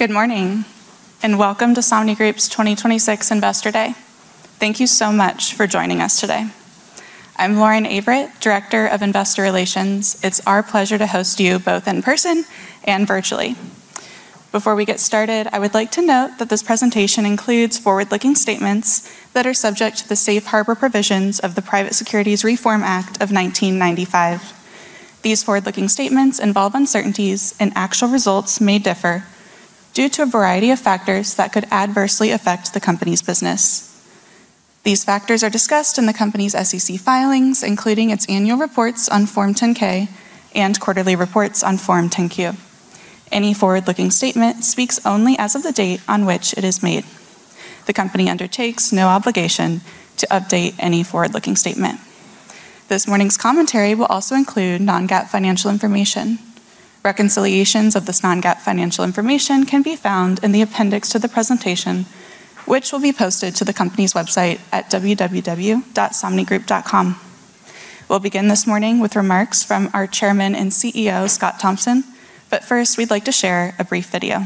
Good morning, and welcome to Somnigroup's 2026 Investor Day. Thank you so much for joining us today. I'm Lauren Avritt, Director of Investor Relations. It's our pleasure to host you both in person and virtually. Before we get started, I would like to note that this presentation includes forward-looking statements that are subject to the safe harbor provisions of the Private Securities Litigation Reform Act of 1995. These forward-looking statements involve uncertainties, and actual results may differ due to a variety of factors that could adversely affect the company's business. These factors are discussed in the company's SEC filings, including its annual reports on Form 10-K and quarterly reports on Form 10-Q. Any forward-looking statement speaks only as of the date on which it is made. The company undertakes no obligation to update any forward-looking statement. This morning's commentary will also include non-GAAP financial information. Reconciliations of this non-GAAP financial information can be found in the appendix to the presentation, which will be posted to the company's website at www.somnigroup.com. We'll begin this morning with remarks from our chairman and CEO, Scott Thompson, but first, we'd like to share a brief video.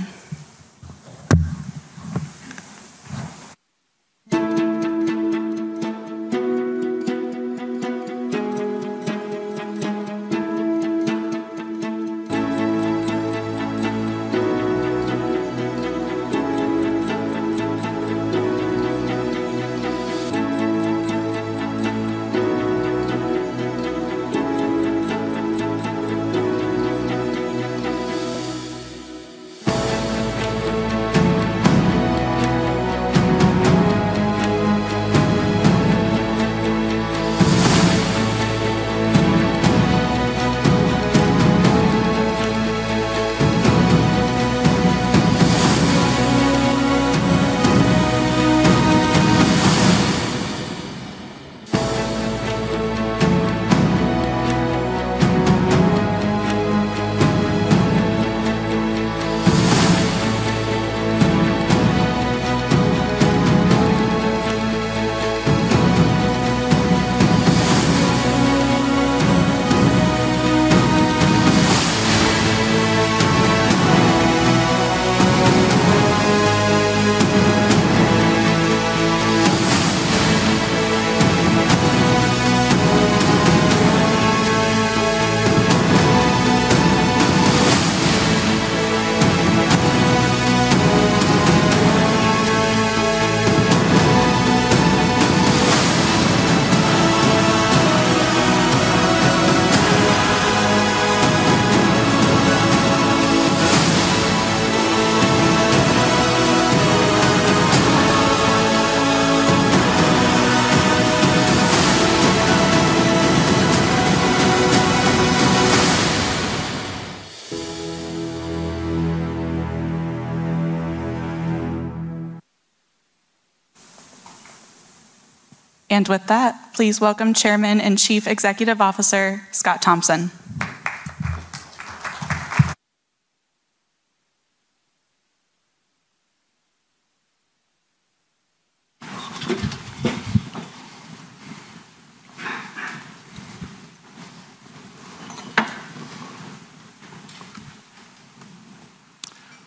With that, please welcome Chairman and Chief Executive Officer, Scott Thompson.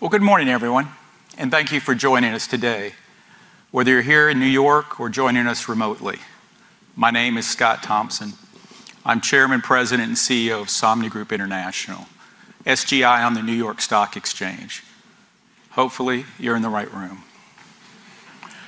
Good morning, everyone, thank you for joining us today, whether you're here in New York or joining us remotely. My name is Scott Thompson. I'm Chairman, President, and CEO of Somnigroup International, SGI on the New York Stock Exchange. Hopefully, you're in the right room.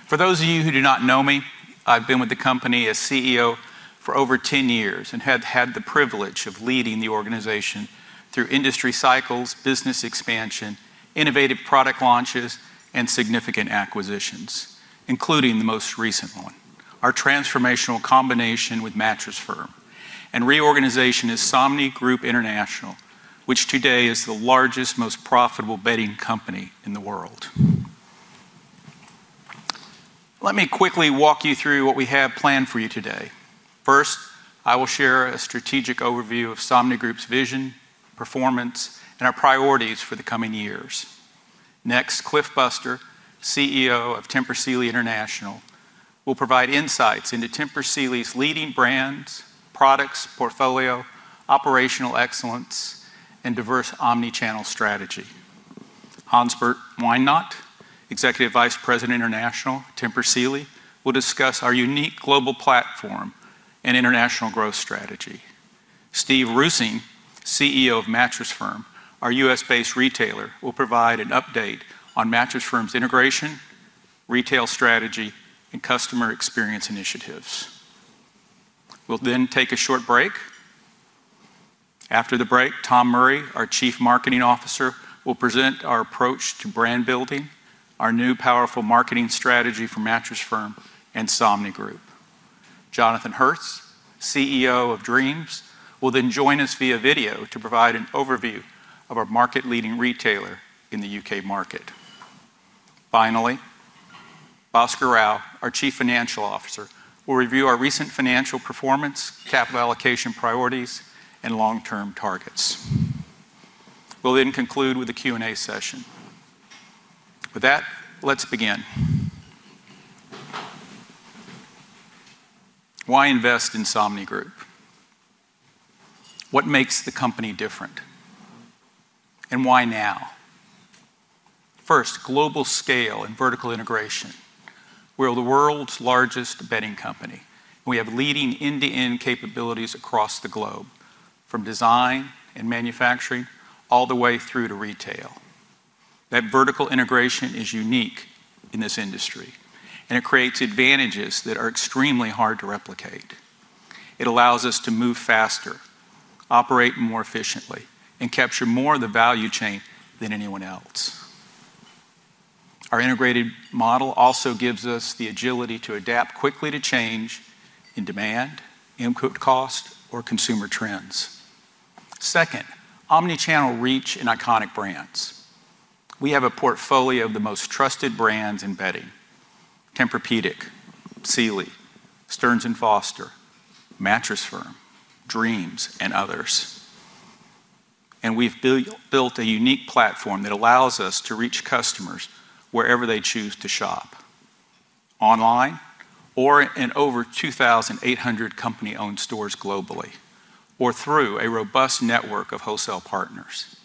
For those of you who do not know me, I've been with the company as CEO for over 10 years and have had the privilege of leading the organization through industry cycles, business expansion, innovative product launches, and significant acquisitions, including the most recent one, our transformational combination with Mattress Firm and reorganization as Somnigroup International, which today is the largest, most profitable bedding company in the world. Let me quickly walk you through what we have planned for you today. First, I will share a strategic overview of Somnigroup's vision, performance, and our priorities for the coming years. Cliff Buster, CEO of Tempur Sealy International, will provide insights into Somnigroup's leading brands, products, portfolio, operational excellence, and diverse omnichannel strategy. Hansbert Weinacht, Executive Vice President International, Tempur Sealy, will discuss our unique global platform and international growth strategy. Steve Rusing, CEO of Mattress Firm, our U.S.-based retailer, will provide an update on Mattress Firm's integration, retail strategy, and customer experience initiatives. We'll take a short break. After the break, Tom Murray, our Chief Marketing Officer, will present our approach to brand building, our new powerful marketing strategy for Mattress Firm and Somnigroup. Jonathan Hertz, CEO of Dreams, will join us via video to provide an overview of our market-leading retailer in the U.K. market. Bhaskar Rao, our Chief Financial Officer, will review our recent financial performance, capital allocation priorities, and long-term targets. We'll conclude with a Q&A session. With that, let's begin. Why invest in Somnigroup? What makes the company different, and why now? First, global scale and vertical integration. We're the world's largest bedding company. We have leading end-to-end capabilities across the globe, from design and manufacturing all the way through to retail. That vertical integration is unique in this industry, and it creates advantages that are extremely hard to replicate. It allows us to move faster, operate more efficiently, and capture more of the value chain than anyone else. Our integrated model also gives us the agility to adapt quickly to change in demand, input cost, or consumer trends. Second, omnichannel reach and iconic brands. We have a portfolio of the most trusted brands in bedding: Tempur-Pedic, Sealy, Stearns & Foster, Mattress Firm, Dreams, and others. We've built a unique platform that allows us to reach customers wherever they choose to shop, online or in over 2,800 company-owned stores globally, or through a robust network of wholesale partners.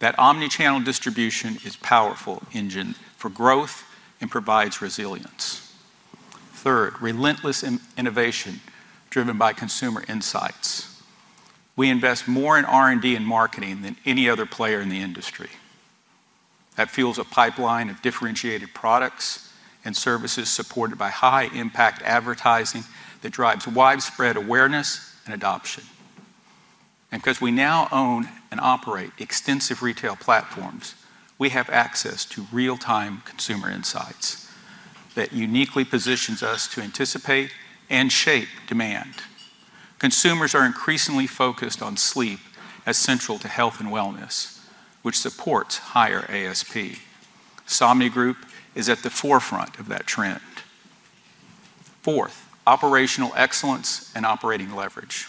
Omnichannel distribution is powerful engine for growth and provides resilience. Third, relentless innovation driven by consumer insights. We invest more in R&D and marketing than any other player in the industry. That fuels a pipeline of differentiated products and services supported by high-impact advertising that drives widespread awareness and adoption. Because we now own and operate extensive retail platforms, we have access to real-time consumer insights that uniquely positions us to anticipate and shape demand. Consumers are increasingly focused on sleep as central to health and wellness, which supports higher ASP. Somnigroup is at the forefront of that trend. Fourth, operational excellence and operating leverage.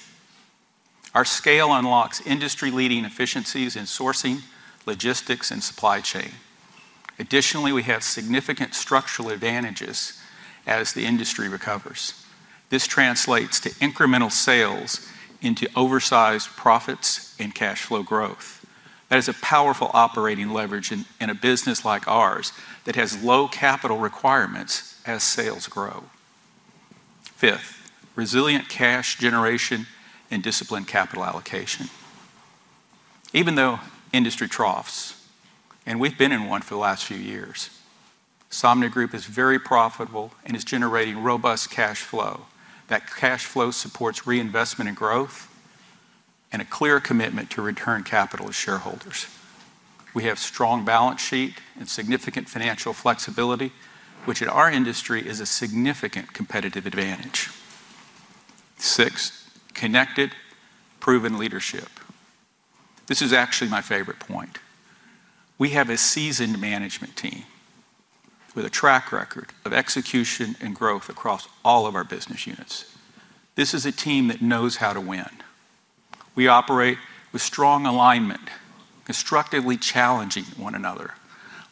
Our scale unlocks industry-leading efficiencies in sourcing, logistics, and supply chain. Additionally, we have significant structural advantages as the industry recovers. This translates to incremental sales into oversized profits and cash flow growth. That is a powerful operating leverage in a business like ours that has low capital requirements as sales grow. Fifth, resilient cash generation and disciplined capital allocation. Even though industry troughs, and we've been in one for the last few years, Somnigroup is very profitable and is generating robust cash flow. That cash flow supports reinvestment and growth and a clear commitment to return capital to shareholders. We have strong balance sheet and significant financial flexibility, which in our industry is a significant competitive advantage. Six, connected, proven leadership. This is actually my favorite point. We have a seasoned management team with a track record of execution and growth across all of our business units. This is a team that knows how to win. We operate with strong alignment, constructively challenging one another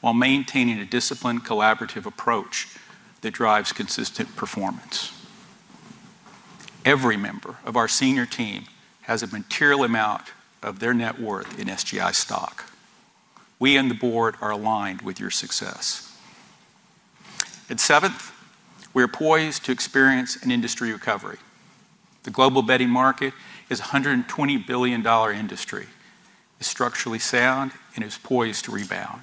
while maintaining a disciplined, collaborative approach that drives consistent performance. Every member of our senior team has a material amount of their net worth in SGI stock. We and the board are aligned with your success. Seventh, we are poised to experience an industry recovery. The global bedding market is a $120 billion industry. It's structurally sound and is poised to rebound.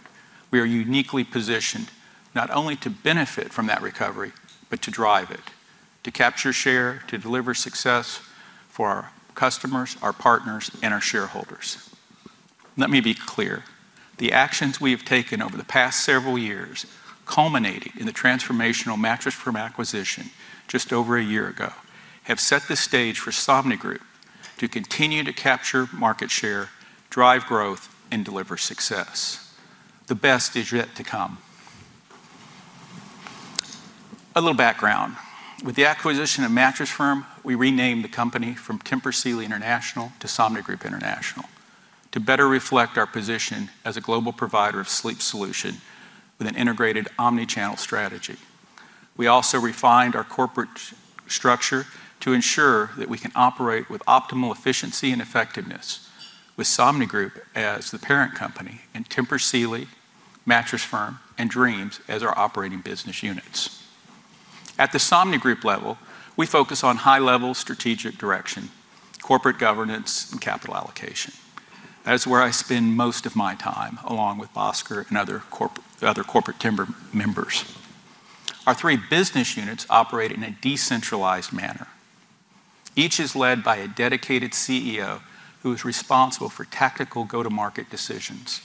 We are uniquely positioned not only to benefit from that recovery, but to drive it, to capture share, to deliver success for our customers, our partners, and our shareholders. Let me be clear. The actions we have taken over the past several years, culminating in the transformational Mattress Firm acquisition just over a year ago, have set the stage for Somnigroup to continue to capture market share, drive growth, and deliver success. The best is yet to come. A little background. With the acquisition of Mattress Firm, we renamed the company from Tempur Sealy International to Somnigroup International to better reflect our position as a global provider of sleep solution with an integrated omnichannel strategy. We also refined our corporate structure to ensure that we can operate with optimal efficiency and effectiveness with Somnigroup as the parent company and Tempur Sealy, Mattress Firm, and Dreams as our operating business units. At the Somnigroup level, we focus on high-level strategic direction, corporate governance, and capital allocation. That is where I spend most of my time, along with Bhaskar and other corporate timber members. Our three business units operate in a decentralized manner. Each is led by a dedicated CEO who is responsible for tactical go-to-market decisions,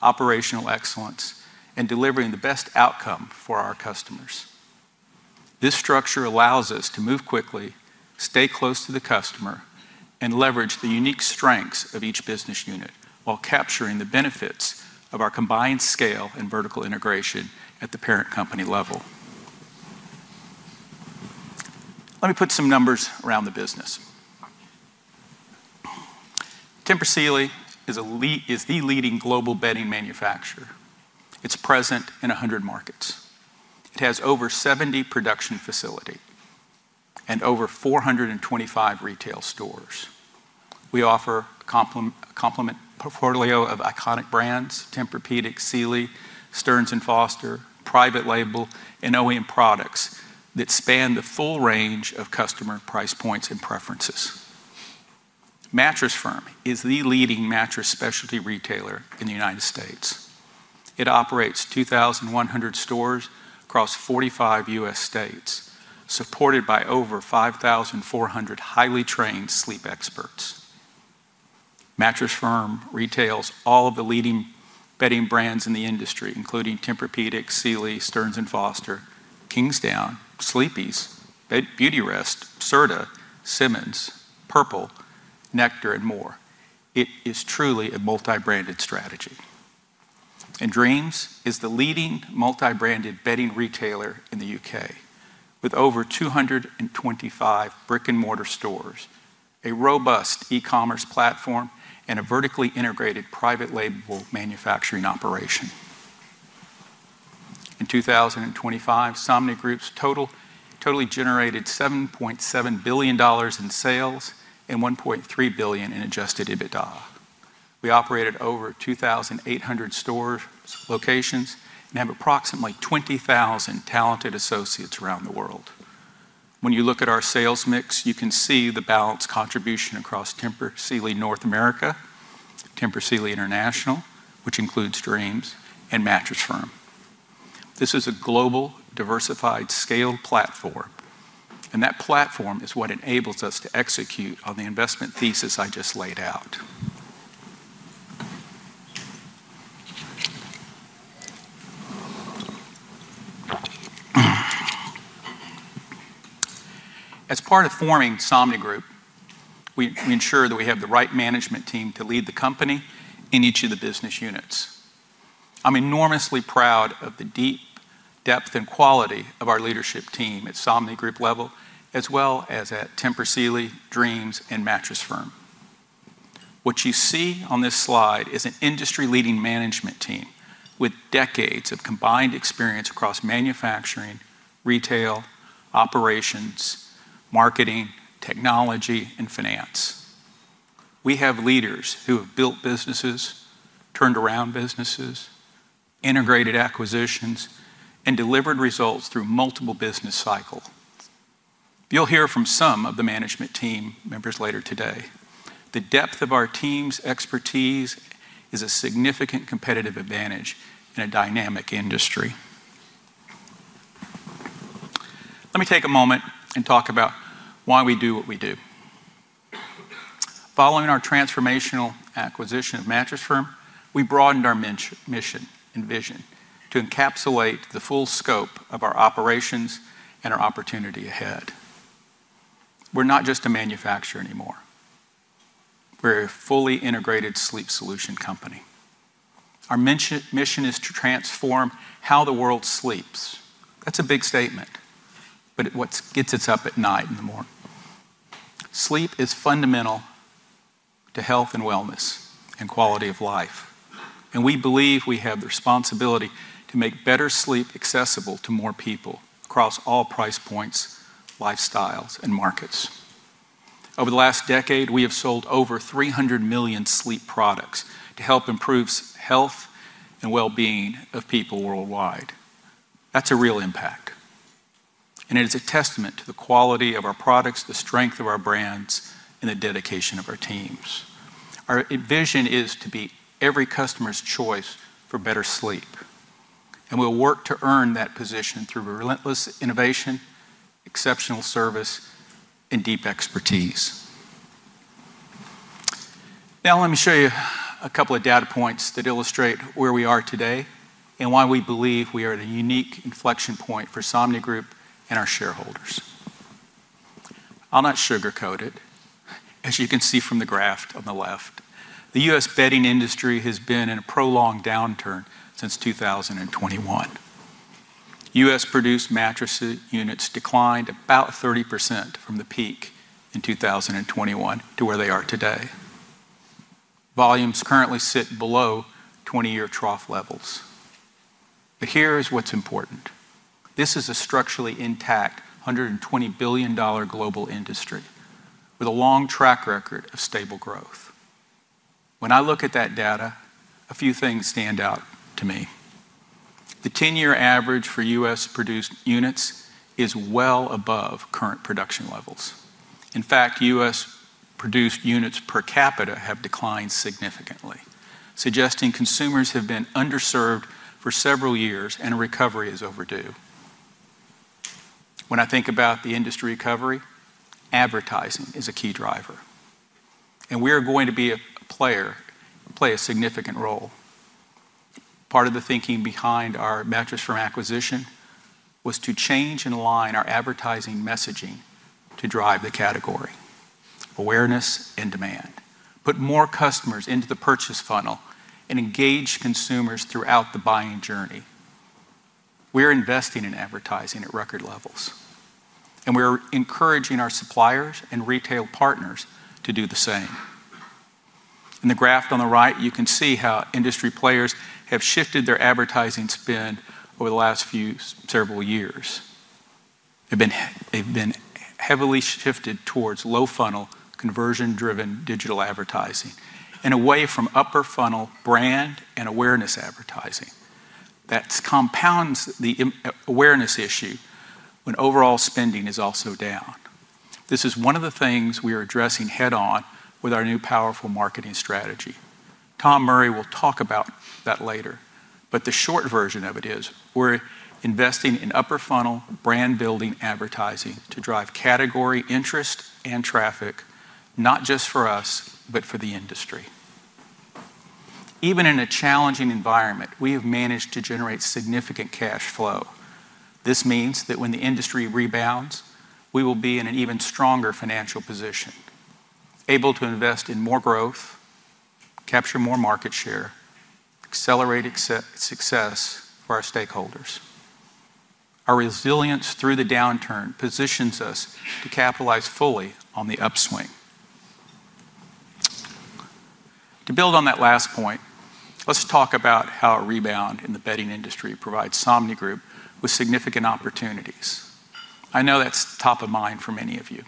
operational excellence, and delivering the best outcome for our customers. This structure allows us to move quickly, stay close to the customer, and leverage the unique strengths of each business unit while capturing the benefits of our combined scale and vertical integration at the parent company level. Let me put some numbers around the business. Tempur Sealy is the leading global bedding manufacturer. It's present in 100 markets. It has over 70 production facility and over 425 retail stores. We offer complement portfolio of iconic brands, Tempur-Pedic, Sealy, Stearns & Foster, private label, and OEM products that span the full range of customer price points and preferences. Mattress Firm is the leading mattress specialty retailer in the United States. It operates 2,100 stores across 45 US states, supported by over 5,400 highly trained sleep experts. Mattress Firm retails all of the leading bedding brands in the industry, including Tempur-Pedic, Sealy, Stearns & Foster, Kingsdown, Sleepy's, Beautyrest, Serta, Simmons, Purple, Nectar, and more. It is truly a multi-branded strategy. Dreams is the leading multi-branded bedding retailer in the UK, with over 225 brick-and-mortar stores, a robust e-commerce platform, and a vertically integrated private label manufacturing operation. In 2025, Somnigroup's totally generated $7.7 billion in sales and $1.3 billion in Adjusted EBITDA. We operated over 2,800 store locations and have approximately 20,000 talented associates around the world. When you look at our sales mix, you can see the balanced contribution across Tempur Sealy North America, Tempur Sealy International, which includes Dreams and Mattress Firm. This is a global, diversified, scaled platform, that platform is what enables us to execute on the investment thesis I just laid out. As part of forming Somnigroup, we ensure that we have the right management team to lead the company in each of the business units. I'm enormously proud of the deep depth and quality of our leadership team at Somnigroup level, as well as at Tempur Sealy, Dreams, and Mattress Firm. What you see on this slide is an industry-leading management team with decades of combined experience across manufacturing, retail, operations, marketing, technology, and finance. We have leaders who have built businesses, turned around businesses, integrated acquisitions, and delivered results through multiple business cycle. You'll hear from some of the management team members later today. The depth of our team's expertise is a significant competitive advantage in a dynamic industry. Let me take a moment and talk about why we do what we do. Following our transformational acquisition of Mattress Firm, we broadened our mission and vision to encapsulate the full scope of our operations and our opportunity ahead. We're not just a manufacturer anymore. We're a fully integrated sleep solution company. Our mission is to transform how the world sleeps. That's a big statement, but it's what gets us up at night and the morning. Sleep is fundamental to health and wellness and quality of life. We believe we have the responsibility to make better sleep accessible to more people across all price points, lifestyles, and markets. Over the last decade, we have sold over $300 million sleep products to help improve health and well-being of people worldwide. That's a real impact. It is a testament to the quality of our products, the strength of our brands, and the dedication of our teams. Our vision is to be every customer's choice for better sleep. We'll work to earn that position through relentless innovation, exceptional service, and deep expertise. Let me show you a couple of data points that illustrate where we are today and why we believe we are at a unique inflection point for Somnigroup and our shareholders. I'll not sugarcoat it. As you can see from the graph on the left, the U.S. bedding industry has been in a prolonged downturn since 2021. U.S.-produced mattress units declined about 30% from the peak in 2021 to where they are today. Volumes currently sit below 20-year trough levels. Here is what's important. This is a structurally intact $120 billion global industry with a long track record of stable growth. When I look at that data, a few things stand out to me. The 10-year average for U.S.-produced units is well above current production levels. In fact, U.S.-produced units per capita have declined significantly, suggesting consumers have been underserved for several years and a recovery is overdue. When I think about the industry recovery, advertising is a key driver, and we are going to be a player, play a significant role. Part of the thinking behind our Mattress Firm acquisition was to change and align our advertising messaging to drive the category, awareness, and demand, put more customers into the purchase funnel, and engage consumers throughout the buying journey. We're investing in advertising at record levels, and we're encouraging our suppliers and retail partners to do the same. In the graph on the right, you can see how industry players have shifted their advertising spend over the last few several years. They've been heavily shifted towards low-funnel conversion-driven digital advertising and away from upper-funnel brand and awareness advertising. That's compounds the awareness issue when overall spending is also down. This is one of the things we are addressing head-on with our new powerful marketing strategy. Tom Murray will talk about that later. The short version of it is we're investing in upper-funnel brand-building advertising to drive category interest and traffic, not just for us, but for the industry. Even in a challenging environment, we have managed to generate significant cash flow. This means that when the industry rebounds, we will be in an even stronger financial position, able to invest in more growth, capture more market share, accelerate success for our stakeholders. Our resilience through the downturn positions us to capitalize fully on the upswing. To build on that last point, let's talk about how a rebound in the bedding industry provides Somnigroup with significant opportunities. I know that's top of mind for many of you.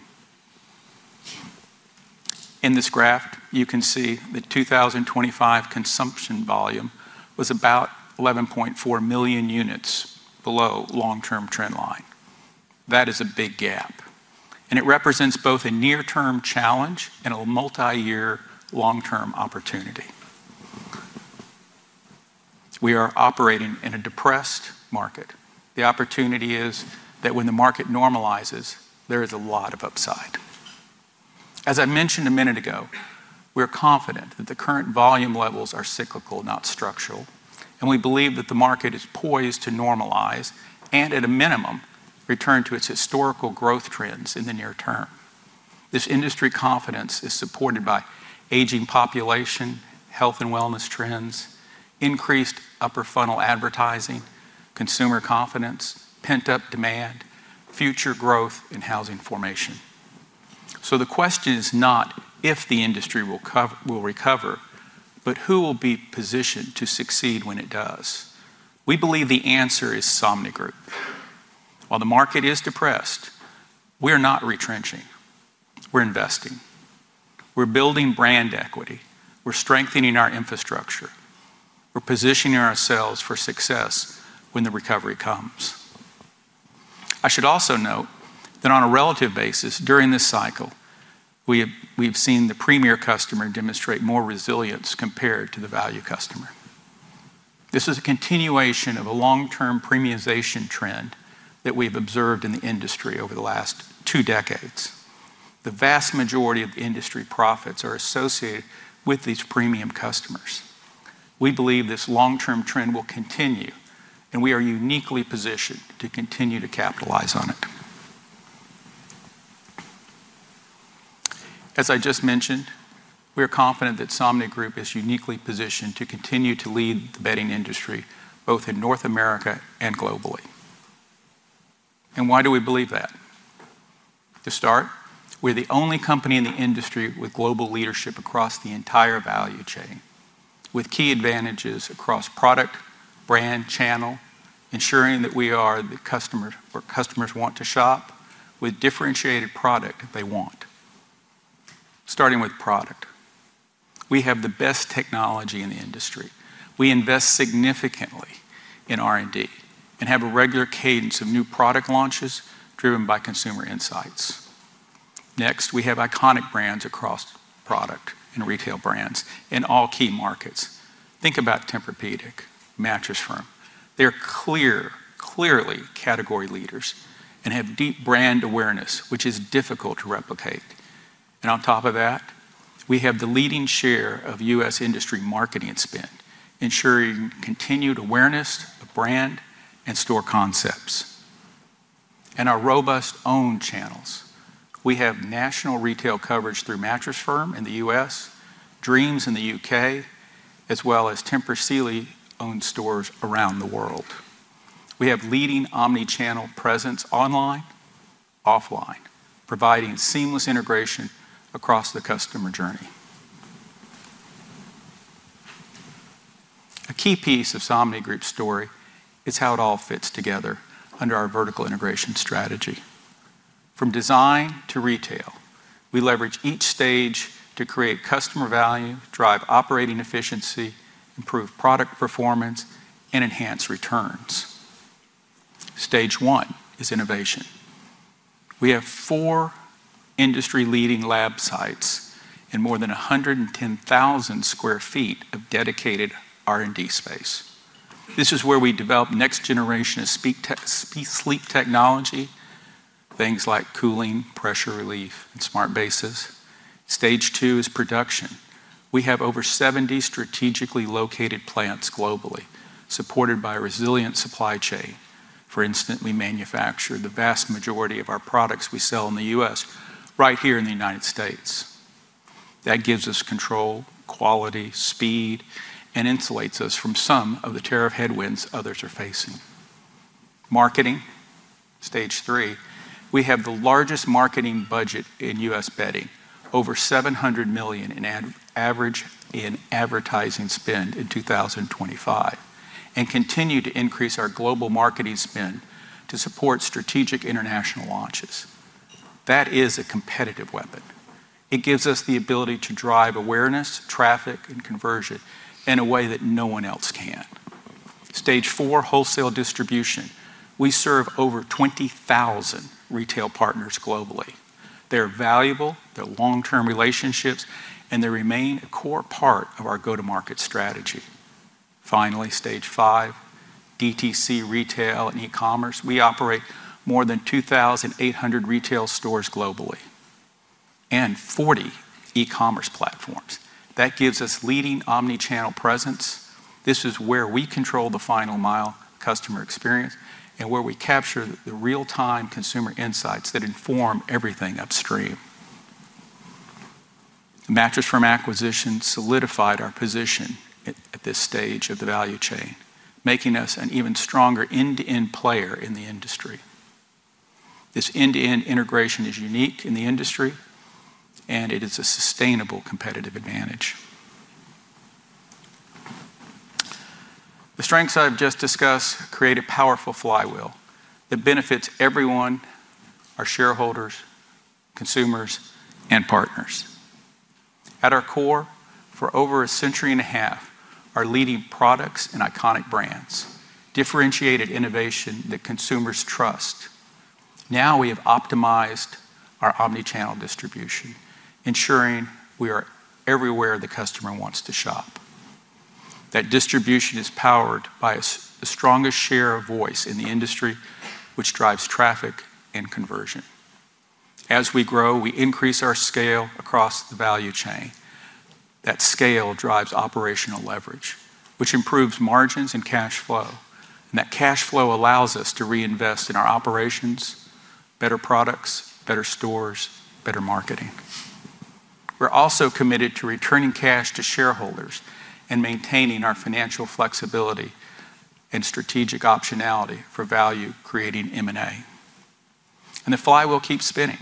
In this graph, you can see the 2025 consumption volume was about 11.4 million units below long-term trend line. That is a big gap. It represents both a near-term challenge and a multi-year long-term opportunity. We are operating in a depressed market. The opportunity is that when the market normalizes, there is a lot of upside. As I mentioned a minute ago, we're confident that the current volume levels are cyclical, not structural, and we believe that the market is poised to normalize and, at a minimum, return to its historical growth trends in the near term. This industry confidence is supported by aging population, health and wellness trends, increased upper-funnel advertising, consumer confidence, pent-up demand, future growth in housing formation. The question is not if the industry will recover, but who will be positioned to succeed when it does. We believe the answer is Somnigroup. While the market is depressed, we're not retrenching. We're investing. We're building brand equity. We're strengthening our infrastructure. We're positioning ourselves for success when the recovery comes. I should also note that on a relative basis during this cycle, we've seen the premier customer demonstrate more resilience compared to the value customer. This is a continuation of a long-term premiization trend that we've observed in the industry over the last two decades. The vast majority of industry profits are associated with these premium customers. We believe this long-term trend will continue, and we are uniquely positioned to continue to capitalize on it. As I just mentioned, we are confident that Somnigroup is uniquely positioned to continue to lead the bedding industry, both in North America and globally. Why do we believe that? To start, we're the only company in the industry with global leadership across the entire value chain, with key advantages across product, brand, channel, ensuring that we are the customer where customers want to shop with differentiated product they want. Starting with product. We have the best technology in the industry. We invest significantly in R&D and have a regular cadence of new product launches driven by consumer insights. We have iconic brands across product and retail brands in all key markets. Think about Tempur-Pedic, Mattress Firm. They're clearly category leaders and have deep brand awareness, which is difficult to replicate. On top of that, we have the leading share of U.S. industry marketing spend, ensuring continued awareness of brand and store concepts. In our robust owned channels, we have national retail coverage through Mattress Firm in the US, Dreams in the UK, as well as Tempur Sealy-owned stores around the world. We have leading omnichannel presence online, offline, providing seamless integration across the customer journey. A key piece of Somnigroup's story is how it all fits together under our vertical integration strategy. From design to retail, we leverage each stage to create customer value, drive operating efficiency, improve product performance, and enhance returns. Stage one is innovation. We have four industry-leading lab sites and more than 110,000 sq ft of dedicated R&D space. This is where we develop next generation of sleep technology, things like cooling, pressure relief, and smart bases. Stage two is production. We have over 70 strategically located plants globally, supported by a resilient supply chain. For instance, we manufacture the vast majority of our products we sell in the U.S. right here in the United States. That gives us control, quality, speed, and insulates us from some of the tariff headwinds others are facing. Marketing, stage 3, we have the largest marketing budget in U.S. bedding, over $700 million in ad-average in advertising spend in 2025, and continue to increase our global marketing spend to support strategic international launches. That is a competitive weapon. It gives us the ability to drive awareness, traffic, and conversion in a way that no one else can. Stage 4, wholesale distribution. We serve over 20,000 retail partners globally. They're valuable, they're long-term relationships, and they remain a core part of our go-to-market strategy. Finally, stage 5, DTC retail and e-commerce. We operate more than 2,800 retail stores globally and 40 e-commerce platforms. That gives us leading omni-channel presence. This is where we control the final mile customer experience and where we capture the real-time consumer insights that inform everything upstream. The Mattress Firm acquisition solidified our position at this stage of the value chain, making us an even stronger end-to-end player in the industry. This end-to-end integration is unique in the industry, it is a sustainable competitive advantage. The strengths I've just discussed create a powerful flywheel that benefits everyone, our shareholders, consumers, and partners. At our core, for over a century and a half, our leading products and iconic brands, differentiated innovation that consumers trust. Now we have optimized our omni-channel distribution, ensuring we are everywhere the customer wants to shop. That distribution is powered by the strongest share of voice in the industry, which drives traffic and conversion. As we grow, we increase our scale across the value chain. That scale drives operational leverage, which improves margins and cash flow. That cash flow allows us to reinvest in our operations, better products, better stores, better marketing. We're also committed to returning cash to shareholders and maintaining our financial flexibility and strategic optionality for value-creating M&A. The flywheel will keep spinning.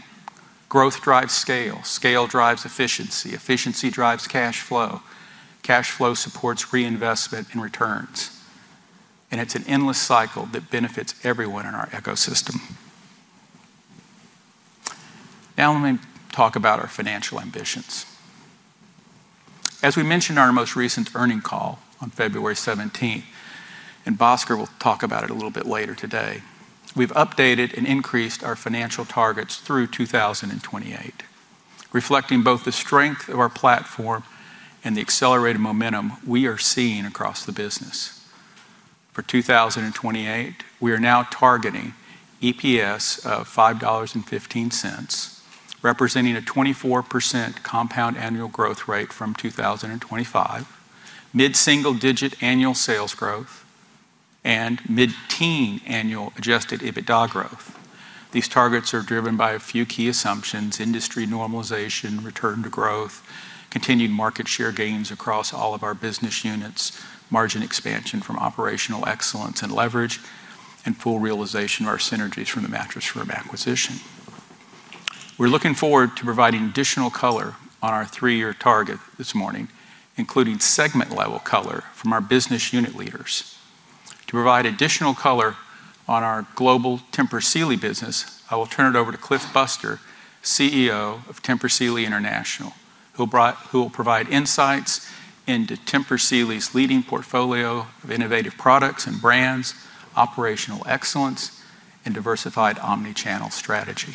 Growth drives scale drives efficiency drives cash flow, cash flow supports reinvestment and returns. It's an endless cycle that benefits everyone in our ecosystem. Now let me talk about our financial ambitions. As we mentioned in our most recent earnings call on February 17th, Bhaskar Rao will talk about it a little bit later today, we've updated and increased our financial targets through 2028, reflecting both the strength of our platform and the accelerated momentum we are seeing across the business. For 2028, we are now targeting EPS of $5.15, representing a 24% compound annual growth rate from 2025, mid-single-digit annual sales growth, and mid-teen annual Adjusted EBITDA growth. These targets are driven by a few key assumptions, industry normalization, return to growth, continued market share gains across all of our business units, margin expansion from operational excellence and leverage, and full realization of our synergies from the Mattress Firm acquisition. We're looking forward to providing additional color on our 3-year target this morning, including segment-level color from our business unit leaders. To provide additional color on our global Tempur Sealy business, I will turn it over to Cliff Buster, CEO of Somnigroup International, who will provide insights into Tempur Sealy's leading portfolio of innovative products and brands, operational excellence, and diversified omnichannel strategy.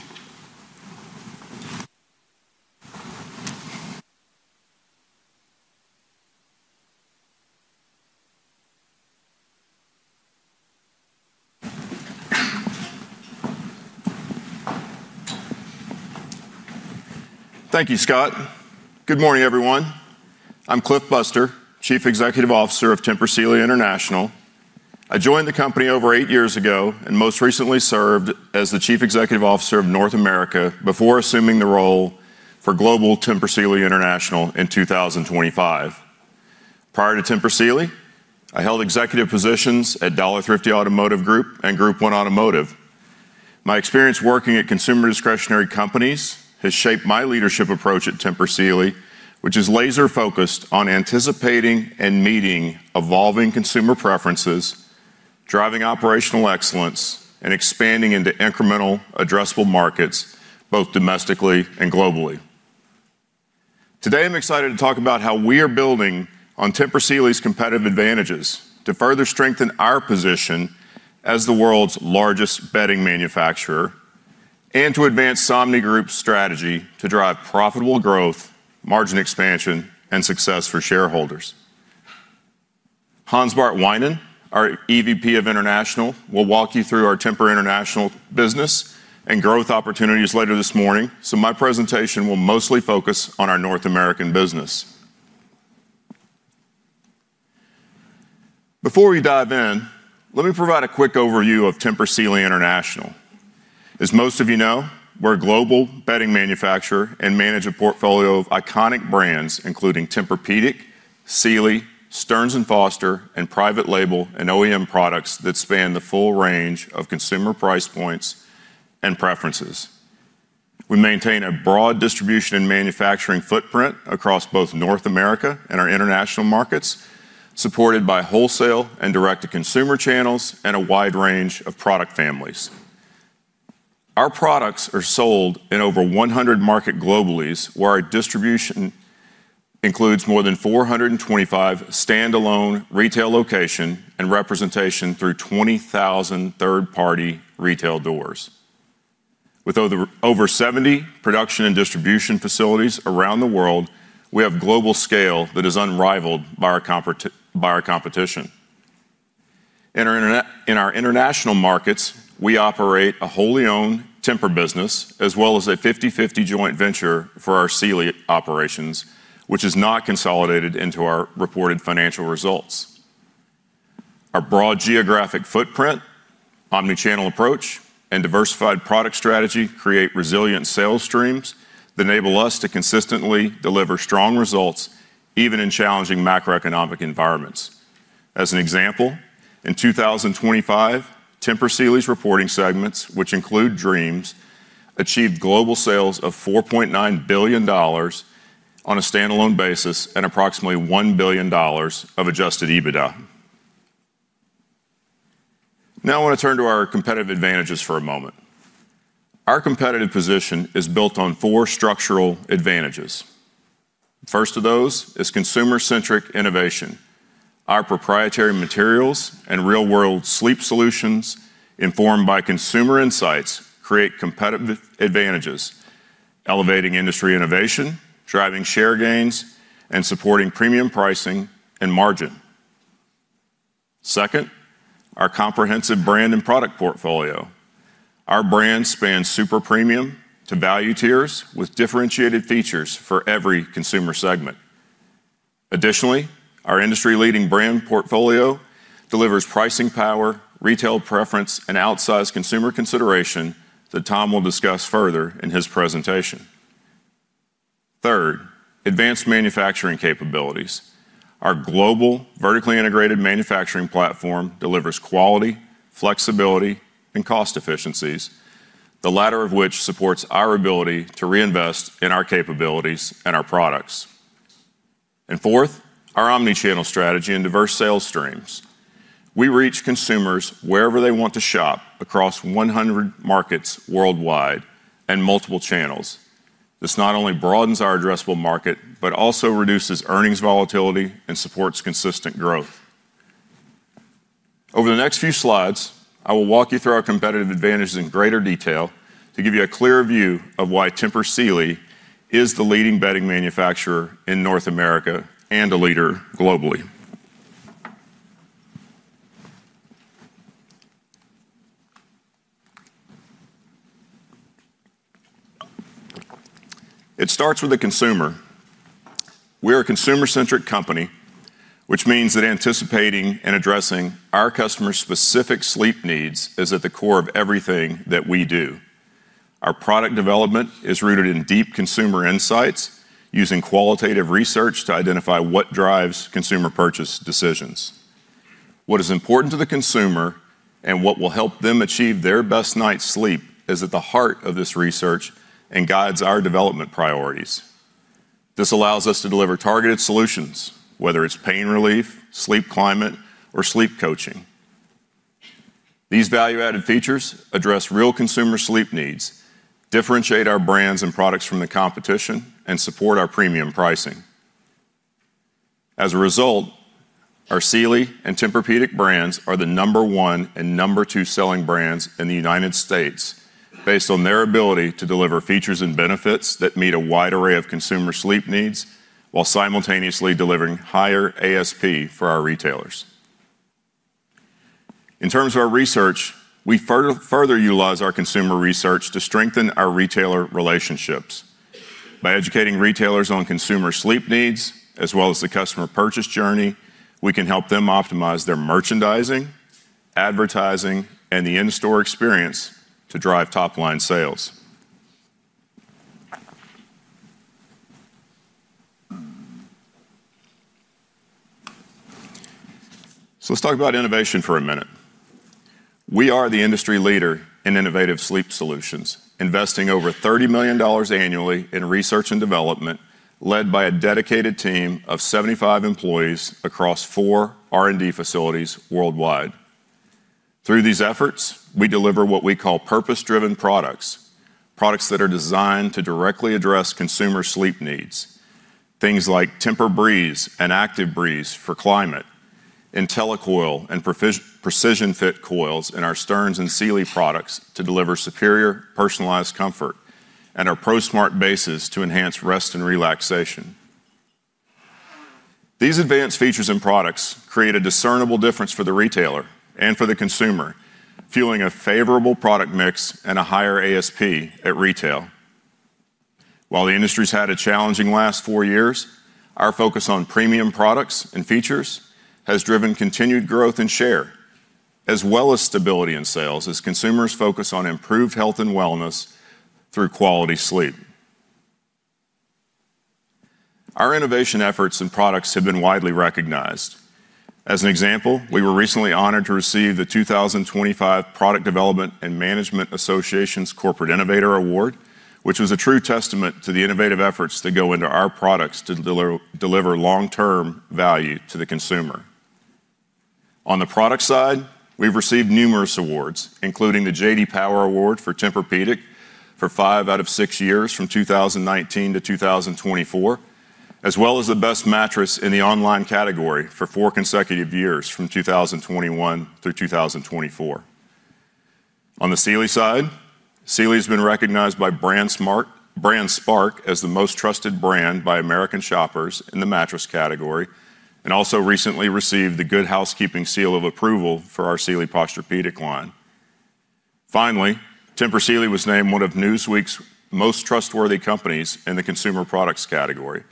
Thank you, Scott. Good morning, everyone. I'm Cliff Buster, Chief Executive Officer of Tempur Sealy International. I joined the company over eight years ago and most recently served as the Chief Executive Officer of North America before assuming the role for global Tempur Sealy International in 2025. Prior to Tempur Sealy, I held executive positions at Dollar Thrifty Automotive Group and Group 1 Automotive. My experience working at consumer discretionary companies has shaped my leadership approach at Tempur Sealy, which is laser-focused on anticipating and meeting evolving consumer preferences, driving operational excellence, and expanding into incremental addressable markets both domestically and globally. Today, I'm excited to talk about how we are building on Tempur Sealy's competitive advantages to further strengthen our position as the world's largest bedding manufacturer and to advance Somnigroup's strategy to drive profitable growth, margin expansion, and success for shareholders. Hansbart Wijnand, our EVP of International, will walk you through our Tempur International business and growth opportunities later this morning. My presentation will mostly focus on our North American business. Before we dive in, let me provide a quick overview of Tempur Sealy International. As most of you know, we're a global bedding manufacturer and manage a portfolio of iconic brands including Tempur-Pedic, Sealy, Stearns & Foster, and private label and OEM products that span the full range of consumer price points and preferences. We maintain a broad distribution and manufacturing footprint across both North America and our international markets, supported by wholesale and direct-to-consumer channels and a wide range of product families. Our products are sold in over 100 markets globally, where our distribution includes more than 425 standalone retail locations and representation through 20,000 third-party retail doors. With over 70 production and distribution facilities around the world, we have global scale that is unrivaled by our competition. In our international markets, we operate a wholly owned Tempur business as well as a 50/50 joint venture for our Sealy operations, which is not consolidated into our reported financial results. Our broad geographic footprint, omnichannel approach, and diversified product strategy create resilient sales streams that enable us to consistently deliver strong results even in challenging macroeconomic environments. As an example, in 2025, Tempur Sealy's reporting segments, which include Dreams, achieved global sales of $4.9 billion on a standalone basis and approximately $1 billion of Adjusted EBITDA. I wanna turn to our competitive advantages for a moment. Our competitive position is built on four structural advantages. First of those is consumer-centric innovation. Our proprietary materials and real-world sleep solutions informed by consumer insights create competitive advantages, elevating industry innovation, driving share gains, and supporting premium pricing and margin. Second, our comprehensive brand and product portfolio. Our brand spans super premium to value tiers with differentiated features for every consumer segment. Additionally, our industry-leading brand portfolio delivers pricing power, retail preference, and outsized consumer consideration that Tom will discuss further in his presentation. Third, advanced manufacturing capabilities. Our global vertically integrated manufacturing platform delivers quality, flexibility, and cost efficiencies, the latter of which supports our ability to reinvest in our capabilities and our products. Fourth, our omnichannel strategy and diverse sales streams. We reach consumers wherever they want to shop across 100 markets worldwide and multiple channels. This not only broadens our addressable market, but also reduces earnings volatility and supports consistent growth. Over the next few slides, I will walk you through our competitive advantages in greater detail to give you a clear view of why Tempur Sealy is the leading bedding manufacturer in North America and a leader globally. It starts with the consumer. We're a consumer-centric company, which means that anticipating and addressing our customers' specific sleep needs is at the core of everything that we do. Our product development is rooted in deep consumer insights using qualitative research to identify what drives consumer purchase decisions. What is important to the consumer and what will help them achieve their best night's sleep is at the heart of this research and guides our development priorities. This allows us to deliver targeted solutions, whether it's pain relief, sleep climate, or sleep coaching. These value-added features address real consumer sleep needs, differentiate our brands and products from the competition, and support our premium pricing. As a result, our Sealy and Tempur-Pedic brands are the number one and number two selling brands in the United States based on their ability to deliver features and benefits that meet a wide array of consumer sleep needs while simultaneously delivering higher ASP for our retailers. In terms of our research, we further utilize our consumer research to strengthen our retailer relationships. By educating retailers on consumer sleep needs as well as the customer purchase journey, we can help them optimize their merchandising, advertising, and the in-store experience to drive top-line sales. Let's talk about innovation for a minute. We are the industry leader in innovative sleep solutions, investing over $30 million annually in research and development, led by a dedicated team of 75 employees across four R&D facilities worldwide. Through these efforts, we deliver what we call purpose-driven products that are designed to directly address consumer sleep needs. Things like TEMPUR-Breeze and TEMPUR-ActiveBreeze for climate, IntelliCoil and PrecisionFit Coils in our Stearns & Foster and Sealy products to deliver superior personalized comfort, and our ProSmart bases to enhance rest and relaxation. These advanced features and products create a discernible difference for the retailer and for the consumer, fueling a favorable product mix and a higher ASP at retail. While the industry's had a challenging last four years, our focus on premium products and features has driven continued growth and share, as well as stability in sales as consumers focus on improved health and wellness through quality sleep. Our innovation efforts and products have been widely recognized. As an example, we were recently honored to receive the 2025 Product Development and Management Association's Corporate Innovator Award, which was a true testament to the innovative efforts that go into our products to deliver long-term value to the consumer. On the product side, we've received numerous awards, including the J.D. Power Award for Tempur-Pedic for five out of six years from 2019 - 2024, as well as the best mattress in the online category for four consecutive years from 2021 through 2024. On the Sealy side, Sealy has been recognized by BrandSpark as the most trusted brand by American shoppers in the mattress category, and also recently received the Good Housekeeping Seal of Approval for our Sealy Posturepedic line. Finally, Tempur Sealy was named one of Newsweek's most trustworthy companies in the consumer products category.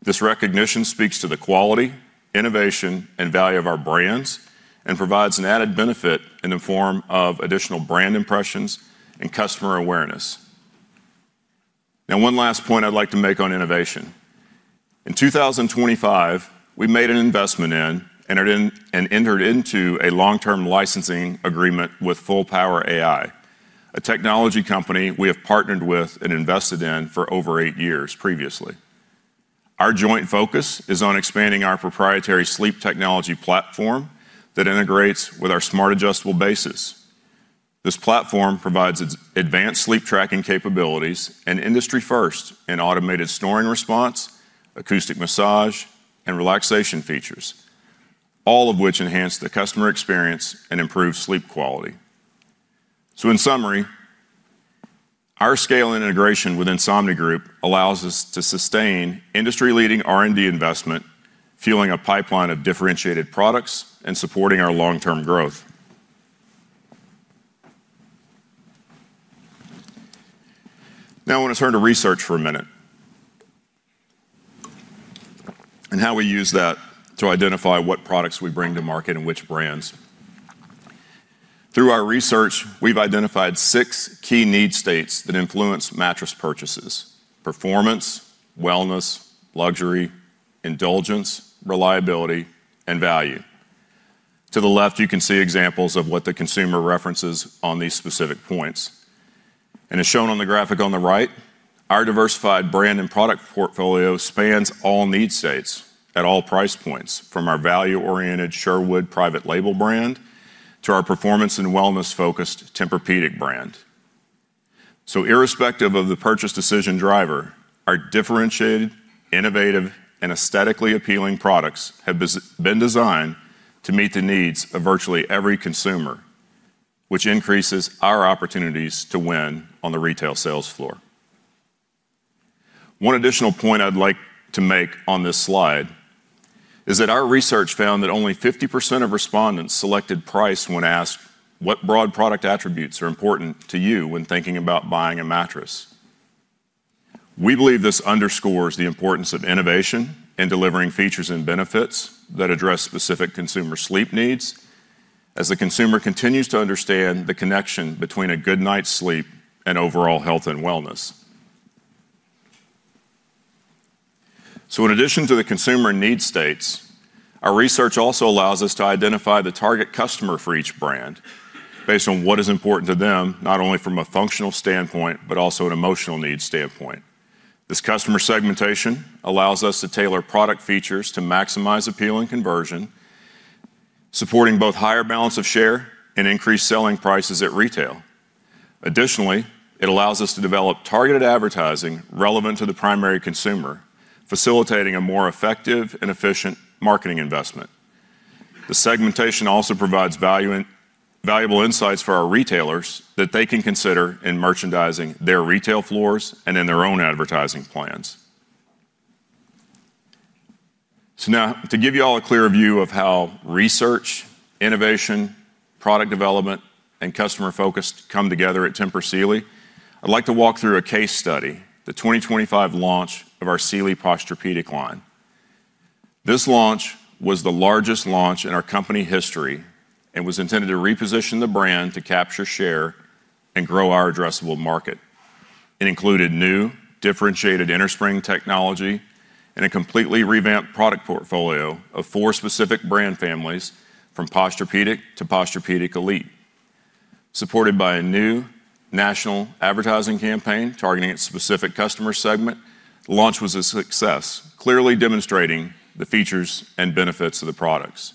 This recognition speaks to the quality, innovation, and value of our brands and provides an added benefit in the form of additional brand impressions and customer awareness. One last point I'd like to make on innovation. In 2025, we made an investment in and entered into a long-term licensing agreement with Fullpower-AI, a technology company we have partnered with and invested in for over eight years previously. Our joint focus is on expanding our proprietary sleep technology platform that integrates with our smart adjustable bases. This platform provides its advanced sleep tracking capabilities and industry first in automated snoring response, acoustic massage, and relaxation features, all of which enhance the customer experience and improve sleep quality. In summary, our scale and integration with Somnigroup allows us to sustain industry-leading R&D investment, fueling a pipeline of differentiated products and supporting our long-term growth. I want to turn to research for a minute and how we use that to identify what products we bring to market and which brands. Through our research, we've identified six key need states that influence mattress purchases: performance, wellness, luxury, indulgence, reliability, and value. To the left, you can see examples of what the consumer references on these specific points. As shown on the graphic on the right, our diversified brand and product portfolio spans all need states at all price points, from our value-oriented Sherwood private label brand to our performance and wellness-focused Tempur-Pedic brand. Irrespective of the purchase decision driver, our differentiated, innovative, and aesthetically appealing products have been designed to meet the needs of virtually every consumer, which increases our opportunities to win on the retail sales floor. One additional point I'd like to make on this slide is that our research found that only 50% of respondents selected price when asked what broad product attributes are important to you when thinking about buying a mattress. We believe this underscores the importance of innovation and delivering features and benefits that address specific consumer sleep needs as the consumer continues to understand the connection between a good night's sleep and overall health and wellness. In addition to the consumer need states, our research also allows us to identify the target customer for each brand based on what is important to them, not only from a functional standpoint, but also an emotional need standpoint. This customer segmentation allows us to tailor product features to maximize appeal and conversion, supporting both higher balance of share and increased selling prices at retail. Additionally, it allows us to develop targeted advertising relevant to the primary consumer, facilitating a more effective and efficient marketing investment. The segmentation also provides valuable insights for our retailers that they can consider in merchandising their retail floors and in their own advertising plans. Now to give you all a clear view of how research, innovation, product development, and customer focus come together at Tempur Sealy, I'd like to walk through a case study, the 2025 launch of our Sealy Posturepedic line. This launch was the largest launch in our company history and was intended to reposition the brand to capture share and grow our addressable market. It included new differentiated innerspring technology and a completely revamped product portfolio of four specific brand families from Posturepedic to Posturepedic Elite. Supported by a new national advertising campaign targeting a specific customer segment, the launch was a success, clearly demonstrating the features and benefits of the products.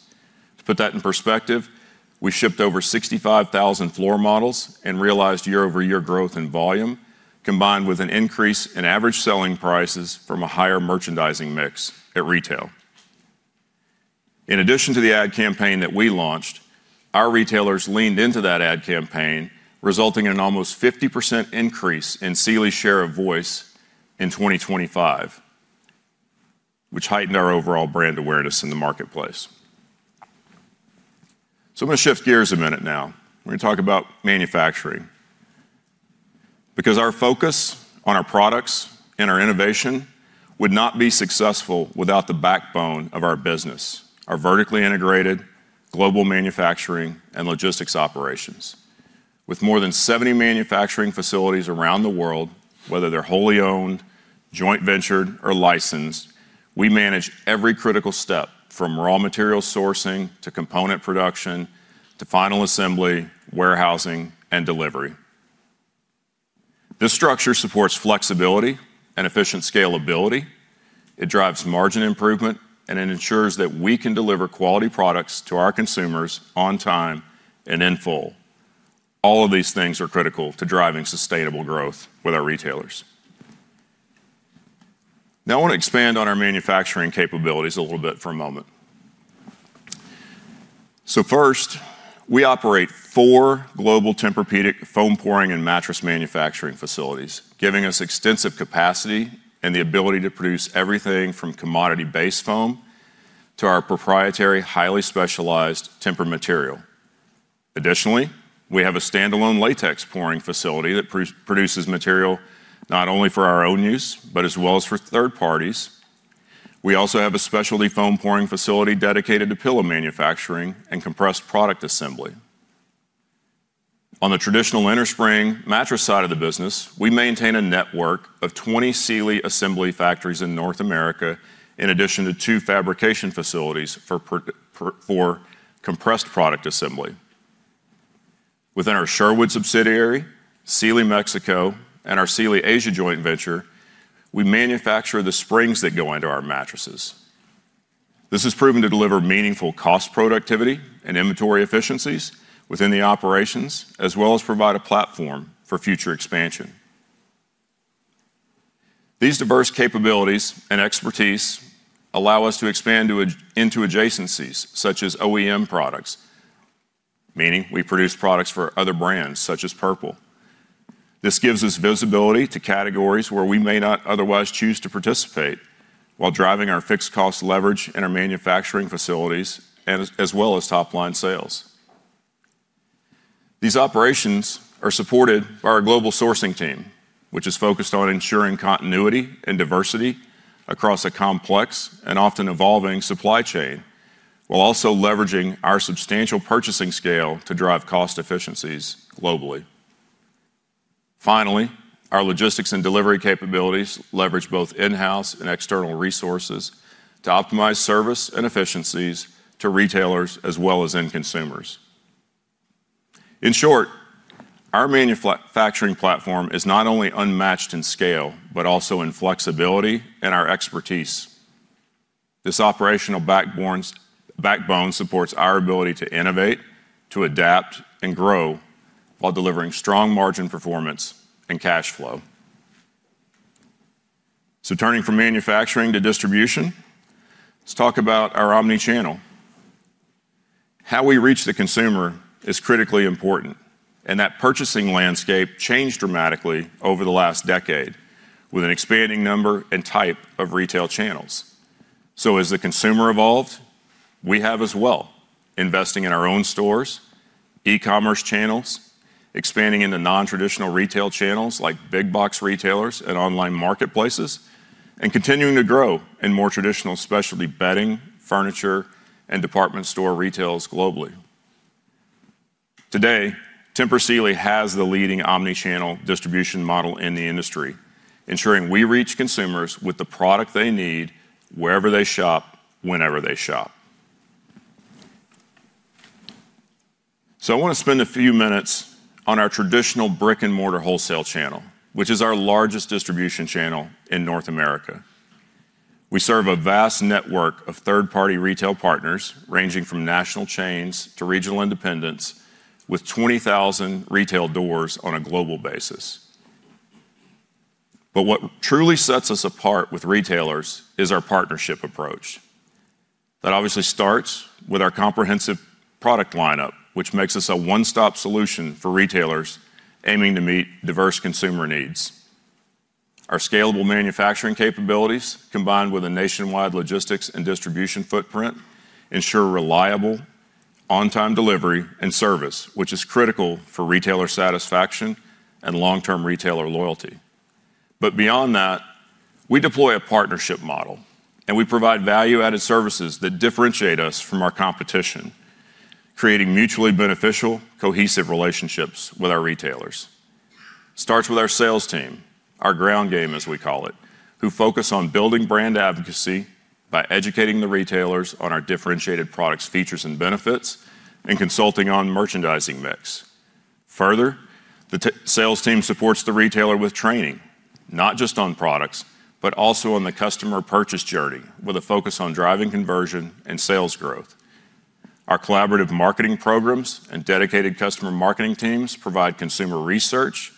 To put that in perspective, we shipped over 65,000 floor models and realized year-over-year growth in volume, combined with an increase in average selling prices from a higher merchandising mix at retail. In addition to the ad campaign that we launched, our retailers leaned into that ad campaign, resulting in an almost 50% increase in Sealy's share of voice in 2025, which heightened our overall brand awareness in the marketplace. I'm gonna shift gears a minute now. We're gonna talk about manufacturing. Our focus on our products and our innovation would not be successful without the backbone of our business, our vertically integrated global manufacturing and logistics operations. With more than 70 manufacturing facilities around the world, whether they're wholly owned, joint ventured or licensed, we manage every critical step from raw material sourcing to component production to final assembly, warehousing and delivery. This structure supports flexibility and efficient scalability, it drives margin improvement, and it ensures that we can deliver quality products to our consumers on time and in full. All of these things are critical to driving sustainable growth with our retailers. I wanna expand on our manufacturing capabilities a little bit for a moment. First, we operate 4 global Tempur-Pedic foam pouring and mattress manufacturing facilities, giving us extensive capacity and the ability to produce everything from commodity-based foam to our proprietary, highly specialized Tempur material. Additionally, we have a standalone latex pouring facility that produces material not only for our own use, but as well as for third parties. We also have a specialty foam pouring facility dedicated to pillow manufacturing and compressed product assembly. On the traditional innerspring mattress side of the business, we maintain a network of 20 Sealy assembly factories in North America, in addition to two fabrication facilities for compressed product assembly. Within our Sherwood subsidiary, Sealy Mexico and our Sealy Asia joint venture, we manufacture the springs that go into our mattresses. This has proven to deliver meaningful cost productivity and inventory efficiencies within the operations, as well as provide a platform for future expansion. These diverse capabilities and expertise allow us to expand into adjacencies such as OEM products, meaning we produce products for other brands such as Purple. This gives us visibility to categories where we may not otherwise choose to participate while driving our fixed cost leverage in our manufacturing facilities as well as top-line sales. These operations are supported by our global sourcing team, which is focused on ensuring continuity and diversity across a complex and often evolving supply chain, while also leveraging our substantial purchasing scale to drive cost efficiencies globally. Finally, our logistics and delivery capabilities leverage both in-house and external resources to optimize service and efficiencies to retailers as well as end consumers. In short, our manufacturing platform is not only unmatched in scale, but also in flexibility and our expertise. This operational backbone supports our ability to innovate, to adapt and grow while delivering strong margin performance and cash flow. Turning from manufacturing to distribution, let's talk about our omnichannel. How we reach the consumer is critically important, and that purchasing landscape changed dramatically over the last decade with an expanding number and type of retail channels. As the consumer evolved, we have as well, investing in our own stores, e-commerce channels, expanding into non-traditional retail channels like big box retailers and online marketplaces, and continuing to grow in more traditional specialty bedding, furniture and department store retails globally. Today, Tempur Sealy has the leading omnichannel distribution model in the industry, ensuring we reach consumers with the product they need wherever they shop, whenever they shop. I wanna spend a few minutes on our traditional brick-and-mortar wholesale channel, which is our largest distribution channel in North America. We serve a vast network of third-party retail partners ranging from national chains to regional independents with 20,000 retail doors on a global basis. What truly sets us apart with retailers is our partnership approach. That obviously starts with our comprehensive product lineup, which makes us a one-stop solution for retailers aiming to meet diverse consumer needs. Our scalable manufacturing capabilities, combined with a nationwide logistics and distribution footprint, ensure reliable, on-time delivery and service, which is critical for retailer satisfaction and long-term retailer loyalty. Beyond that, we deploy a partnership model, and we provide value-added services that differentiate us from our competition, creating mutually beneficial, cohesive relationships with our retailers. Starts with our sales team, our ground game, as we call it, who focus on building brand advocacy by educating the retailers on our differentiated products, features and benefits, and consulting on merchandising mix. Further, the sales team supports the retailer with training, not just on products, but also on the customer purchase journey with a focus on driving conversion and sales growth. Our collaborative marketing programs and dedicated customer marketing teams provide consumer research,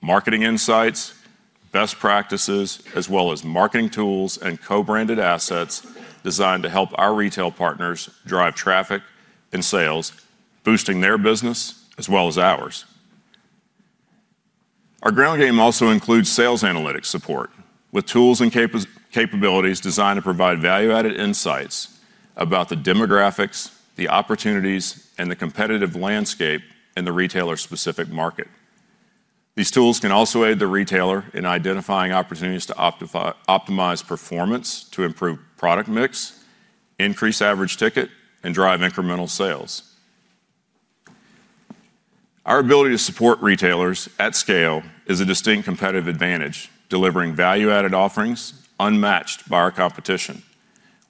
marketing insights, best practices, as well as marketing tools and co-branded assets designed to help our retail partners drive traffic and sales, boosting their business as well as ours. Our ground game also includes sales analytics support with tools and capabilities designed to provide value-added insights about the demographics, the opportunities, and the competitive landscape in the retailer-specific market. These tools can also aid the retailer in identifying opportunities to optimize performance to improve product mix, increase average ticket, and drive incremental sales. Our ability to support retailers at scale is a distinct competitive advantage, delivering value-added offerings unmatched by our competition.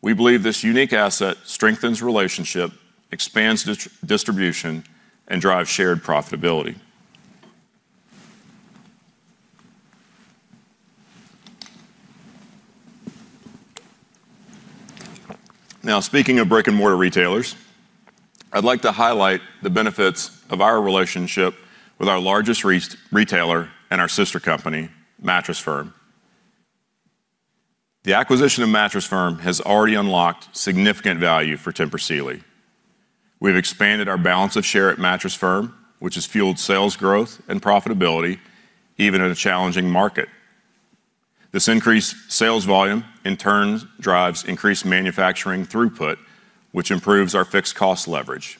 We believe this unique asset strengthens relationship, expands distribution, and drives shared profitability. Speaking of brick-and-mortar retailers, I'd like to highlight the benefits of our relationship with our largest retailer and our sister company, Mattress Firm. The acquisition of Mattress Firm has already unlocked significant value for Tempur Sealy. We've expanded our balance of share at Mattress Firm, which has fueled sales growth and profitability even in a challenging market. This increased sales volume in turn drives increased manufacturing throughput, which improves our fixed cost leverage.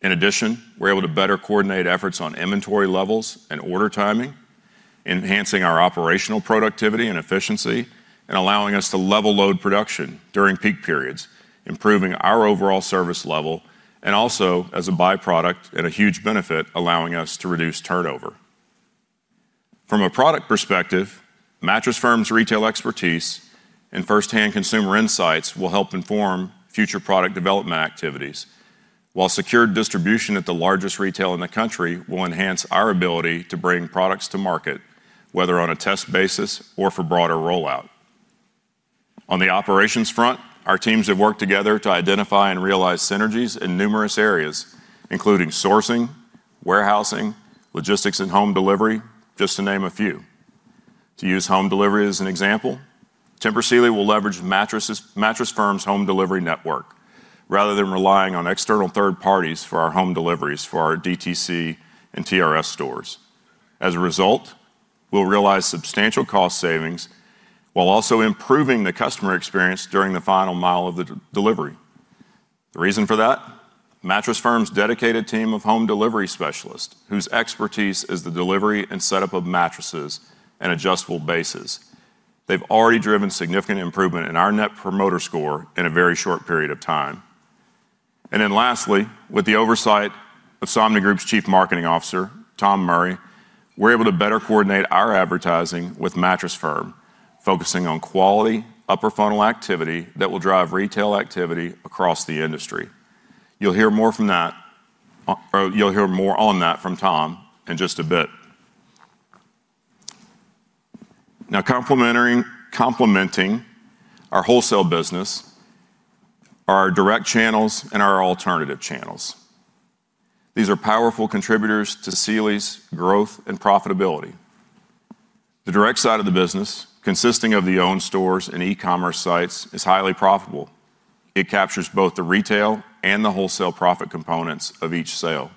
In addition, we're able to better coordinate efforts on inventory levels and order timing, enhancing our operational productivity and efficiency, and allowing us to level load production during peak periods, improving our overall service level and also, as a byproduct and a huge benefit, allowing us to reduce turnover. From a product perspective, Mattress Firm's retail expertise and first-hand consumer insights will help inform future product development activities, while secured distribution at the largest retail in the country will enhance our ability to bring products to market, whether on a test basis or for broader rollout. On the operations front, our teams have worked together to identify and realize synergies in numerous areas, including sourcing, warehousing, logistics, and home delivery, just to name a few. To use home delivery as an example, Tempur Sealy will leverage Mattress Firm's home delivery network rather than relying on external third parties for our home deliveries for our DTC and TRS stores. As a result, we'll realize substantial cost savings while also improving the customer experience during the final mile of the de-delivery. The reason for that, Mattress Firm's dedicated team of home delivery specialists whose expertise is the delivery and setup of mattresses and adjustable bases. They've already driven significant improvement in our Net Promoter Score in a very short period of time. Lastly, with the oversight of Somnigroup's Chief Marketing Officer, Tom Murray, we're able to better coordinate our advertising with Mattress Firm, focusing on quality upper funnel activity that will drive retail activity across the industry. You'll hear more on that from Tom in just a bit. Complementing our wholesale business are our direct channels and our alternative channels. These are powerful contributors to Sealy's growth and profitability. The direct side of the business, consisting of the owned stores and e-commerce sites, is highly profitable. It captures both the retail and the wholesale profit components of each sale.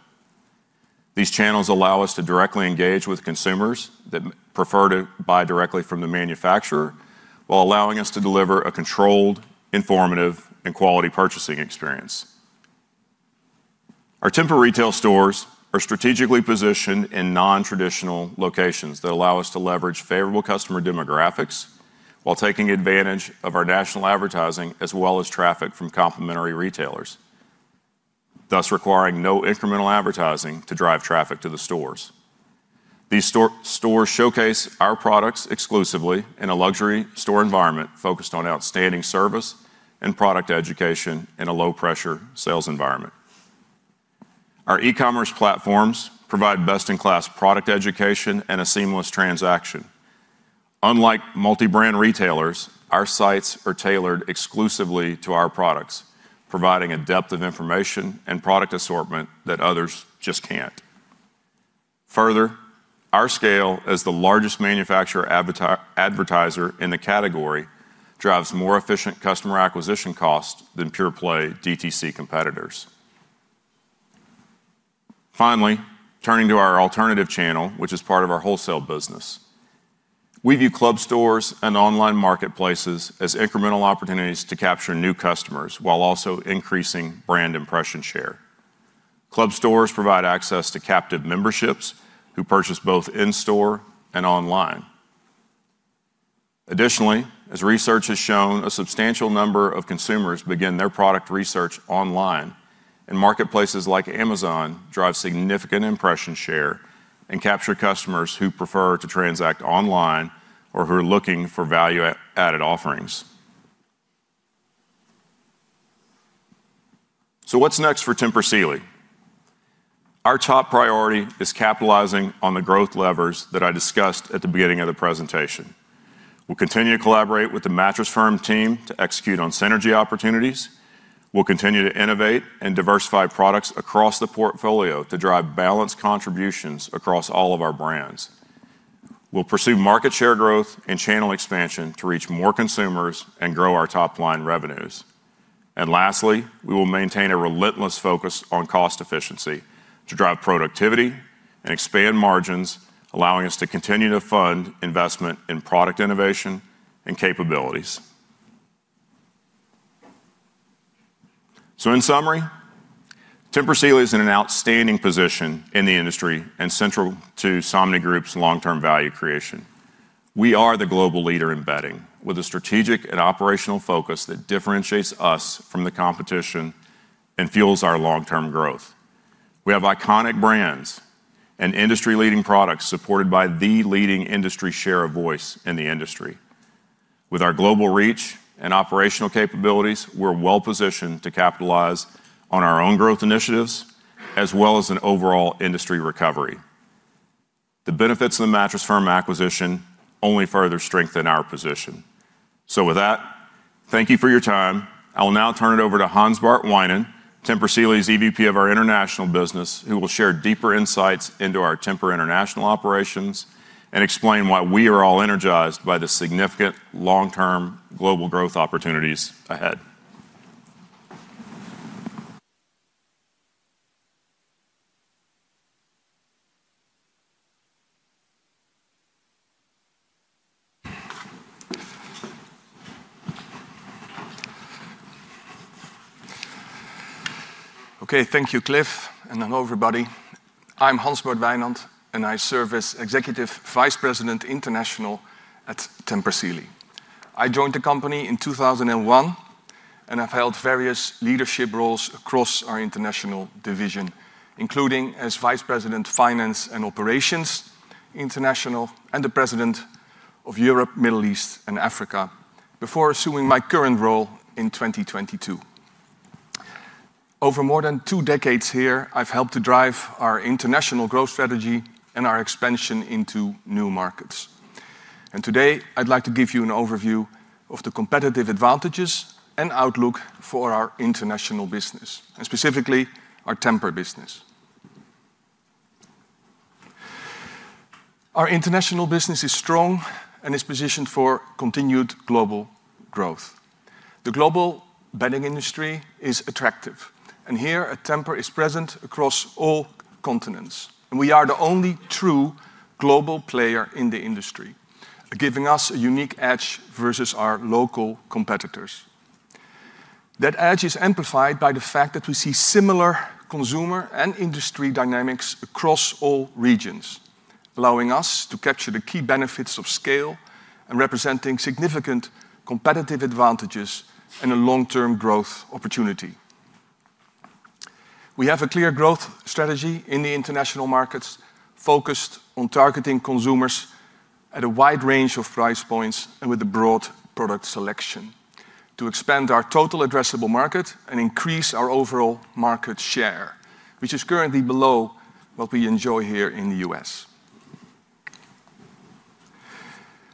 These channels allow us to directly engage with consumers that prefer to buy directly from the manufacturer while allowing us to deliver a controlled, informative, and quality purchasing experience. Our Tempur retail stores are strategically positioned in non-traditional locations that allow us to leverage favorable customer demographics while taking advantage of our national advertising as well as traffic from complementary retailers, thus requiring no incremental advertising to drive traffic to the stores. These stores showcase our products exclusively in a luxury store environment focused on outstanding service and product education in a low-pressure sales environment. Our e-commerce platforms provide best-in-class product education and a seamless transaction. Unlike multi-brand retailers, our sites are tailored exclusively to our products, providing a depth of information and product assortment that others just can't. Further, our scale as the largest manufacturer advertiser in the category drives more efficient customer acquisition costs than pure-play DTC competitors. Turning to our alternative channel, which is part of our wholesale business, we view club stores and online marketplaces as incremental opportunities to capture new customers while also increasing brand impression share. Club stores provide access to captive memberships who purchase both in-store and online. Additionally, as research has shown, a substantial number of consumers begin their product research online, and marketplaces like Amazon drive significant impression share and capture customers who prefer to transact online or who are looking for value-added offerings. What's next for Tempur Sealy? Our top priority is capitalizing on the growth levers that I discussed at the beginning of the presentation. We'll continue to collaborate with the Mattress Firm team to execute on synergy opportunities. We'll continue to innovate and diversify products across the portfolio to drive balanced contributions across all of our brands. We'll pursue market share growth and channel expansion to reach more consumers and grow our top-line revenues. Lastly, we will maintain a relentless focus on cost efficiency to drive productivity and expand margins, allowing us to continue to fund investment in product innovation and capabilities. In summary, Tempur Sealy is in an outstanding position in the industry and central to Somnigroup's long-term value creation. We are the global leader in bedding with a strategic and operational focus that differentiates us from the competition and fuels our long-term growth. We have iconic brands and industry-leading products supported by the leading industry share of voice in the industry. With our global reach and operational capabilities, we're well-positioned to capitalize on our own growth initiatives as well as an overall industry recovery. The benefits of the Mattress Firm acquisition only further strengthen our position. With that, thank you for your time. I will now turn it over to Hansbart Wijnand, Tempur Sealy's EVP of our international business, who will share deeper insights into our Tempur International operations and explain why we are all energized by the significant long-term global growth opportunities ahead. Okay, thank you, Cliff, and hello, everybody. I'm Hansbart Wijnand, and I serve as Executive Vice President International at Tempur Sealy. I joined the company in 2001, and I've held various leadership roles across our international division, including as Vice President, Finance and Operations International, and the President of Europe, Middle East, and Africa, before assuming my current role in 2022. Over more than 2 decades here, I've helped to drive our international growth strategy and our expansion into new markets. Today, I'd like to give you an overview of the competitive advantages and outlook for our international business, and specifically our Tempur business. Our international business is strong and is positioned for continued global growth. The global bedding industry is attractive, here at Tempur is present across all continents. We are the only true global player in the industry, giving us a unique edge versus our local competitors. That edge is amplified by the fact that we see similar consumer and industry dynamics across all regions, allowing us to capture the key benefits of scale and representing significant competitive advantages and a long-term growth opportunity. We have a clear growth strategy in the international markets focused on targeting consumers at a wide range of price points and with a broad product selection to expand our total addressable market and increase our overall market share, which is currently below what we enjoy here in the U.S.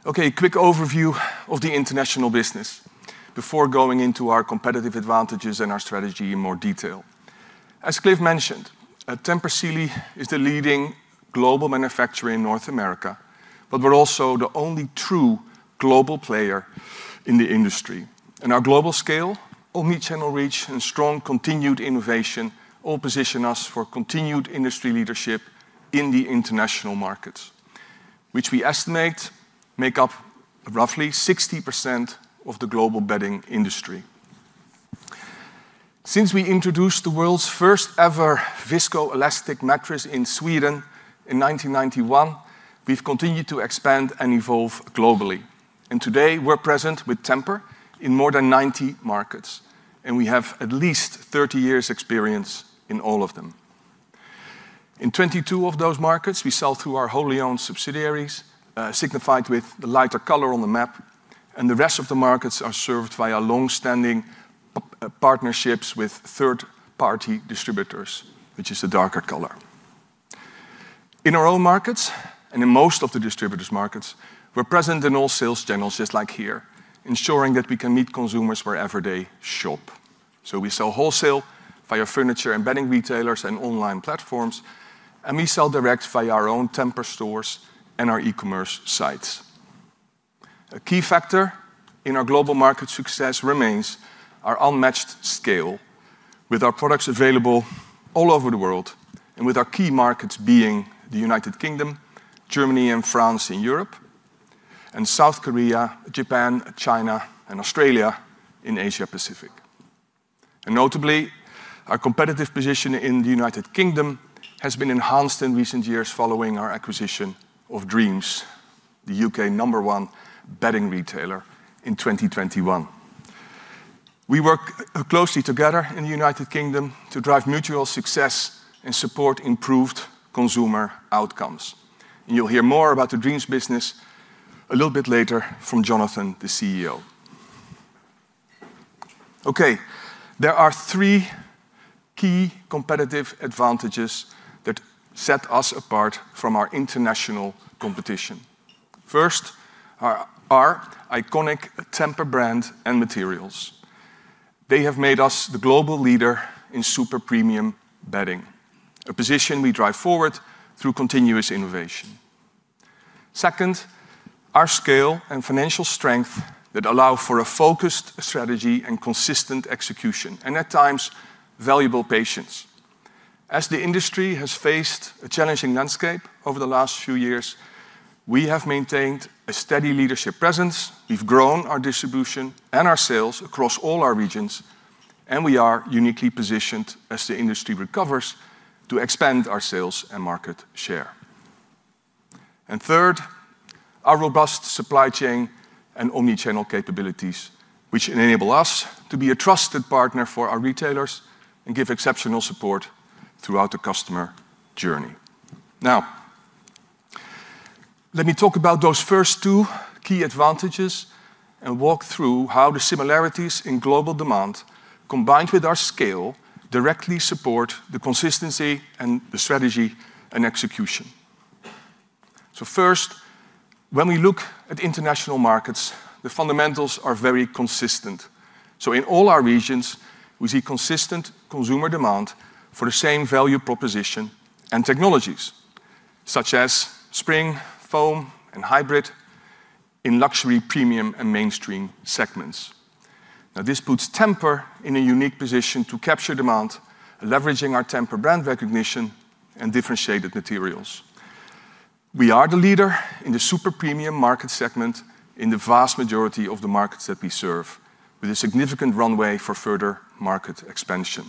Quick overview of the international business before going into our competitive advantages and our strategy in more detail. As Scott mentioned, Tempur Sealy is the leading global manufacturer in North America, but we're also the only true global player in the industry. Our global scale, omnichannel reach, and strong continued innovation all position us for continued industry leadership in the international markets, which we estimate make up roughly 60% of the global bedding industry. Since we introduced the world's first-ever viscoelastic mattress in Sweden in 1991, we've continued to expand and evolve globally. Today, we're present with Tempur in more than 90 markets, and we have at least 30 years experience in all of them. In 22 of those markets, we sell through our wholly owned subsidiaries, signified with the lighter color on the map, and the rest of the markets are served via longstanding partnerships with third-party distributors, which is the darker color. In our own markets and in most of the distributors' markets, we're present in all sales channels just like here, ensuring that we can meet consumers wherever they shop. We sell wholesale via furniture and bedding retailers and online platforms, and we sell direct via our own Tempur stores and our e-commerce sites. A key factor in our global market success remains our unmatched scale with our products available all over the world and with our key markets being the U.K., Germany, and France in Europe, and South Korea, Japan, China, and Australia in Asia Pacific. Notably, our competitive position in the U.K. has been enhanced in recent years following our acquisition of Dreams, the U.K. number one bedding retailer in 2021. We work closely together in the U.K. to drive mutual success and support improved consumer outcomes. You'll hear more about the Dreams business a little bit later from Jonathan, the CEO. Okay. There are 3 key competitive advantages that set us apart from our international competition. First are our iconic Tempur brand and materials. They have made us the global leader in super premium bedding, a position we drive forward through continuous innovation. Second, our scale and financial strength that allow for a focused strategy and consistent execution, and at times, valuable patience. As the industry has faced a challenging landscape over the last few years, we have maintained a steady leadership presence, we've grown our distribution and our sales across all our regions, and we are uniquely positioned as the industry recovers to expand our sales and market share. Third, our robust supply chain and omnichannel capabilities, which enable us to be a trusted partner for our retailers and give exceptional support throughout the customer journey. Let me talk about those first two key advantages and walk through how the similarities in global demand, combined with our scale, directly support the consistency and the strategy and execution. First, when we look at international markets, the fundamentals are very consistent. In all our regions, we see consistent consumer demand for the same value proposition and technologies, such as spring, foam, and hybrid in luxury, premium, and mainstream segments. This puts Tempur in a unique position to capture demand, leveraging our Tempur brand recognition and differentiated materials. We are the leader in the super premium market segment in the vast majority of the markets that we serve, with a significant runway for further market expansion.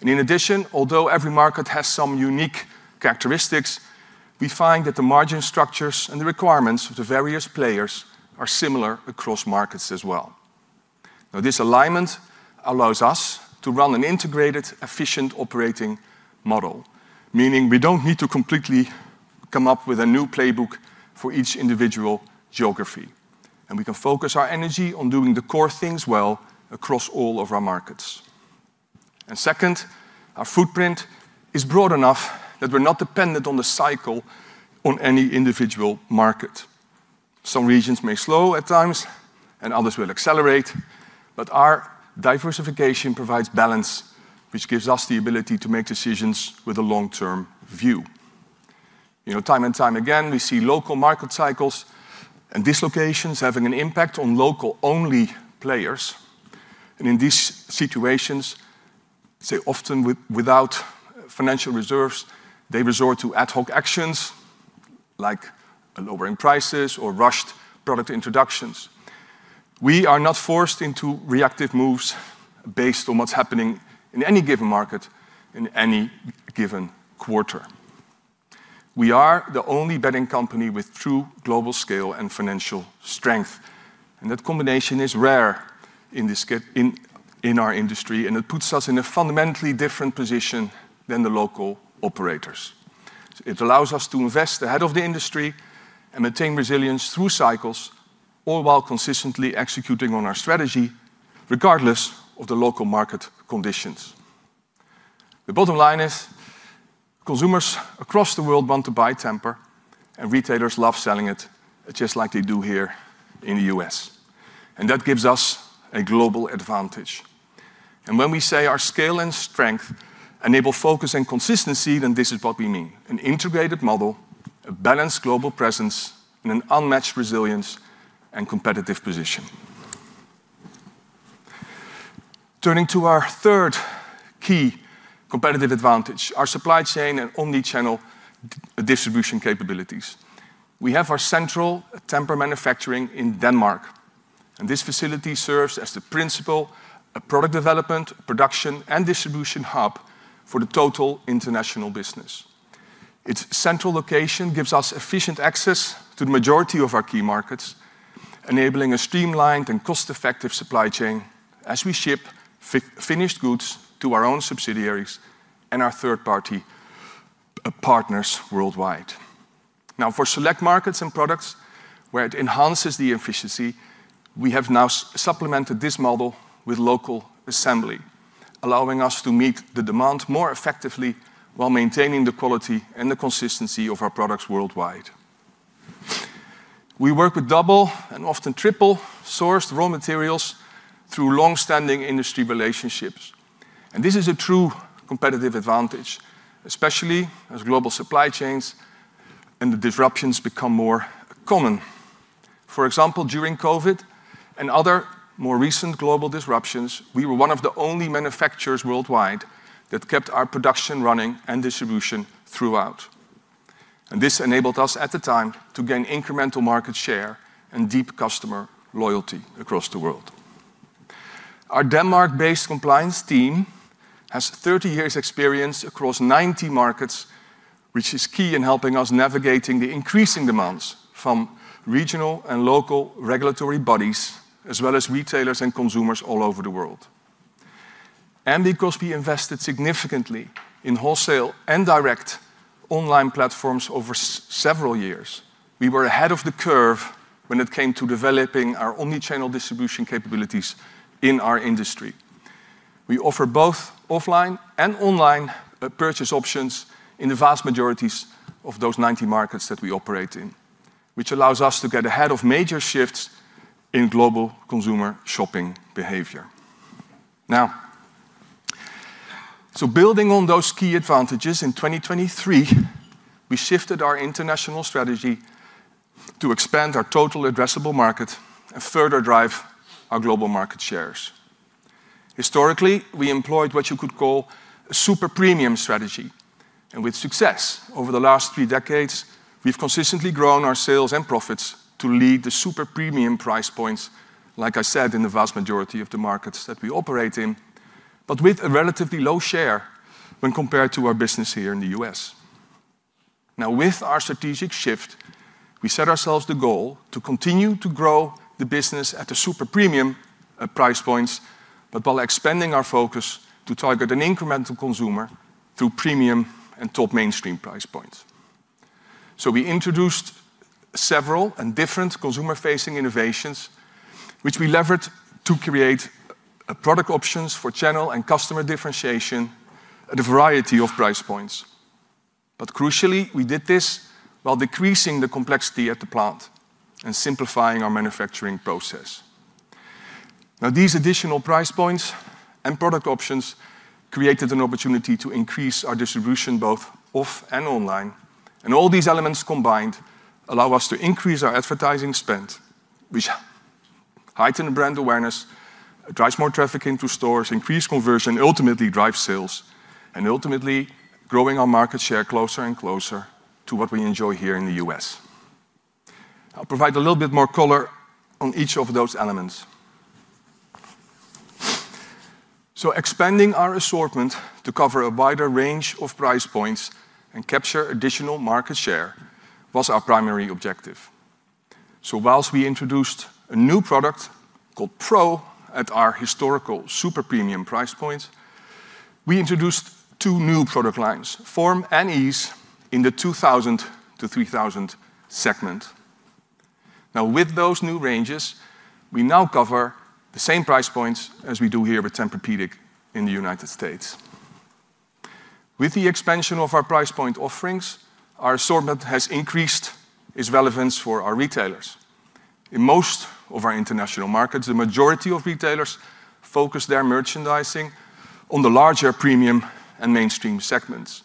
In addition, although every market has some unique characteristics, we find that the margin structures and the requirements of the various players are similar across markets as well. This alignment allows us to run an integrated, efficient operating model, meaning we don't need to completely come up with a new playbook for each individual geography, and we can focus our energy on doing the core things well across all of our markets. Second, our footprint is broad enough that we're not dependent on the cycle on any individual market. Some regions may slow at times, and others will accelerate, but our diversification provides balance, which gives us the ability to make decisions with a long-term view. You know, time and time again, we see local market cycles and dislocations having an impact on local-only players. In these situations, often without financial reserves, they resort to ad hoc actions like lowering prices or rushed product introductions. We are not forced into reactive moves based on what's happening in any given market in any given quarter. We are the only bedding company with true global scale and financial strength, and that combination is rare in our industry, and it puts us in a fundamentally different position than the local operators. It allows us to invest ahead of the industry and maintain resilience through cycles, all while consistently executing on our strategy regardless of the local market conditions. The bottom line is consumers across the world want to buy Tempur, and retailers love selling it just like they do here in the U.S., and that gives us a global advantage. When we say our scale and strength enable focus and consistency, then this is what we mean, an integrated model, a balanced global presence, and an unmatched resilience and competitive position. Turning to our third key competitive advantage, our supply chain and omnichannel distribution capabilities. We have our central Tempur manufacturing in Denmark, and this facility serves as the principal product development, production, and distribution hub for the total international business. Its central location gives us efficient access to the majority of our key markets, enabling a streamlined and cost-effective supply chain as we ship finished goods to our own subsidiaries and our third-party partners worldwide. For select markets and products where it enhances the efficiency, we have now supplemented this model with local assembly, allowing us to meet the demand more effectively while maintaining the quality and the consistency of our products worldwide. We work with double and often triple-sourced raw materials through long-standing industry relationships, and this is a true competitive advantage, especially as global supply chains and the disruptions become more common. For example, during COVID and other more recent global disruptions, we were one of the only manufacturers worldwide that kept our production running and distribution throughout. This enabled us at the time to gain incremental market share and deep customer loyalty across the world. Our Denmark-based compliance team has 30 years' experience across 90 markets, which is key in helping us navigating the increasing demands from regional and local regulatory bodies, as well as retailers and consumers all over the world. Because we invested significantly in wholesale and direct online platforms over several years, we were ahead of the curve when it came to developing our omnichannel distribution capabilities in our industry. We offer both offline and online purchase options in the vast majorities of those 90 markets that we operate in, which allows us to get ahead of major shifts in global consumer shopping behavior. Building on those key advantages in 2023, we shifted our international strategy to expand our total addressable market and further drive our global market shares. Historically, we employed what you could call a super premium strategy, and with success. Over the last three decades, we've consistently grown our sales and profits to lead the super premium price points, like I said, in the vast majority of the markets that we operate in, but with a relatively low share when compared to our business here in the U.S. With our strategic shift, we set ourselves the goal to continue to grow the business at the super premium price points, but while expanding our focus to target an incremental consumer through premium and top mainstream price points. We introduced several and different consumer-facing innovations, which we levered to create product options for channel and customer differentiation at a variety of price points. Crucially, we did this while decreasing the complexity at the plant and simplifying our manufacturing process. These additional price points and product options created an opportunity to increase our distribution both off and online. All these elements combined allow us to increase our advertising spend, which heightens brand awareness, drives more traffic into stores, increases conversion, ultimately drives sales, and ultimately grows our market share closer and closer to what we enjoy here in the U.S. I'll provide a little bit more color on each of those elements. Expanding our assortment to cover a wider range of price points and capture additional market share was our primary objective. While we introduced a new product called Pro at our historical super premium price point, we introduced two new product lines, Form and Ease, in the $2,000-$3,000 segment. With those new ranges, we now cover the same price points as we do here with Tempur-Pedic in the United States. With the expansion of our price point offerings, our assortment has increased its relevance for our retailers. In most of our international markets, the majority of retailers focus their merchandising on the larger premium and mainstream segments.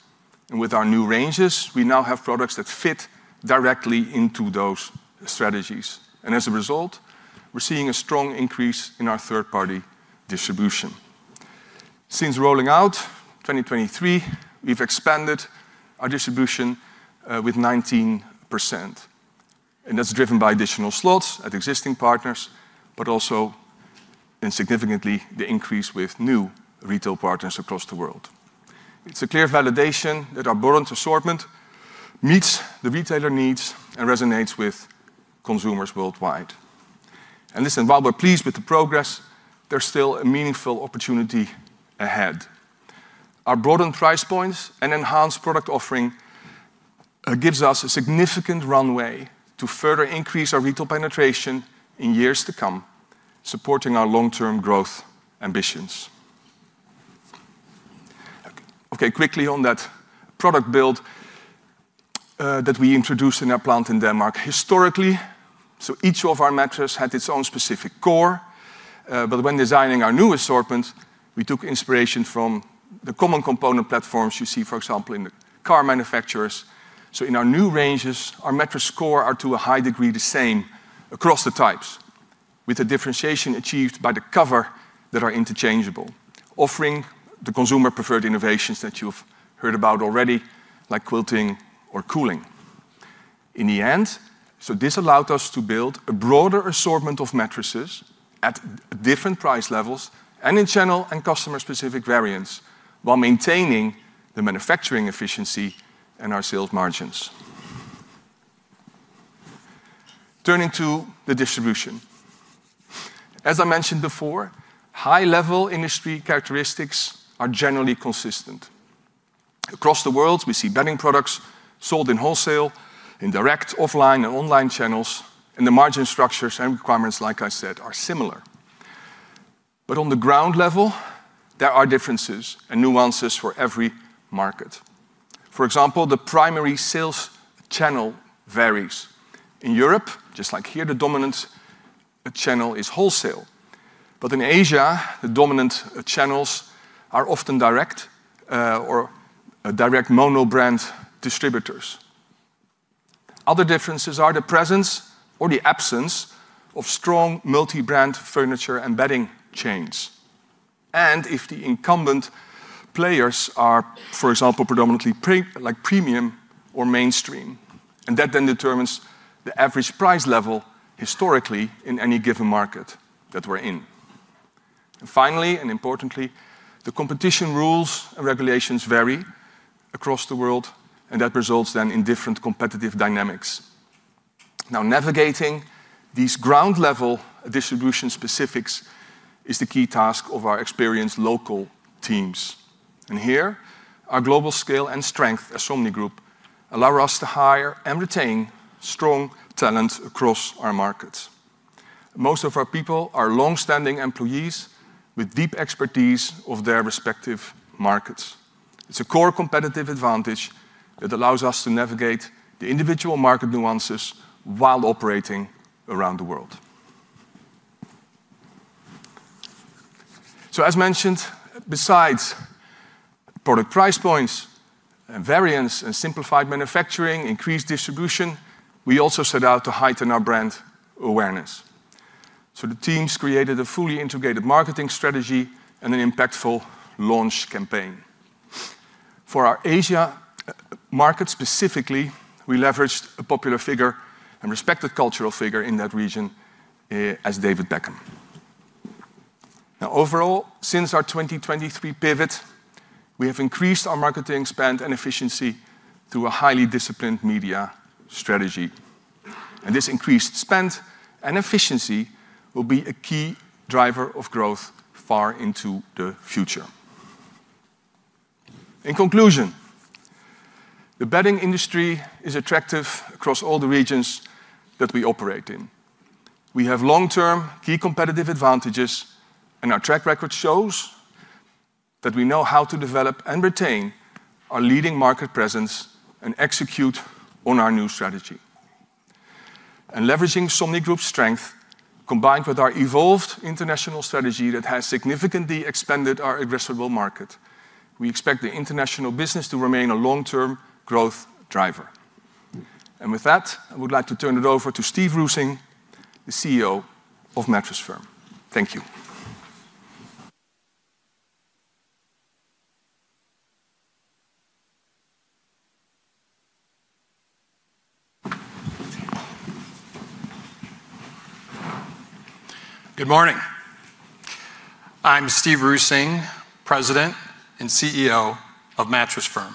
With our new ranges, we now have products that fit directly into those strategies. As a result, we're seeing a strong increase in our third-party distribution. Since rolling out 2023, we've expanded our distribution with 19%, and that's driven by additional slots at existing partners, but also in significantly the increase with new retail partners across the world. It's a clear validation that our broadened assortment meets the retailer needs and resonates with consumers worldwide. Listen, while we're pleased with the progress, there's still a meaningful opportunity ahead. Our broadened price points and enhanced product offering, gives us a significant runway to further increase our retail penetration in years to come, supporting our long-term growth ambitions. Quickly on that product build, that we introduced in our plant in Denmark. Historically, each of our mattress had its own specific core. When designing our new assortment, we took inspiration from the common component platforms you see, for example, in the car manufacturers. In our new ranges, our mattress core are to a high degree the same across the types, with the differentiation achieved by the cover that are interchangeable, offering the consumer preferred innovations that you've heard about already, like quilting or cooling. In the end, this allowed us to build a broader assortment of mattresses at different price levels and in channel and customer-specific variants while maintaining the manufacturing efficiency and our sales margins. Turning to the distribution. As I mentioned before, high-level industry characteristics are generally consistent. Across the world, we see bedding products sold in wholesale, in direct, offline, and online channels, and the margin structures and requirements, like I said, are similar. On the ground level, there are differences and nuances for every market. For example, the primary sales channel varies. In Europe, just like here, the dominant channel is wholesale. In Asia, the dominant channels are often direct or direct mono-brand distributors. Other differences are the presence or the absence of strong multi-brand furniture and bedding chains. If the incumbent players are, for example, predominantly premium or mainstream, that determines the average price level historically in any given market that we're in. Finally, importantly, the competition rules and regulations vary across the world, that results in different competitive dynamics. Navigating these ground-level distribution specifics is the key task of our experienced local teams. Here, our global scale and strength as Somnigroup allow us to hire and retain strong talent across our markets. Most of our people are long-standing employees with deep expertise of their respective markets. It's a core competitive advantage that allows us to navigate the individual market nuances while operating around the world. As mentioned, besides product price points and variance and simplified manufacturing, increased distribution, we also set out to heighten our brand awareness. The teams created a fully integrated marketing strategy and an impactful launch campaign. For our Asia market specifically, we leveraged a popular figure and respected cultural figure in that region, as David Beckham. Overall, since our 2023 pivot, we have increased our marketing spend and efficiency through a highly disciplined media strategy. This increased spend and efficiency will be a key driver of growth far into the future. In conclusion, the bedding industry is attractive across all the regions that we operate in. We have long-term key competitive advantages, and our track record shows that we know how to develop and retain our leading market presence and execute on our new strategy. Leveraging Somnigroup's strength, combined with our evolved international strategy that has significantly expanded our addressable market, we expect the international business to remain a long-term growth driver. With that, I would like to turn it over to Steve Rusing, the CEO of Mattress Firm. Thank you. Good morning. I'm Steve Rusing, President and CEO of Mattress Firm.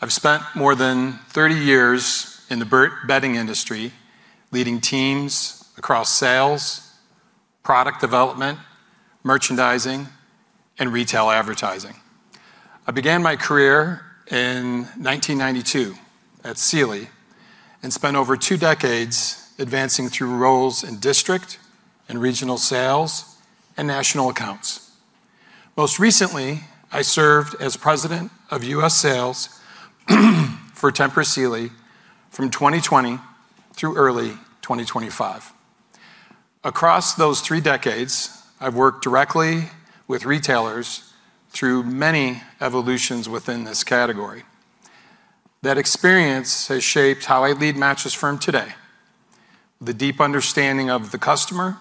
I've spent more than 30 years in the bedding industry, leading teams across sales, product development, merchandising, and retail advertising. I began my career in 1992 at Sealy and spent over two decades advancing through roles in district and regional sales and national accounts. Most recently, I served as President of US Sales for Tempur Sealy from 2020 through early 2025. Across those three decades, I've worked directly with retailers through many evolutions within this category. That experience has shaped how I lead Mattress Firm today, the deep understanding of the customer,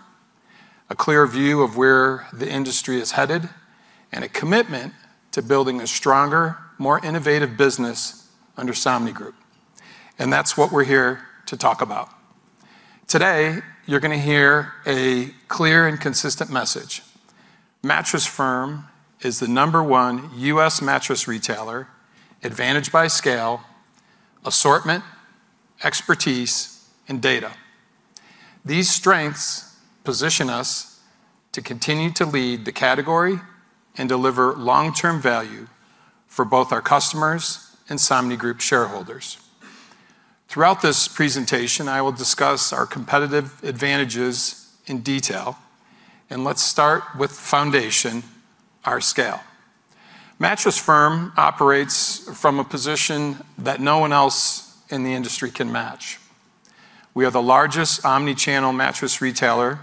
a clear view of where the industry is headed, and a commitment to building a stronger, more innovative business under Somnigroup. That's what we're here to talk about. Today, you're going to hear a clear and consistent message. Mattress Firm is the number one U.S. mattress retailer, advantaged by scale, assortment, expertise, and data. These strengths position us to continue to lead the category and deliver long-term value for both our customers and Somnigroup shareholders. Throughout this presentation, I will discuss our competitive advantages in detail. Let's start with foundation, our scale. Mattress Firm operates from a position that no one else in the industry can match. We are the largest omnichannel mattress retailer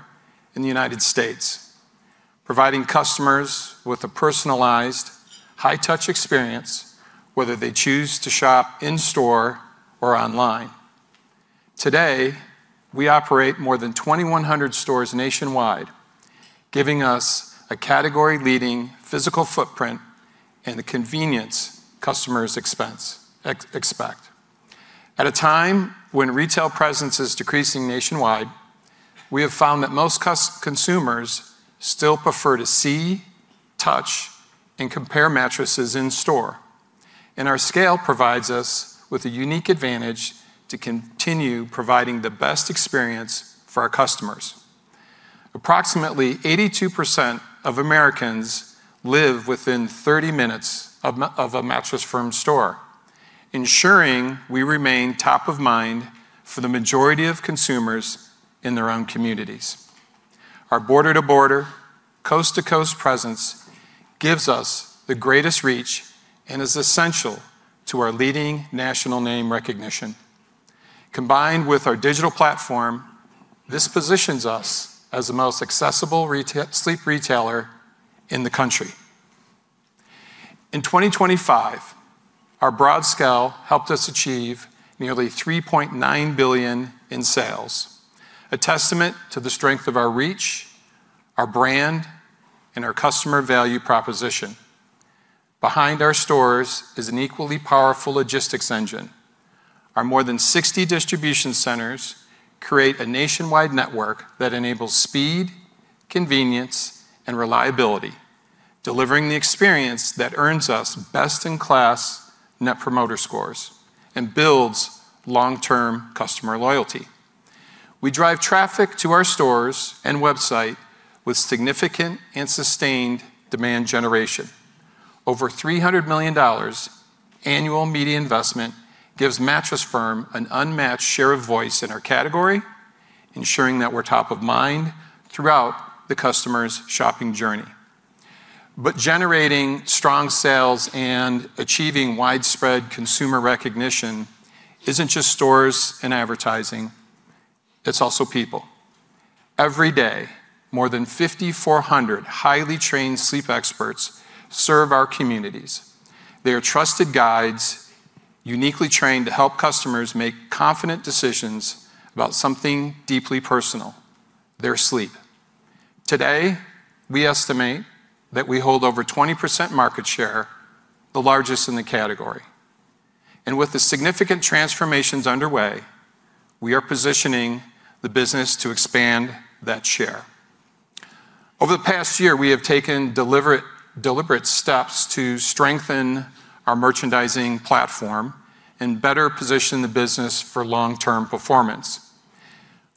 in the United States, providing customers with a personalized, high-touch experience, whether they choose to shop in-store or online. Today, we operate more than 2,100 stores nationwide, giving us a category-leading physical footprint and the convenience customers expect. At a time when retail presence is decreasing nationwide, we have found that most consumers still prefer to see, touch, and compare mattresses in-store. Our scale provides us with a unique advantage to continue providing the best experience for our customers. Approximately 82% of Americans live within 30 minutes of a Mattress Firm store, ensuring we remain top of mind for the majority of consumers in their own communities. Our border-to-border, coast-to-coast presence gives us the greatest reach and is essential to our leading national name recognition. Combined with our digital platform, this positions us as the most accessible sleep retailer in the country. In 2025, our broad scale helped us achieve nearly $3.9 billion in sales, a testament to the strength of our reach, our brand, and our customer value proposition. Behind our stores is an equally powerful logistics engine. Our more than 60 distribution centers create a nationwide network that enables speed, convenience, and reliability, delivering the experience that earns us best-in-class Net Promoter Scores and builds long-term customer loyalty. We drive traffic to our stores and website with significant and sustained demand generation. Over $300 million annual media investment gives Mattress Firm an unmatched share of voice in our category, ensuring that we're top of mind throughout the customer's shopping journey. Generating strong sales and achieving widespread consumer recognition isn't just stores and advertising, it's also people. Every day, more than 5,400 highly trained sleep experts serve our communities. They are trusted guides, uniquely trained to help customers make confident decisions about something deeply personal, their sleep. Today, we estimate that we hold over 20% market share, the largest in the category. With the significant transformations underway, we are positioning the business to expand that share. Over the past year, we have taken deliberate steps to strengthen our merchandising platform and better position the business for long-term performance.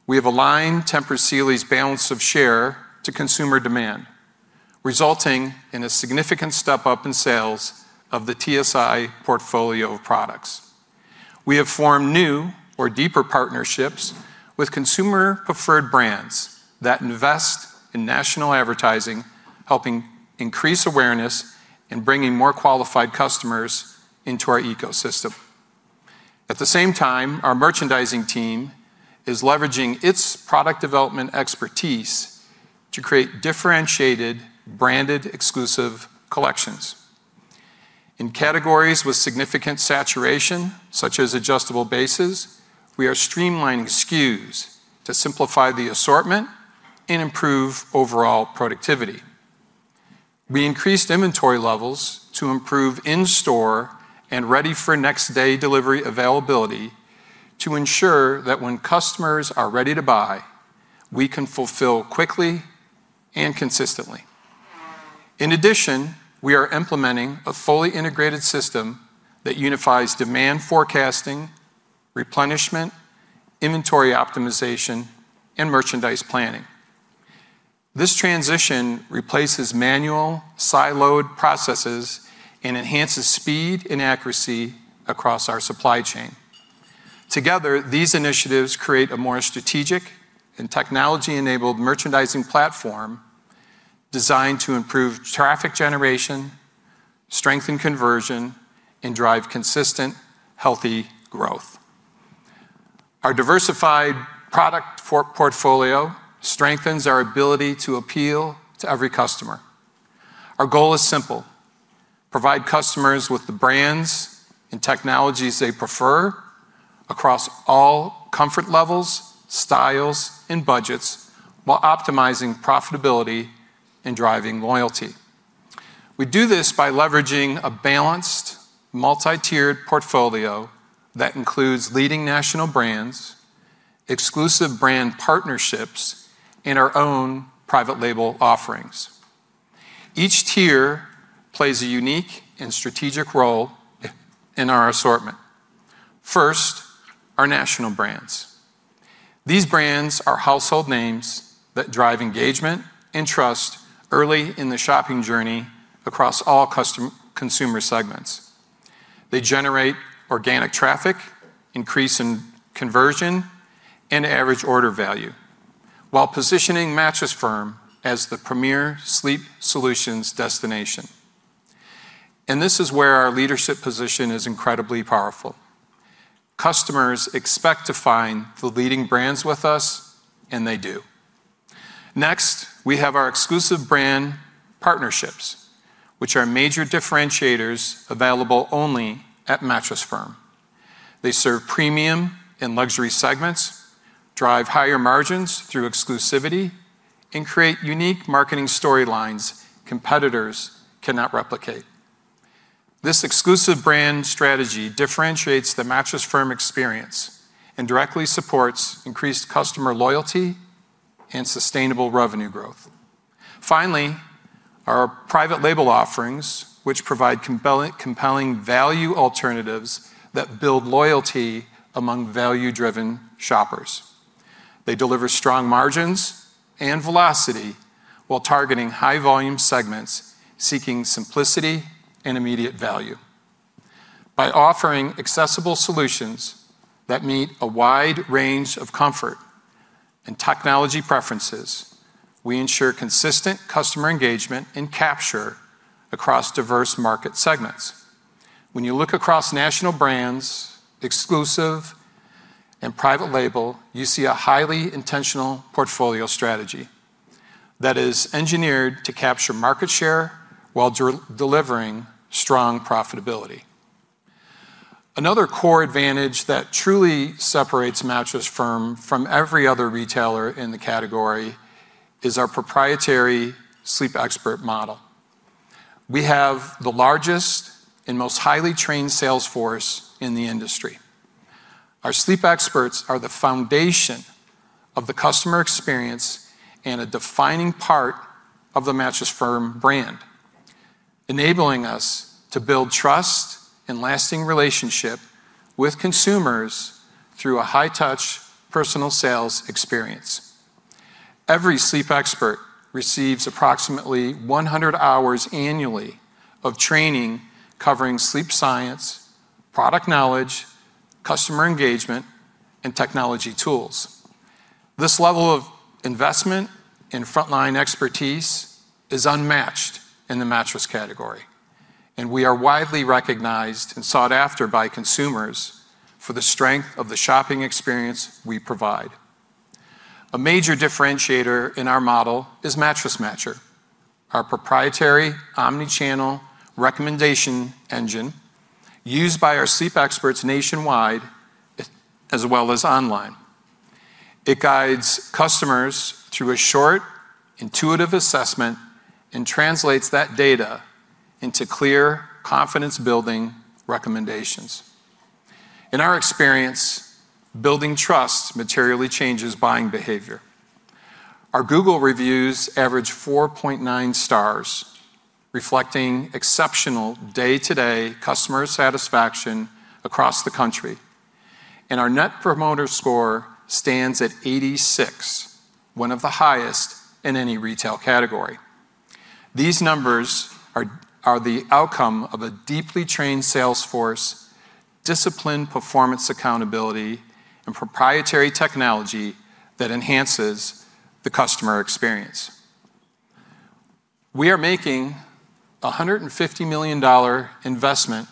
We have aligned Tempur Sealy's balance of share to consumer demand, resulting in a significant step-up in sales of the TSI portfolio of products. We have formed new or deeper partnerships with consumer-preferred brands that invest in national advertising, helping increase awareness and bringing more qualified customers into our ecosystem. At the same time, our merchandising team is leveraging its product development expertise to create differentiated, branded, exclusive collections. In categories with significant saturation, such as adjustable bases, we are streamlining SKUs to simplify the assortment and improve overall productivity. We increased inventory levels to improve in-store and ready for next day delivery availability to ensure that when customers are ready to buy, we can fulfill quickly and consistently. We are implementing a fully integrated system that unifies demand forecasting, replenishment, inventory optimization, and merchandise planning. This transition replaces manual siloed processes and enhances speed and accuracy across our supply chain. These initiatives create a more strategic and technology-enabled merchandising platform designed to improve traffic generation, strengthen conversion, and drive consistent, healthy growth. Our diversified product portfolio strengthens our ability to appeal to every customer. Our goal is simple. Provide customers with the brands and technologies they prefer across all comfort levels, styles, and budgets while optimizing profitability and driving loyalty. We do this by leveraging a balanced, multi-tiered portfolio that includes leading national brands, exclusive brand partnerships, and our own private label offerings. Each tier plays a unique and strategic role in our assortment. First, our national brands. These brands are household names that drive engagement and trust early in the shopping journey across all consumer segments. They generate organic traffic, increase in conversion and average order value, while positioning Mattress Firm as the premier sleep solutions destination. This is where our leadership position is incredibly powerful. Customers expect to find the leading brands with us, and they do. Next, we have our exclusive brand partnerships, which are major differentiators available only at Mattress Firm. They serve premium and luxury segments, drive higher margins through exclusivity, and create unique marketing storylines competitors cannot replicate. This exclusive brand strategy differentiates the Mattress Firm experience and directly supports increased customer loyalty and sustainable revenue growth. Finally, our private label offerings, which provide compelling value alternatives that build loyalty among value-driven shoppers. They deliver strong margins and velocity while targeting high volume segments seeking simplicity and immediate value. By offering accessible solutions that meet a wide range of comfort and technology preferences, we ensure consistent customer engagement and capture across diverse market segments. When you look across national brands, exclusive and private label, you see a highly intentional portfolio strategy that is engineered to capture market share while delivering strong profitability. Another core advantage that truly separates Mattress Firm from every other retailer in the category is our proprietary sleep expert model. We have the largest and most highly trained sales force in the industry. Our sleep experts are the foundation of the customer experience and a defining part of the Mattress Firm brand, enabling us to build trust and lasting relationship with consumers through a high-touch personal sales experience. Every sleep expert receives approximately 100 hours annually of training covering sleep science, product knowledge, customer engagement, and technology tools. This level of investment in frontline expertise is unmatched in the mattress category, and we are widely recognized and sought after by consumers for the strength of the shopping experience we provide. A major differentiator in our model is Mattress Matcher, our proprietary omnichannel recommendation engine used by our sleep experts nationwide as well as online. It guides customers through a short, intuitive assessment and translates that data into clear, confidence-building recommendations. In our experience, building trust materially changes buying behavior. Our Google reviews average 4.9 stars, reflecting exceptional day-to-day customer satisfaction across the country. Our Net Promoter Score stands at 86, one of the highest in any retail category. These numbers are the outcome of a deeply trained sales force, disciplined performance accountability, and proprietary technology that enhances the customer experience. We are making a $150 million investment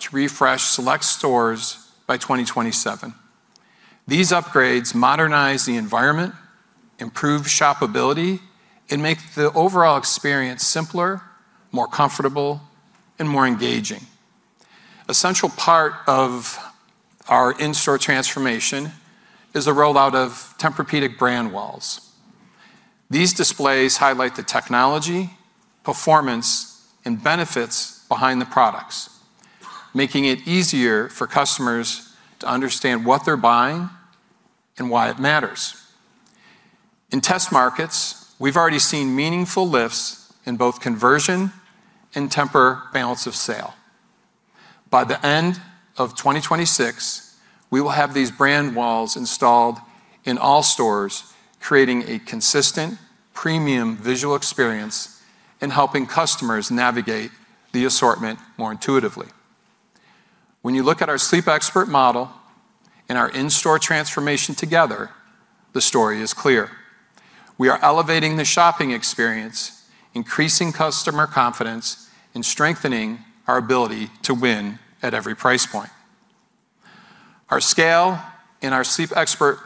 to refresh select stores by 2027. These upgrades modernize the environment, improve shoppability, and make the overall experience simpler, more comfortable, and more engaging. Essential part of our in-store transformation is a rollout of Tempur-Pedic brand walls. These displays highlight the technology, performance, and benefits behind the products, making it easier for customers to understand what they're buying and why it matters. In test markets, we've already seen meaningful lifts in both conversion and Tempur balance of share. By the end of 2026, we will have these brand walls installed in all stores, creating a consistent, premium visual experience and helping customers navigate the assortment more intuitively. When you look at our sleep expert model and our in-store transformation together, the story is clear. We are elevating the shopping experience, increasing customer confidence, and strengthening our ability to win at every price point. Our scale and our sleep expert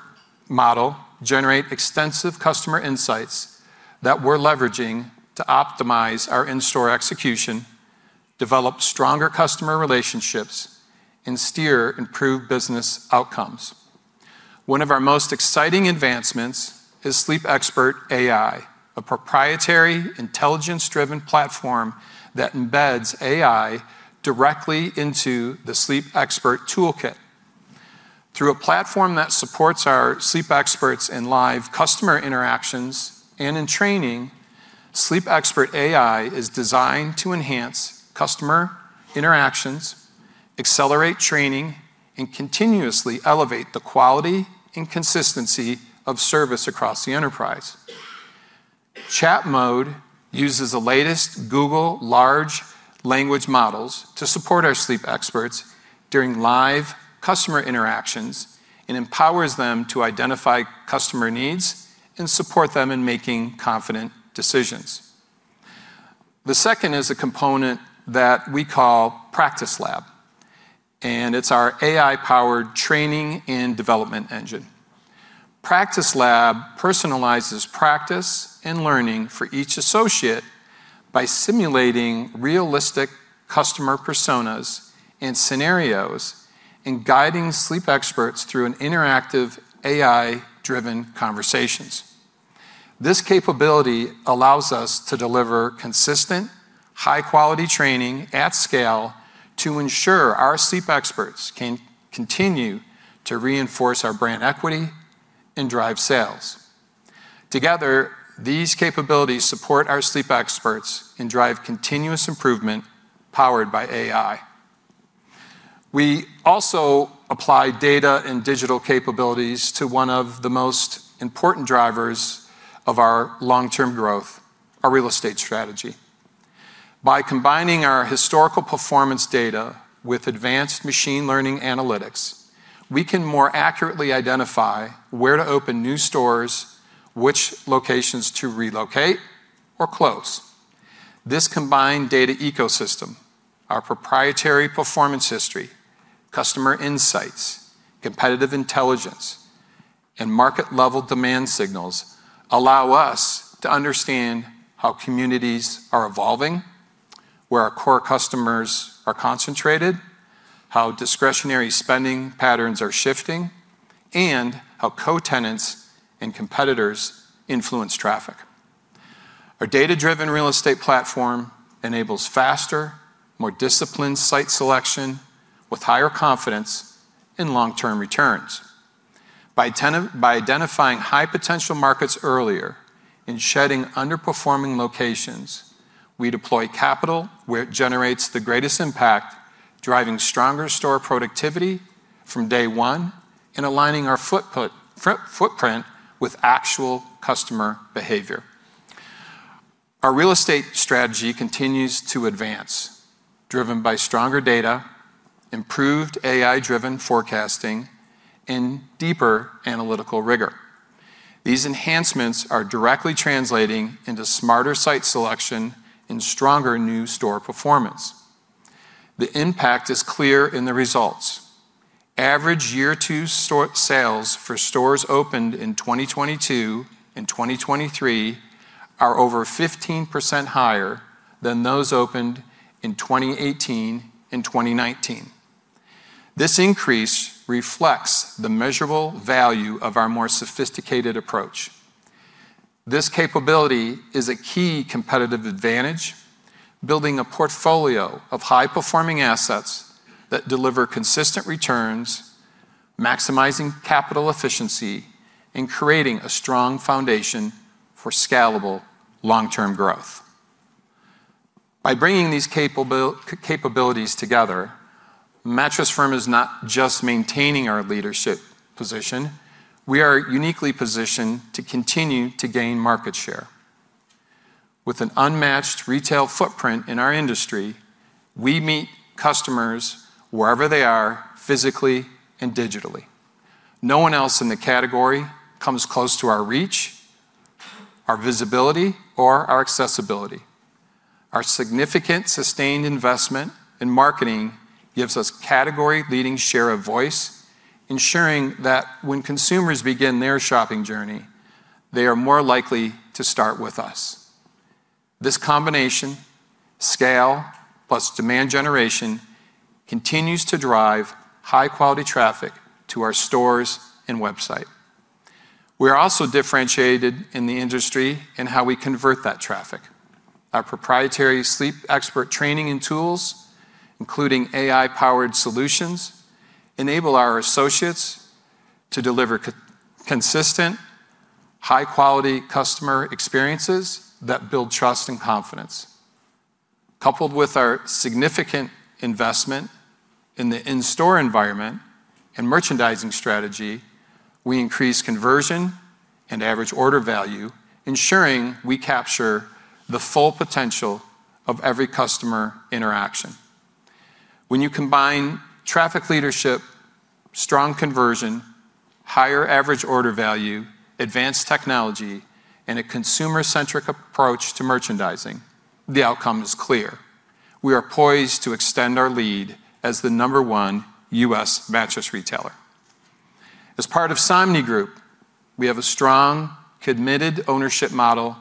model generate extensive customer insights that we're leveraging to optimize our in-store execution, develop stronger customer relationships, and steer improved business outcomes. One of our most exciting advancements is Sleep Expert AI, a proprietary intelligence-driven platform that embeds AI directly into the Sleep Expert toolkit. Through a platform that supports our sleep experts in live customer interactions and in training, Sleep Expert AI is designed to enhance customer interactions, accelerate training, and continuously elevate the quality and consistency of service across the enterprise. Chat mode uses the latest Google large language models to support our sleep experts during live customer interactions and empowers them to identify customer needs and support them in making confident decisions. The second is a component that we call Practice Lab, and it's our AI-powered training and development engine. Practice Lab personalizes practice and learning for each associate by simulating realistic customer personas and scenarios and guiding sleep experts through an interactive AI-driven conversations. This capability allows us to deliver consistent, high-quality training at scale to ensure our sleep experts can continue to reinforce our brand equity and drive sales. Together, these capabilities support our sleep experts and drive continuous improvement powered by AI. We also apply data and digital capabilities to one of the most important drivers of our long-term growth, our real estate strategy. By combining our historical performance data with advanced machine learning analytics, we can more accurately identify where to open new stores, which locations to relocate or close. This combined data ecosystem, our proprietary performance history, customer insights, competitive intelligence, and market-level demand signals allow us to understand how communities are evolving, where our core customers are concentrated, how discretionary spending patterns are shifting, and how co-tenants and competitors influence traffic. Our data-driven real estate platform enables faster, more disciplined site selection with higher confidence in long-term returns. By identifying high potential markets earlier and shedding underperforming locations, we deploy capital where it generates the greatest impact, driving stronger store productivity from day one and aligning our footprint with actual customer behavior. Our real estate strategy continues to advance, driven by stronger data, improved AI-driven forecasting, and deeper analytical rigor. These enhancements are directly translating into smarter site selection and stronger new store performance. The impact is clear in the results. Average year two sales for stores opened in 2022 and 2023 are over 15% higher than those opened in 2018 and 2019. This increase reflects the measurable value of our more sophisticated approach. This capability is a key competitive advantage, building a portfolio of high-performing assets that deliver consistent returns, maximizing capital efficiency, and creating a strong foundation for scalable long-term growth. Bringing these capabilities together, Mattress Firm is not just maintaining our leadership position, we are uniquely positioned to continue to gain market share. With an unmatched retail footprint in our industry, we meet customers wherever they are, physically and digitally. No one else in the category comes close to our reach, our visibility, or our accessibility. Our significant sustained investment in marketing gives us category-leading share of voice, ensuring that when consumers begin their shopping journey, they are more likely to start with us. This combination, scale plus demand generation, continues to drive high-quality traffic to our stores and website. We are also differentiated in the industry in how we convert that traffic. Our proprietary sleep expert training and tools, including AI-powered solutions, enable our associates to deliver co-consistent high-quality customer experiences that build trust and confidence. Coupled with our significant investment in the in-store environment and merchandising strategy, we increase conversion and average order value, ensuring we capture the full potential of every customer interaction. When you combine traffic leadership, strong conversion, higher average order value, advanced technology, and a consumer-centric approach to merchandising, the outcome is clear. We are poised to extend our lead as the number 1 U.S. mattress retailer. As part of Somnigroup, we have a strong, committed ownership model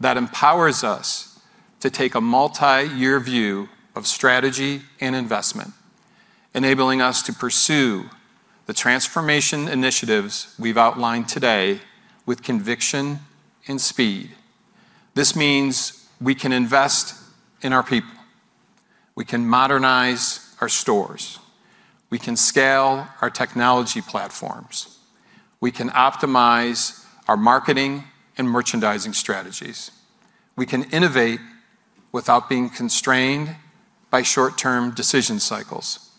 that empowers us to take a multiyear view of strategy and investment, enabling us to pursue the transformation initiatives we've outlined today with conviction and speed. This means we can invest in our people. We can modernize our stores. We can scale our technology platforms. We can optimize our marketing and merchandising strategies. We can innovate without being constrained by short-term decision cycles.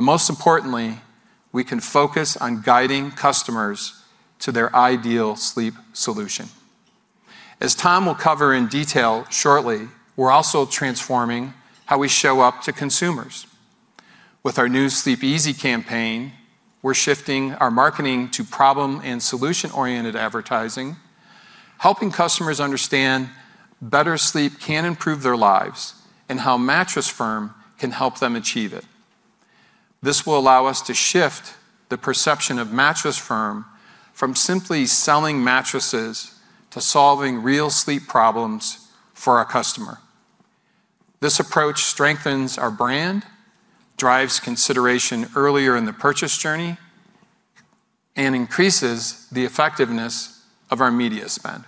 Most importantly, we can focus on guiding customers to their ideal sleep solution. As Tom will cover in detail shortly, we're also transforming how we show up to consumers. With our new Sleep Easy campaign, we're shifting our marketing to problem and solution-oriented advertising, helping customers understand better sleep can improve their lives and how Mattress Firm can help them achieve it. This will allow us to shift the perception of Mattress Firm from simply selling mattresses to solving real sleep problems for our customer. This approach strengthens our brand, drives consideration earlier in the purchase journey, and increases the effectiveness of our media spend.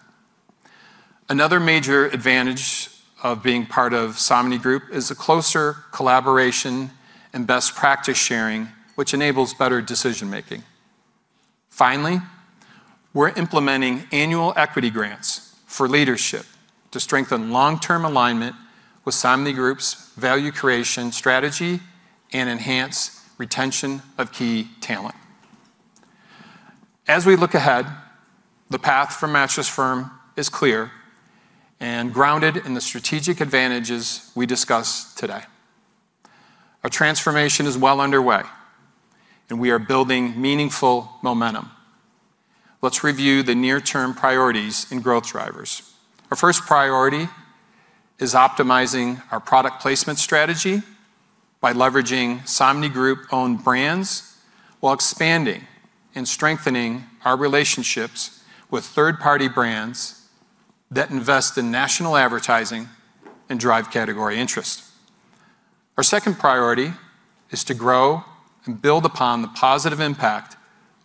Another major advantage of being part of Somnigroup is the closer collaboration and best practice sharing, which enables better decision-making. Finally, we're implementing annual equity grants for leadership to strengthen long-term alignment with Somnigroup's value creation strategy and enhance retention of key talent. As we look ahead, the path for Mattress Firm is clear and grounded in the strategic advantages we discussed today. Our transformation is well underway, and we are building meaningful momentum. Let's review the near-term priorities and growth drivers. Our first priority is optimizing our product placement strategy by leveraging Somnigroup-owned brands while expanding and strengthening our relationships with third-party brands that invest in national advertising and drive category interest. Our second priority is to grow and build upon the positive impact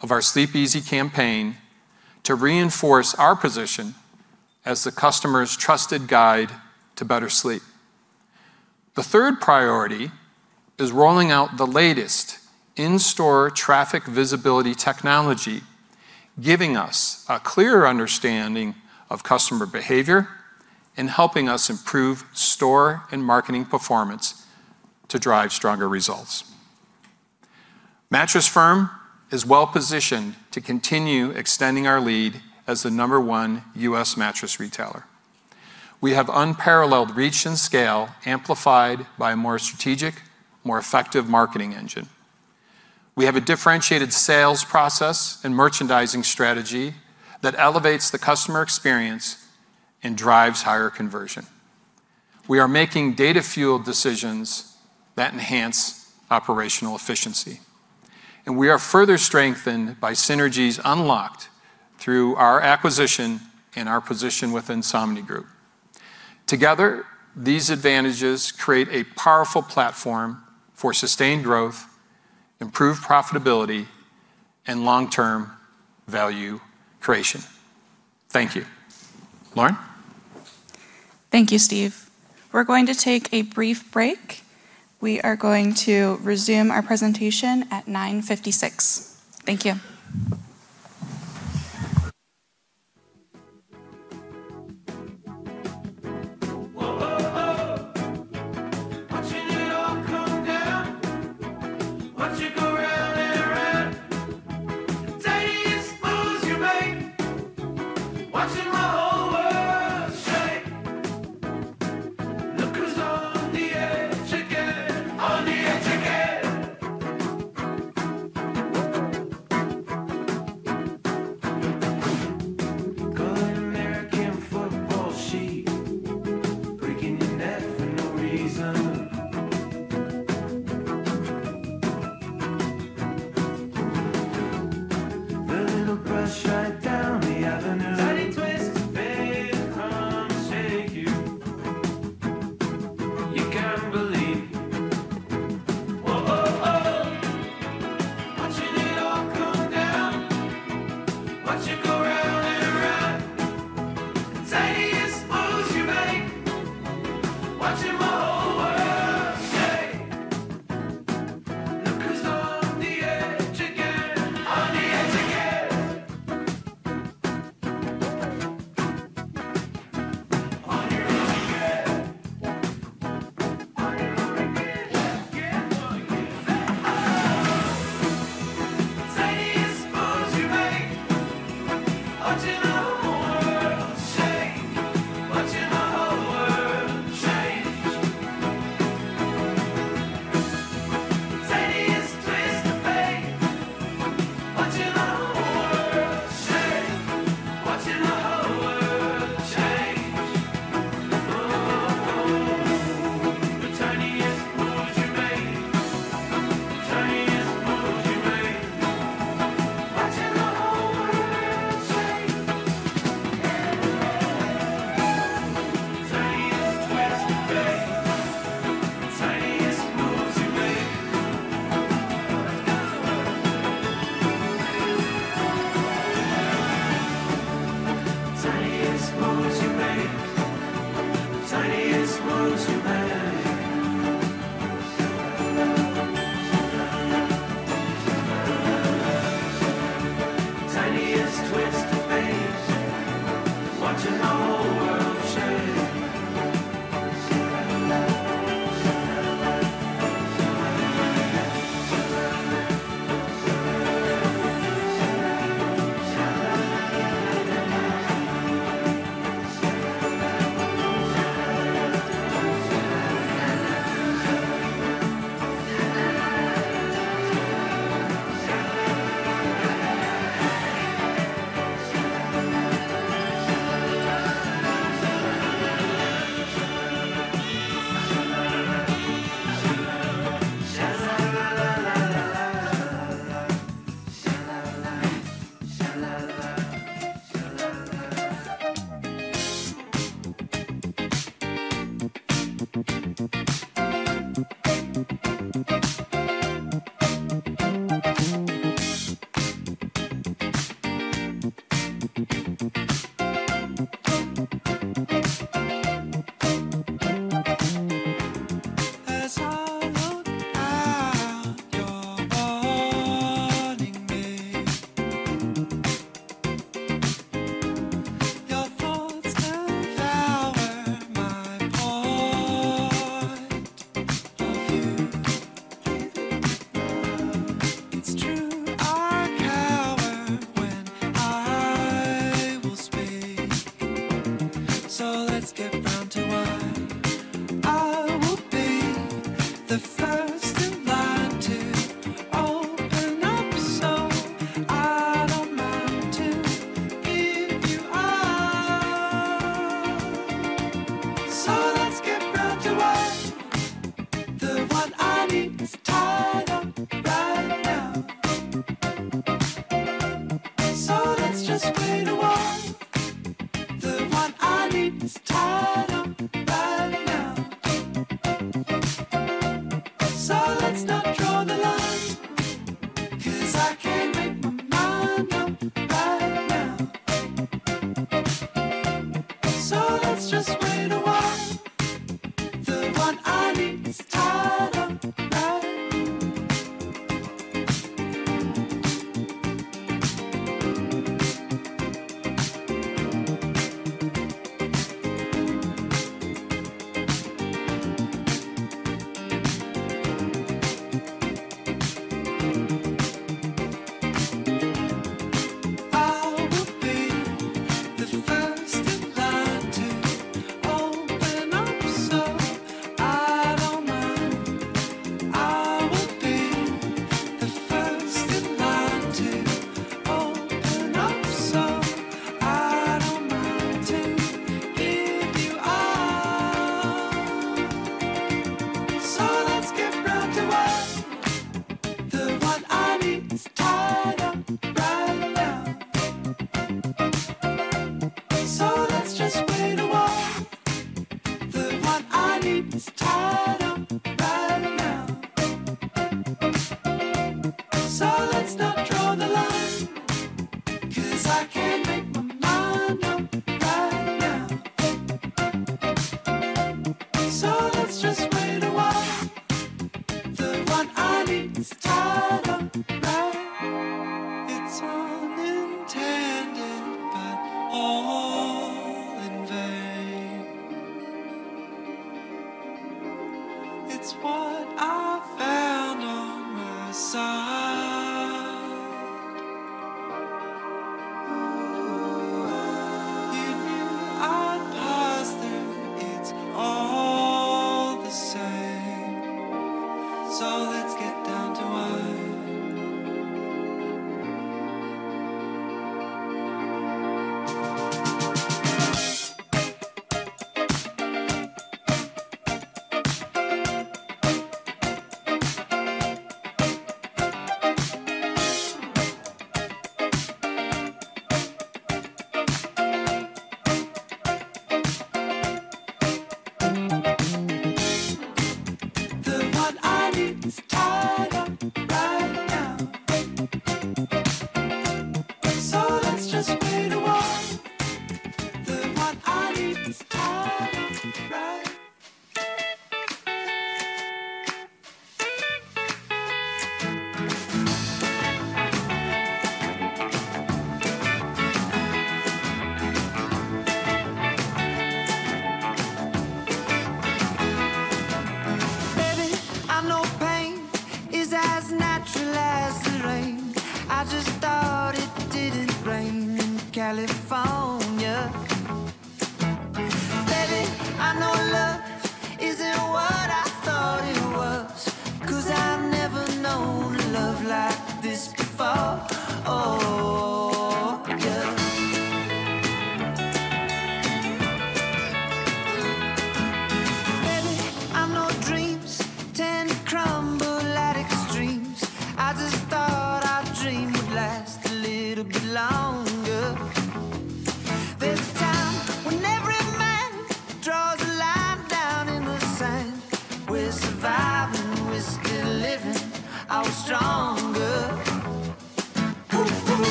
of our Sleep Easy campaign to reinforce our position as the customer's trusted guide to better sleep. The third priority is rolling out the latest in-store traffic visibility technology, giving us a clearer understanding of customer behavior and helping us improve store and marketing performance to drive stronger results. Mattress Firm is well-positioned to continue extending our lead as the number one U.S. mattress retailer. We have unparalleled reach and scale amplified by a more strategic, more effective marketing engine. We have a differentiated sales process and merchandising strategy that elevates the customer experience and drives higher conversion. We are making data-fueled decisions that enhance operational efficiency. We are further strengthened by synergies unlocked through our acquisition and our position with Somnigroup. Together, these advantages create a powerful platform for sustained growth, improved profitability, and long-term value creation. Thank you. Lauren? Thank you, Steve. We're going to take a brief break. We are going to resume our presentation at 9:56 A.M. Thank you.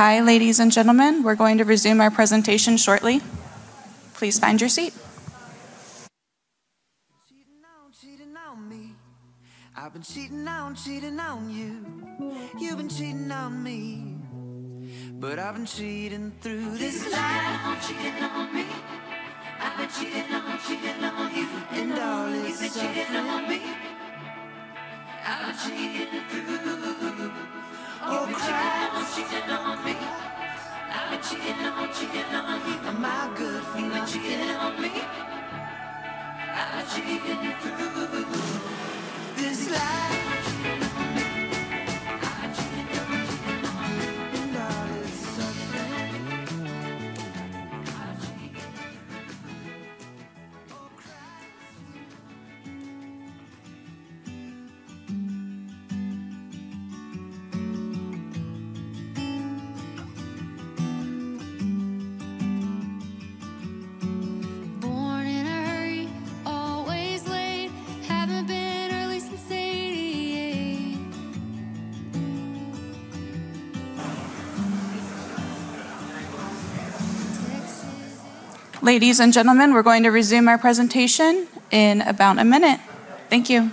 Hi, ladies and gentlemen. We're going to resume our presentation shortly. Please find your seat. Ladies and gentlemen, we're going to resume our presentation in about a minute. Thank you.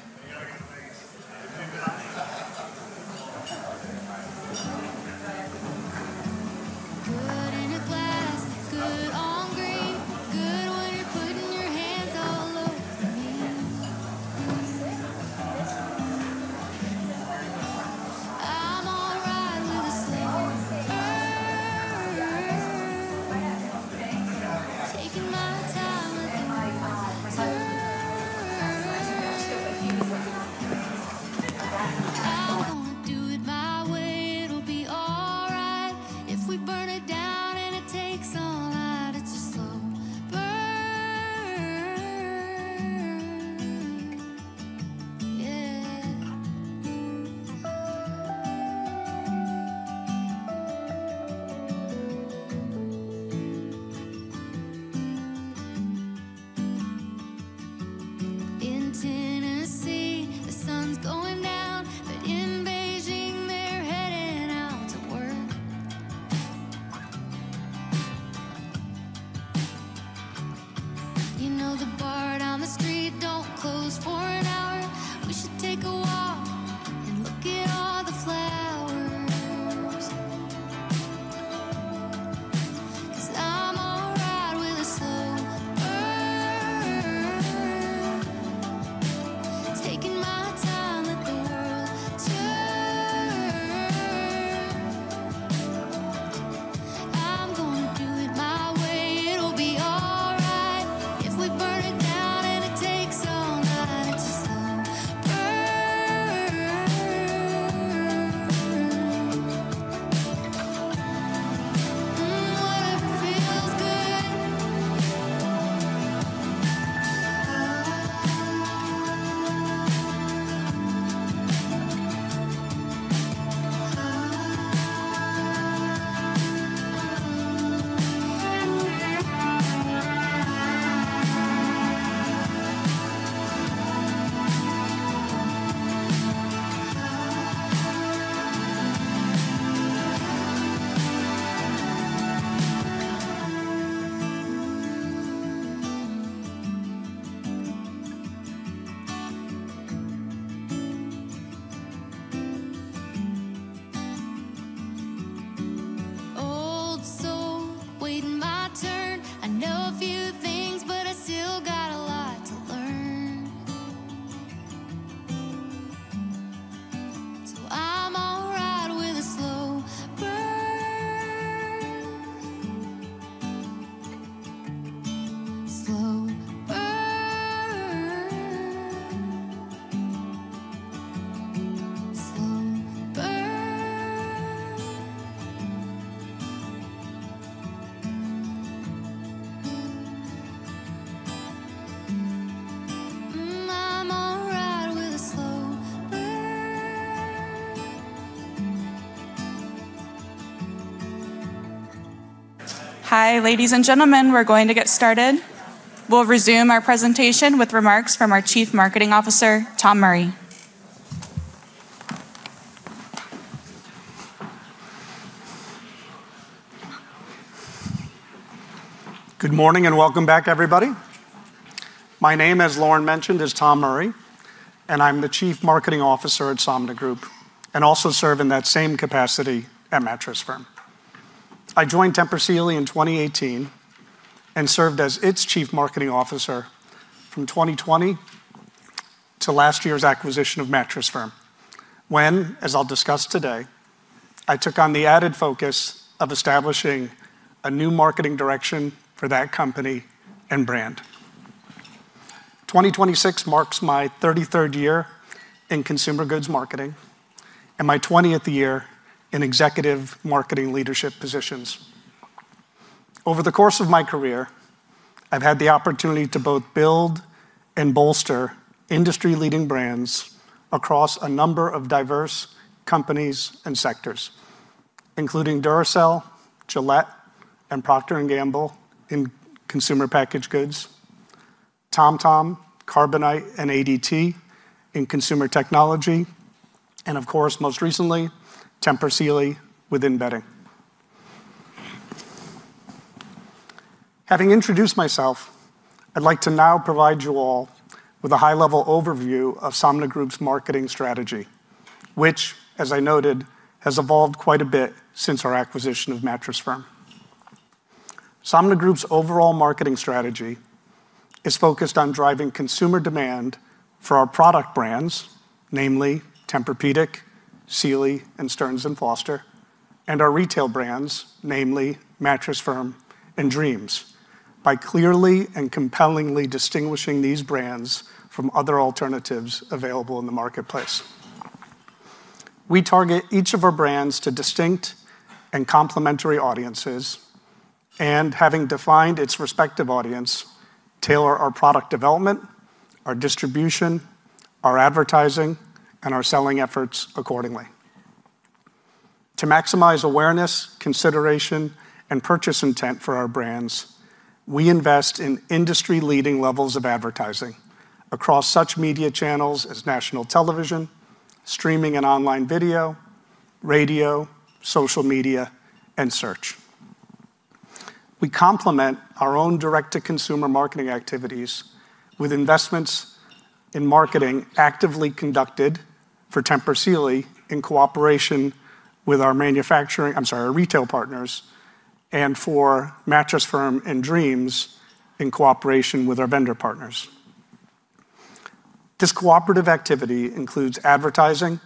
Hi, ladies and gentlemen, we're going to get started. We'll resume our presentation with remarks from our Chief Marketing Officer, Tom Murray. Good morning and welcome back, everybody. My name, as Lauren mentioned, is Tom Murray, and I'm the Chief Marketing Officer at Somnigroup, and also serve in that same capacity at Mattress Firm. I joined Tempur Sealy in 2018 and served as its Chief Marketing Officer from 2020 to last year's acquisition of Mattress Firm, when, as I'll discuss today, I took on the added focus of establishing a new marketing direction for that company and brand. 2026 marks my 33rd year in consumer goods marketing and my 20th year in executive marketing leadership positions. Over the course of my career, I've had the opportunity to both build and bolster industry-leading brands across a number of diverse companies and sectors, including Duracell, Gillette, and Procter & Gamble in consumer packaged goods, TomTom, Carbonite, and ADT in consumer technology, and of course, most recently, Tempur Sealy within bedding. Having introduced myself, I'd like to now provide you all with a high-level overview of Somnigroup's marketing strategy, which, as I noted, has evolved quite a bit since our acquisition of Mattress Firm. Somnigroup's overall marketing strategy is focused on driving consumer demand for our product brands, namely Tempur-Pedic, Sealy, and Stearns & Foster, and our retail brands, namely Mattress Firm and Dreams, by clearly and compellingly distinguishing these brands from other alternatives available in the marketplace. We target each of our brands to distinct and complementary audiences, and having defined its respective audience, tailor our product development, our distribution, our advertising, and our selling efforts accordingly. To maximize awareness, consideration, and purchase intent for our brands, we invest in industry-leading levels of advertising across such media channels as national television, streaming and online video, radio, social media, and search. We complement our own direct-to-consumer marketing activities with investments in marketing actively conducted for Tempur Sealy in cooperation with our retail partners, and for Mattress Firm and Dreams in cooperation with our vendor partners. This cooperative activity includes advertising,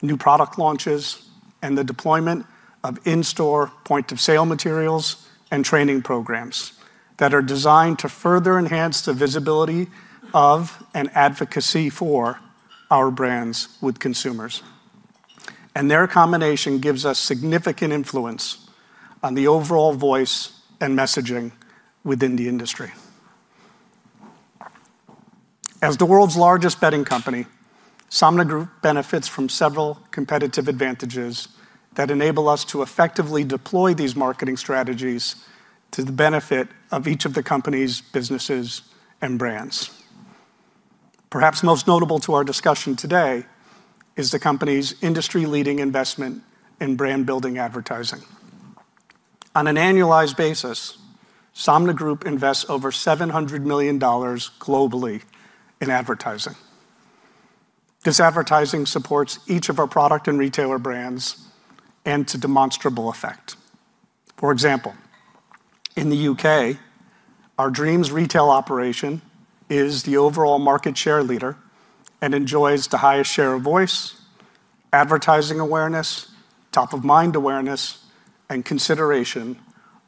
new product launches, and the deployment of in-store point-of-sale materials and training programs that are designed to further enhance the visibility of an advocacy for our brands with consumers. Their combination gives us significant influence on the overall voice and messaging within the industry. As the world's largest bedding company, Somnigroup benefits from several competitive advantages that enable us to effectively deploy these marketing strategies to the benefit of each of the company's businesses and brands. Perhaps most notable to our discussion today is the company's industry-leading investment in brand-building advertising. On an annualized basis, Somnigroup invests over $700 million globally in advertising. This advertising supports each of our product and retailer brands and to demonstrable effect. For example, in the U.K., our Dreams retail operation is the overall market share leader and enjoys the highest share of voice, advertising awareness, top-of-mind awareness, and consideration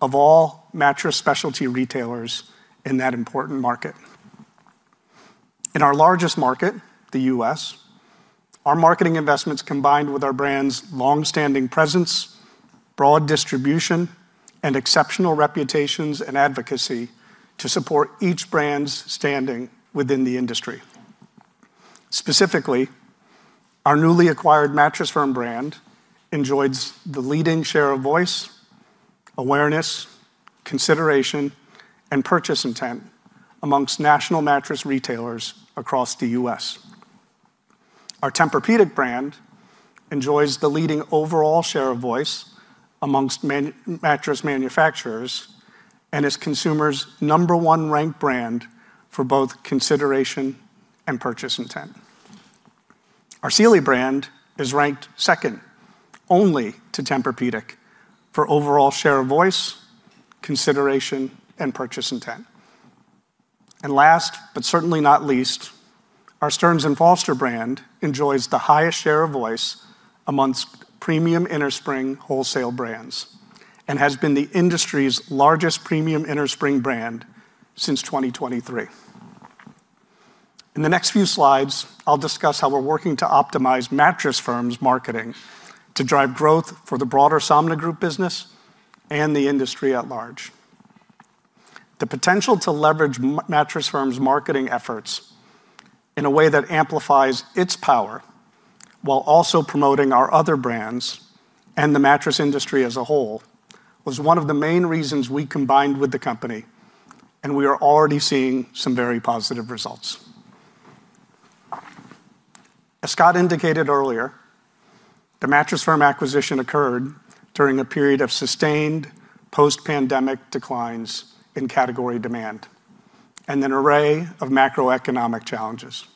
of all mattress specialty retailers in that important market. In our largest market, the U.S., our marketing investments, combined with our brands' long-standing presence, broad distribution, and exceptional reputations and advocacy to support each brand's standing within the industry. Specifically, our newly acquired Mattress Firm brand enjoys the leading share of voice, awareness, consideration, and purchase intent amongst national mattress retailers across the U.S. Our Tempur-Pedic brand enjoys the leading overall share of voice amongst mattress manufacturers and is consumers' number one ranked brand for both consideration and purchase intent. Our Sealy brand is ranked second only to Tempur-Pedic for overall share of voice, consideration, and purchase intent. Last, but certainly not least, our Stearns & Foster brand enjoys the highest share of voice amongst premium innerspring wholesale brands and has been the industry's largest premium innerspring brand since 2023. In the next few slides, I'll discuss how we're working to optimize Mattress Firm's marketing to drive growth for the broader Somnigroup business and the industry at large. The potential to leverage Mattress Firm's marketing efforts in a way that amplifies its power while also promoting our other brands and the mattress industry as a whole was one of the main reasons we combined with the company. We are already seeing some very positive results. As Scott indicated earlier, the Mattress Firm acquisition occurred during a period of sustained post-pandemic declines in category demand and an array of macroeconomic challenges.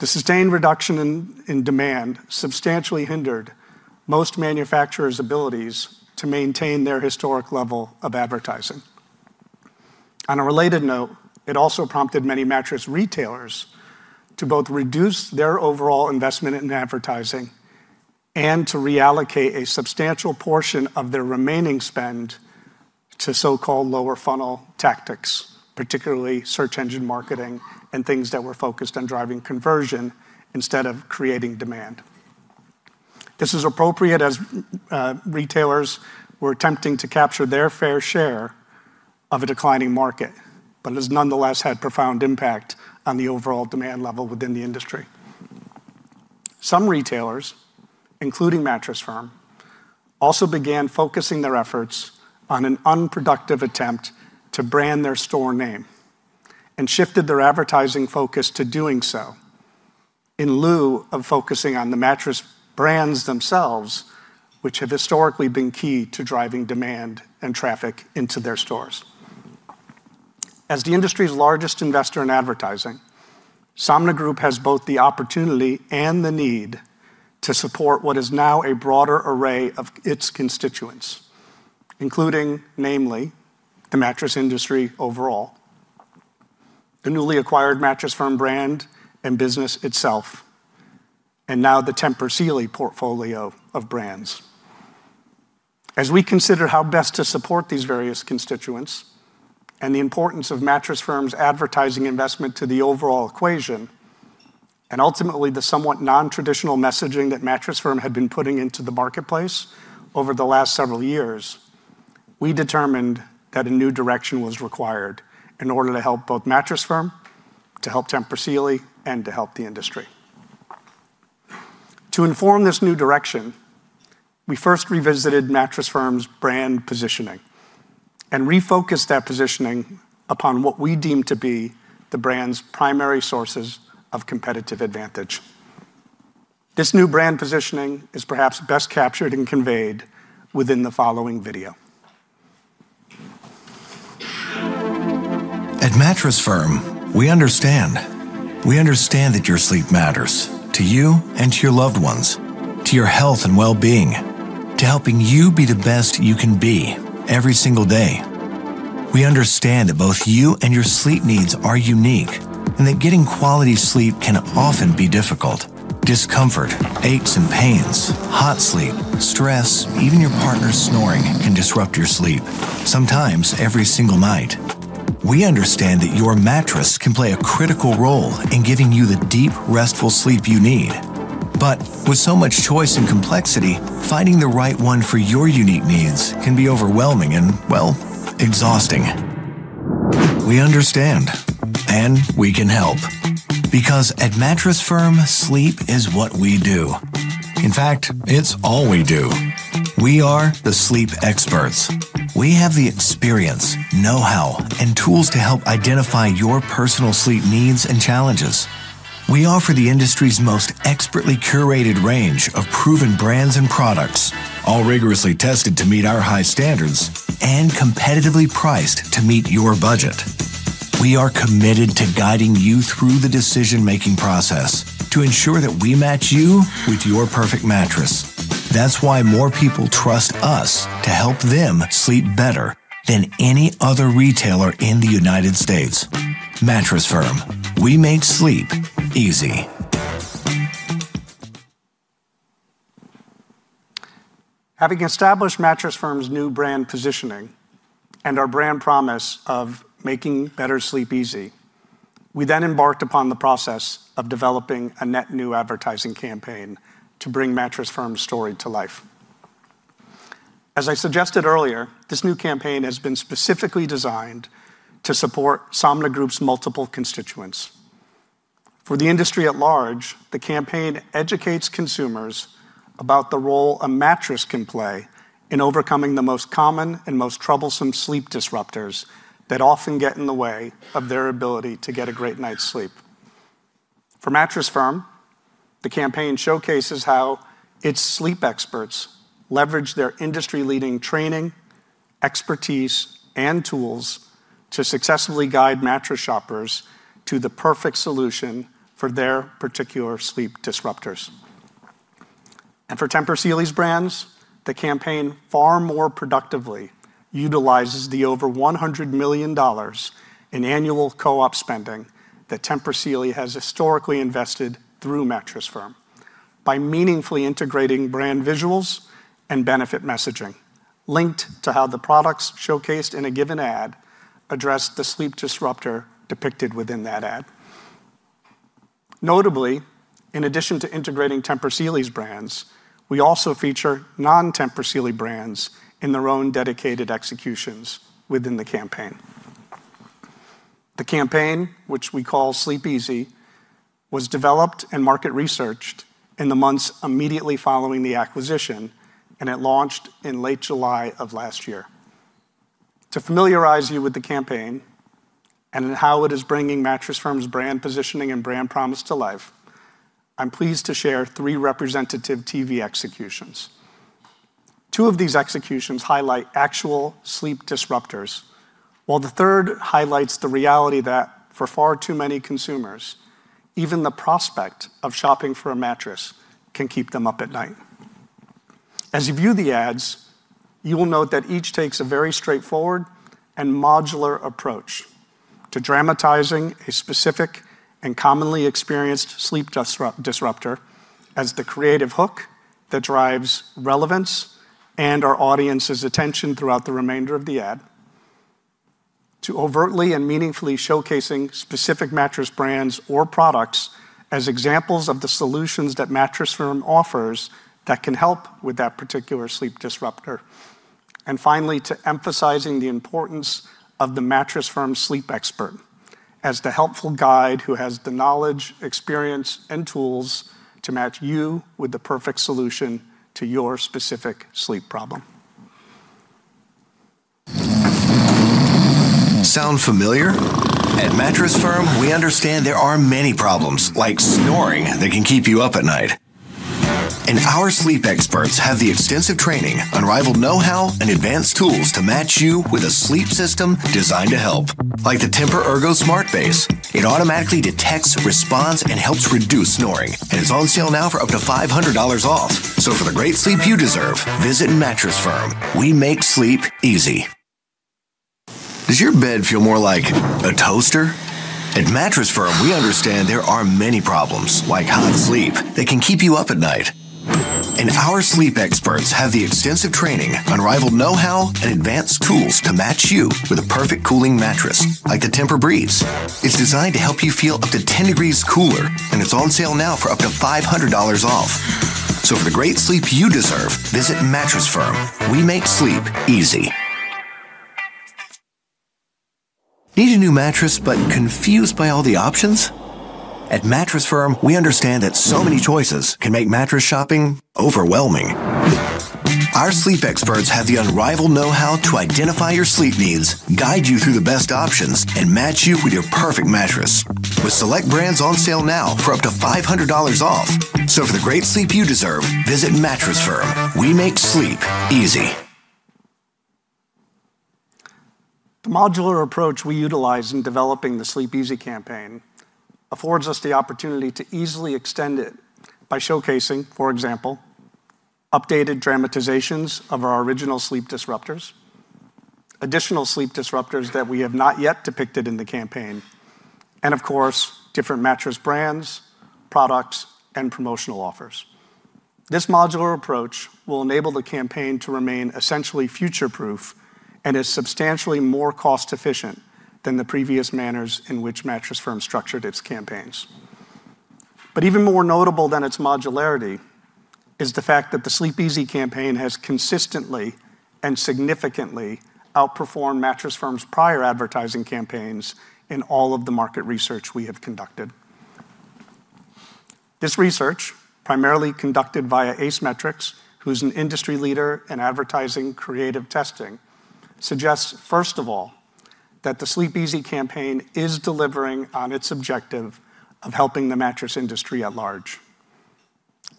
The sustained reduction in demand substantially hindered most manufacturers' abilities to maintain their historic level of advertising. On a related note, it also prompted many mattress retailers to both reduce their overall investment in advertising and to reallocate a substantial portion of their remaining spend to so-called lower funnel tactics, particularly search engine marketing and things that were focused on driving conversion instead of creating demand. This is appropriate as retailers were attempting to capture their fair share of a declining market, but has nonetheless had profound impact on the overall demand level within the industry. Some retailers, including Mattress Firm, also began focusing their efforts on an unproductive attempt to brand their store name and shifted their advertising focus to doing so. In lieu of focusing on the mattress brands themselves, which have historically been key to driving demand and traffic into their stores. As the industry's largest investor in advertising, Somnigroup has both the opportunity and the need to support what is now a broader array of its constituents, including, namely, the mattress industry overall, the newly acquired Mattress Firm brand and business itself, and now the Tempur Sealy portfolio of brands. As we consider how best to support these various constituents and the importance of Mattress Firm's advertising investment to the overall equation, and ultimately the somewhat non-traditional messaging that Mattress Firm had been putting into the marketplace over the last several years, we determined that a new direction was required in order to help both Mattress Firm, to help Tempur Sealy, and to help the industry. To inform this new direction, we first revisited Mattress Firm's brand positioning and refocused that positioning upon what we deemed to be the brand's primary sources of competitive advantage. This new brand positioning is perhaps best captured and conveyed within the following video. At Mattress Firm, we understand. We understand that your sleep matters to you and to your loved ones, to your health and well-being, to helping you be the best you can be every single day. We understand that both you and your sleep needs are unique and that getting quality sleep can often be difficult. Discomfort, aches and pains, hot sleep, stress, even your partner's snoring can disrupt your sleep, sometimes every single night. We understand that your mattress can play a critical role in giving you the deep, restful sleep you need. But with so much choice and complexity, finding the right one for your unique needs can be overwhelming and, well, exhausting. We understand, and we can help because at Mattress Firm, sleep is what we do. In fact, it's all we do. We are the sleep experts. We have the experience, know-how, and tools to help identify your personal sleep needs and challenges. We offer the industry's most expertly curated range of proven brands and products, all rigorously tested to meet our high standards and competitively priced to meet your budget. We are committed to guiding you through the decision-making process to ensure that we match you with your perfect mattress. That's why more people trust us to help them sleep better than any other retailer in the United States. Mattress Firm, we make Sleep Easy. Having established Mattress Firm's new brand positioning and our brand promise of making better sleep easy, we then embarked upon the process of developing a net new advertising campaign to bring Mattress Firm's story to life. As I suggested earlier, this new campaign has been specifically designed to support Somnigroup's multiple constituents. For the industry at large, the campaign educates consumers about the role a mattress can play in overcoming the most common and most troublesome sleep disruptors that often get in the way of their ability to get a great night's sleep. For Mattress Firm, the campaign showcases how its sleep experts leverage their industry-leading training, expertise, and tools to successfully guide mattress shoppers to the perfect solution for their particular sleep disruptors. For Tempur Sealy's brands, the campaign far more productively utilizes the over $100 million in annual co-op spending that Tempur Sealy has historically invested through Mattress Firm by meaningfully integrating brand visuals and benefit messaging linked to how the products showcased in a given ad address the sleep disruptor depicted within that ad. Notably, in addition to integrating Tempur Sealy's brands, we also feature non-Tempur Sealy brands in their own dedicated executions within the campaign. The campaign, which we call Sleep Easy, was developed and market researched in the months immediately following the acquisition, and it launched in late July of last year. To familiarize you with the campaign and how it is bringing Mattress Firm's brand positioning and brand promise to life, I'm pleased to share three representative TV executions. Two of these executions highlight actual sleep disruptors, while the third highlights the reality that for far too many consumers, even the prospect of shopping for a mattress can keep them up at night. As you view the ads, you will note that each takes a very straightforward and modular approach to dramatizing a specific and commonly experienced sleep disruptor as the creative hook that drives relevance and our audience's attention throughout the remainder of the ad to overtly and meaningfully showcasing specific mattress brands or products as examples of the solutions that Mattress Firm offers that can help with that particular sleep disruptor. Finally, to emphasizing the importance of the Mattress Firm sleep expert as the helpful guide who has the knowledge, experience, and tools to match you with the perfect solution to your specific sleep problem. Sound familiar? At Mattress Firm, we understand there are many problems like snoring that can keep you up at night. Our sleep experts have the extensive training, unrivaled know-how, and advanced tools to match you with a sleep system designed to help. Like the TEMPUR-Ergo Smart Base, it automatically detects, responds, and helps reduce snoring, and it's on sale now for up to $500 off. For the great sleep you deserve, visit Mattress Firm. We make Sleep Easy. Does your bed feel more like a toaster? At Mattress Firm, we understand there are many problems like hot sleep that can keep you up at night. Our sleep experts have the extensive training, unrivaled know-how, and advanced tools to match you with a perfect cooling mattress like the TEMPUR-Breeze. It's designed to help you feel up to 10 degrees cooler, and it's on sale now for up to $500 off. For the great sleep you deserve, visit Mattress Firm. We make Sleep Easy. Need a new mattress but confused by all the options? At Mattress Firm, we understand that so many choices can make mattress shopping overwhelming. Our sleep experts have the unrivaled know-how to identify your sleep needs, guide you through the best options, and match you with your perfect mattress, with select brands on sale now for up to $500 off. For the great sleep you deserve, visit Mattress Firm. We make Sleep Easy. The modular approach we utilize in developing the Sleep Easy campaign affords us the opportunity to easily extend it by showcasing, for example, updated dramatizations of our original sleep disruptors, additional sleep disruptors that we have not yet depicted in the campaign, and of course, different mattress brands, products, and promotional offers. This modular approach will enable the campaign to remain essentially future-proof and is substantially more cost-efficient than the previous manners in which Mattress Firm structured its campaigns. Even more notable than its modularity is the fact that the Sleep Easy campaign has consistently and significantly outperformed Mattress Firm's prior advertising campaigns in all of the market research we have conducted. This research, primarily conducted via Ace Metrix, who's an industry leader in advertising creative testing, suggests, first of all, that the Sleep Easy campaign is delivering on its objective of helping the mattress industry at large.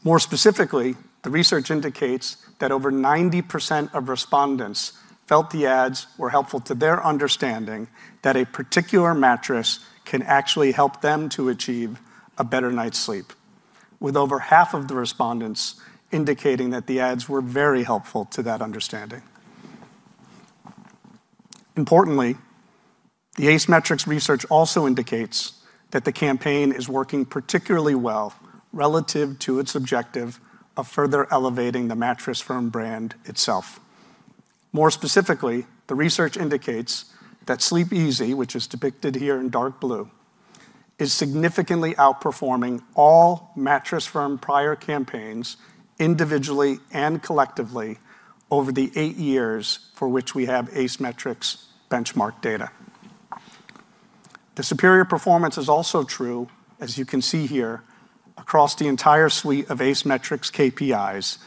More specifically, the research indicates that over 90% of respondents felt the ads were helpful to their understanding that a particular mattress can actually help them to achieve a better night's sleep, with over half of the respondents indicating that the ads were very helpful to that understanding. Importantly, the Ace Metrix research also indicates that the campaign is working particularly well relative to its objective of further elevating the Mattress Firm brand itself. More specifically, the research indicates that Sleep Easy, which is depicted here in dark blue, is significantly outperforming all Mattress Firm prior campaigns individually and collectively over the 8 years for which we have Ace Metrix benchmark data. The superior performance is also true, as you can see here, across the entire suite of Ace Metrix KPIs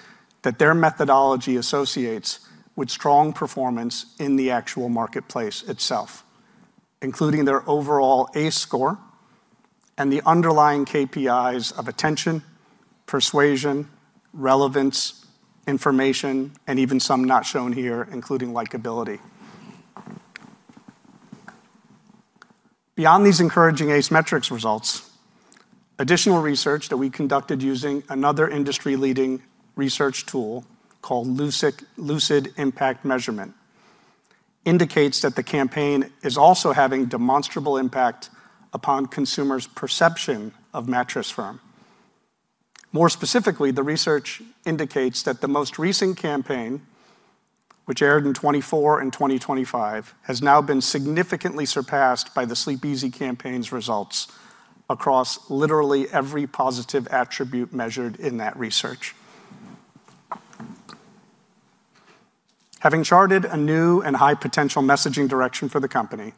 that their methodology associates with strong performance in the actual marketplace itself, including their overall Ace Score and the underlying KPIs of attention, persuasion, relevance, information, and even some not shown here, including likability. Beyond these encouraging Ace Metrix results, additional research that we conducted using another industry-leading research tool called Lucid Impact Measurement indicates that the campaign is also having demonstrable impact upon consumers' perception of Mattress Firm. More specifically, the research indicates that the most recent campaign, which aired in 2024 and 2025, has now been significantly surpassed by the Sleep Easy campaign's results across literally every positive attribute measured in that research. Having charted a new and high-potential messaging direction for the company,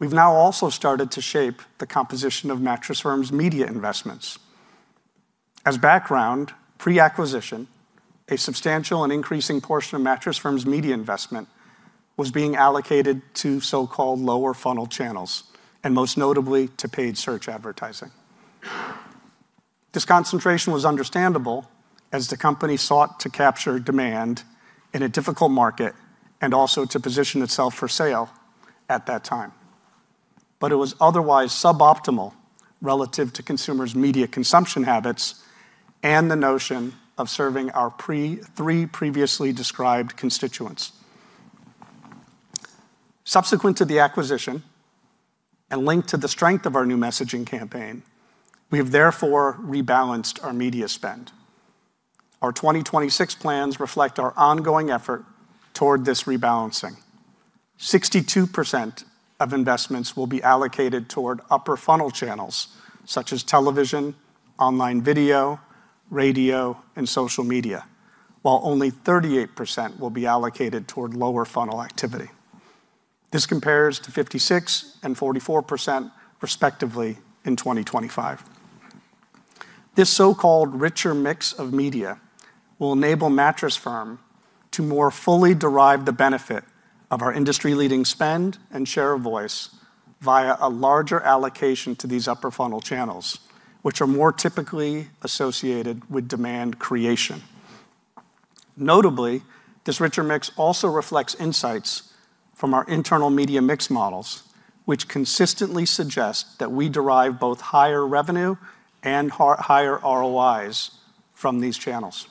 we've now also started to shape the composition of Mattress Firm's media investments. As background, pre-acquisition, a substantial and increasing portion of Mattress Firm's media investment was being allocated to so-called lower-funnel channels, and most notably to paid search advertising. This concentration was understandable as the company sought to capture demand in a difficult market and also to position itself for sale at that time. It was otherwise suboptimal relative to consumers' media consumption habits and the notion of serving our three previously described constituents. Subsequent to the acquisition and linked to the strength of our new messaging campaign, we have therefore rebalanced our media spend. Our 2026 plans reflect our ongoing effort toward this rebalancing. 62% of investments will be allocated toward upper-funnel channels such as television, online video, radio, and social media, while only 38% will be allocated toward lower-funnel activity. This compares to 56% and 44% respectively in 2025. This so-called richer mix of media will enable Mattress Firm to more fully derive the benefit of our industry-leading spend and share of voice via a larger allocation to these upper funnel channels, which are more typically associated with demand creation. Notably, this richer mix also reflects insights from our internal media mix models, which consistently suggest that we derive both higher revenue and higher ROIs from these channels.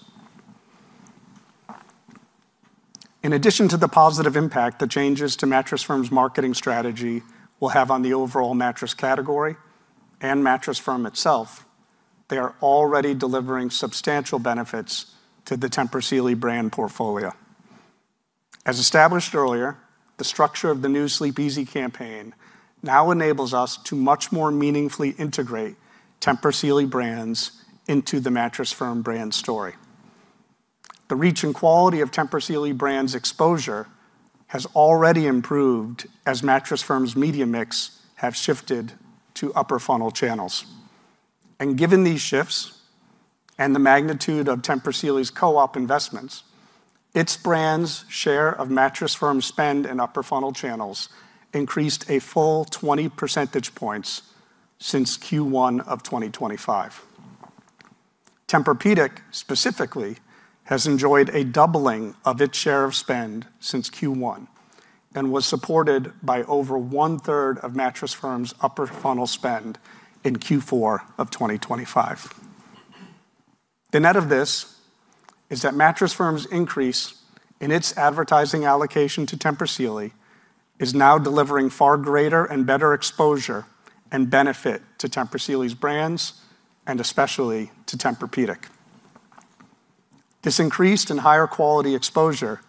In addition to the positive impact the changes to Mattress Firm's marketing strategy will have on the overall mattress category and Mattress Firm itself, they are already delivering substantial benefits to the Tempur Sealy brand portfolio. As established earlier, the structure of the new Sleep Easy campaign now enables us to much more meaningfully integrate Tempur Sealy brands into the Mattress Firm brand story. The reach and quality of Tempur Sealy brands' exposure has already improved as Mattress Firm's media mix have shifted to upper funnel channels. Given these shifts and the magnitude of Tempur Sealy's co-op investments, its brands' share of Mattress Firm spend and upper funnel channels increased a full 20 percentage points since Q1 of 2025. Tempur-Pedic specifically has enjoyed a doubling of its share of spend since Q1 and was supported by over one-third of Mattress Firm's upper funnel spend in Q4 of 2025. The net of this is that Mattress Firm's increase in its advertising allocation to Tempur Sealy is now delivering far greater and better exposure and benefit to Tempur Sealy's brands, and especially to Tempur-Pedic. This increased and higher quality exposure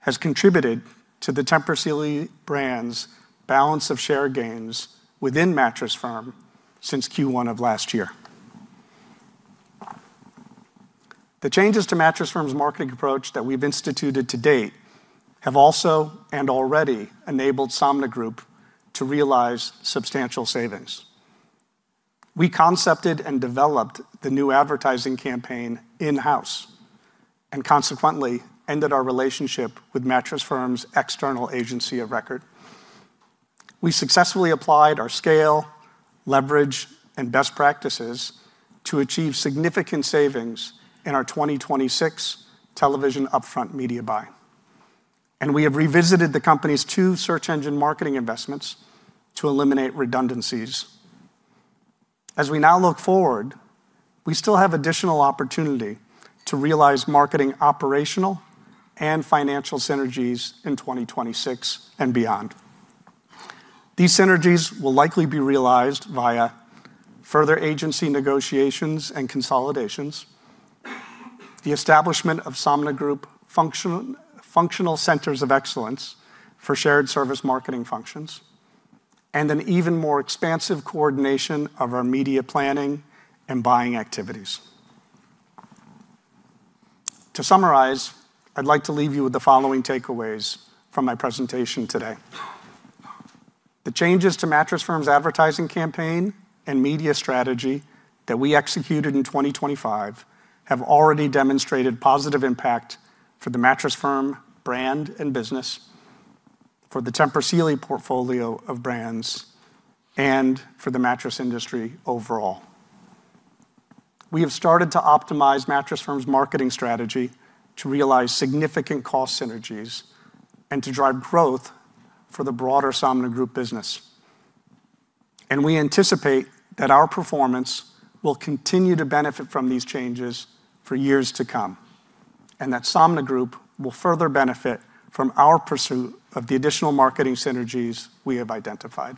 has contributed to the Tempur Sealy brand's balance of share gains within Mattress Firm since Q1 of last year. The changes to Mattress Firm's marketing approach that we've instituted to date have also and already enabled Somnigroup to realize substantial savings. We concepted and developed the new advertising campaign in-house, and consequently ended our relationship with Mattress Firm's external agency of record. We successfully applied our scale, leverage, and best practices to achieve significant savings in our 2026 television upfront media buy. We have revisited the company's two search engine marketing investments to eliminate redundancies. As we now look forward, we still have additional opportunity to realize marketing operational and financial synergies in 2026 and beyond. These synergies will likely be realized via further agency negotiations and consolidations, the establishment of Somnigroup functional centers of excellence for shared service marketing functions, and an even more expansive coordination of our media planning and buying activities. To summarize, I'd like to leave you with the following takeaways from my presentation today. The changes to Mattress Firm's advertising campaign and media strategy that we executed in 2025 have already demonstrated positive impact for the Mattress Firm brand and business, for the Tempur Sealy portfolio of brands, and for the mattress industry overall. We have started to optimize Mattress Firm's marketing strategy to realize significant cost synergies and to drive growth for the broader Somnigroup business, and we anticipate that our performance will continue to benefit from these changes for years to come, and that Somnigroup will further benefit from our pursuit of the additional marketing synergies we have identified.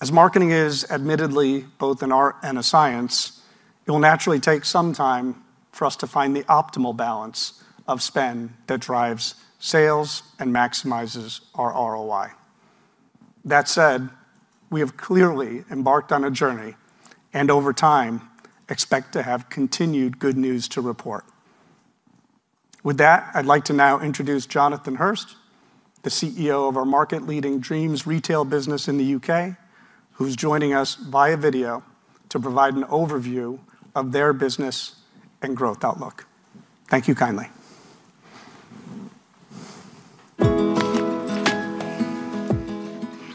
As marketing is admittedly both an art and a science, it will naturally take some time for us to find the optimal balance of spend that drives sales and maximizes our ROI. That said, we have clearly embarked on a journey and over time, expect to have continued good news to report. With that, I'd like to now introduce Jonathan Hirst, the CEO of our market-leading Dreams retail business in the U.K., who's joining us via video to provide an overview of their business and growth outlook. Thank you kindly.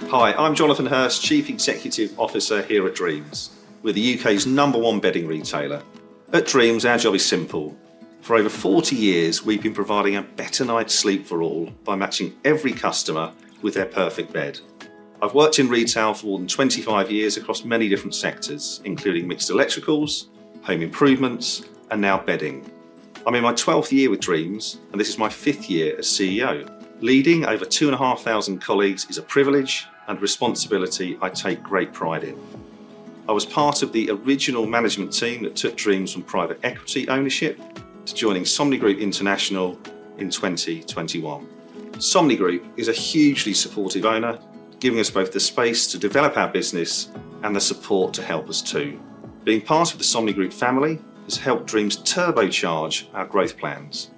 Hi, I'm Jonathan Hirst, Chief Executive Officer here at Dreams. We're the U.K.'s number one bedding retailer. At Dreams, our job is simple. For over 40 years, we've been providing a better night's sleep for all by matching every customer with their perfect bed. I've worked in retail for more than 25 years across many different sectors, including mixed electricals, home improvements, and now bedding. I'm in my 12th year with Dreams, and this is my fifth year as CEO. Leading over 2,500 colleagues is a privilege and responsibility I take great pride in. I was part of the original management team that took Dreams from private equity ownership to joining Somnigroup International in 2021. Somnigroup is a hugely supportive owner, giving us both the space to develop our business and the support to help us too. Being part of the Somnigroup family has helped Dreams turbocharge our growth plans.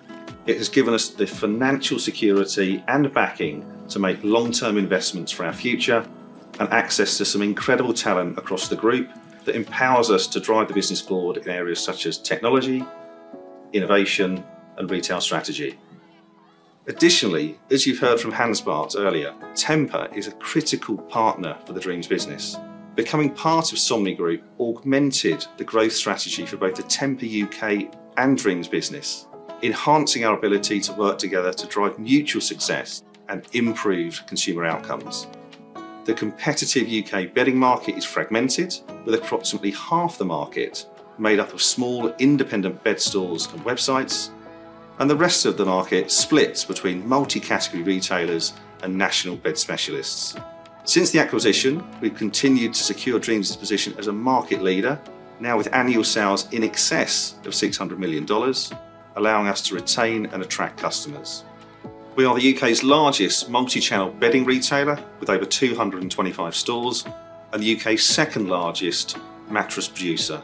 It has given us the financial security and backing to make long-term investments for our future and access to some incredible talent across the group that empowers us to drive the business forward in areas such as technology, innovation, and retail strategy. Additionally, as you've heard from Hansbart earlier, Tempur is a critical partner for the Dreams business. Becoming part of Somnigroup augmented the growth strategy for both the Tempur U.K. and Dreams business, enhancing our ability to work together to drive mutual success and improve consumer outcomes. The competitive U.K. bedding market is fragmented, with approximately half the market made up of small independent bed stores and websites, the rest of the market splits between multi-category retailers and national bed specialists. Since the acquisition, we've continued to secure Dreams' position as a market leader now with annual sales in excess of $600 million, allowing us to retain and attract customers. We are the U.K.'s largest multi-channel bedding retailer with over 225 stores and the U.K.'s second-largest mattress producer.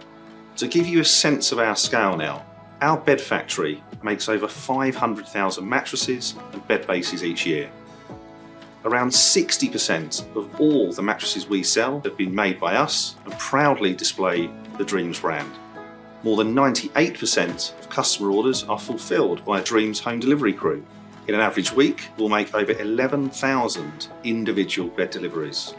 To give you a sense of our scale now, our bed factory makes over 500,000 mattresses and bed bases each year. Around 60% of all the mattresses we sell have been made by us and proudly display the Dreams brand. More than 98% of customer orders are fulfilled by a Dreams home delivery crew. In an average week, we'll make over 11,000 individual bed deliveries.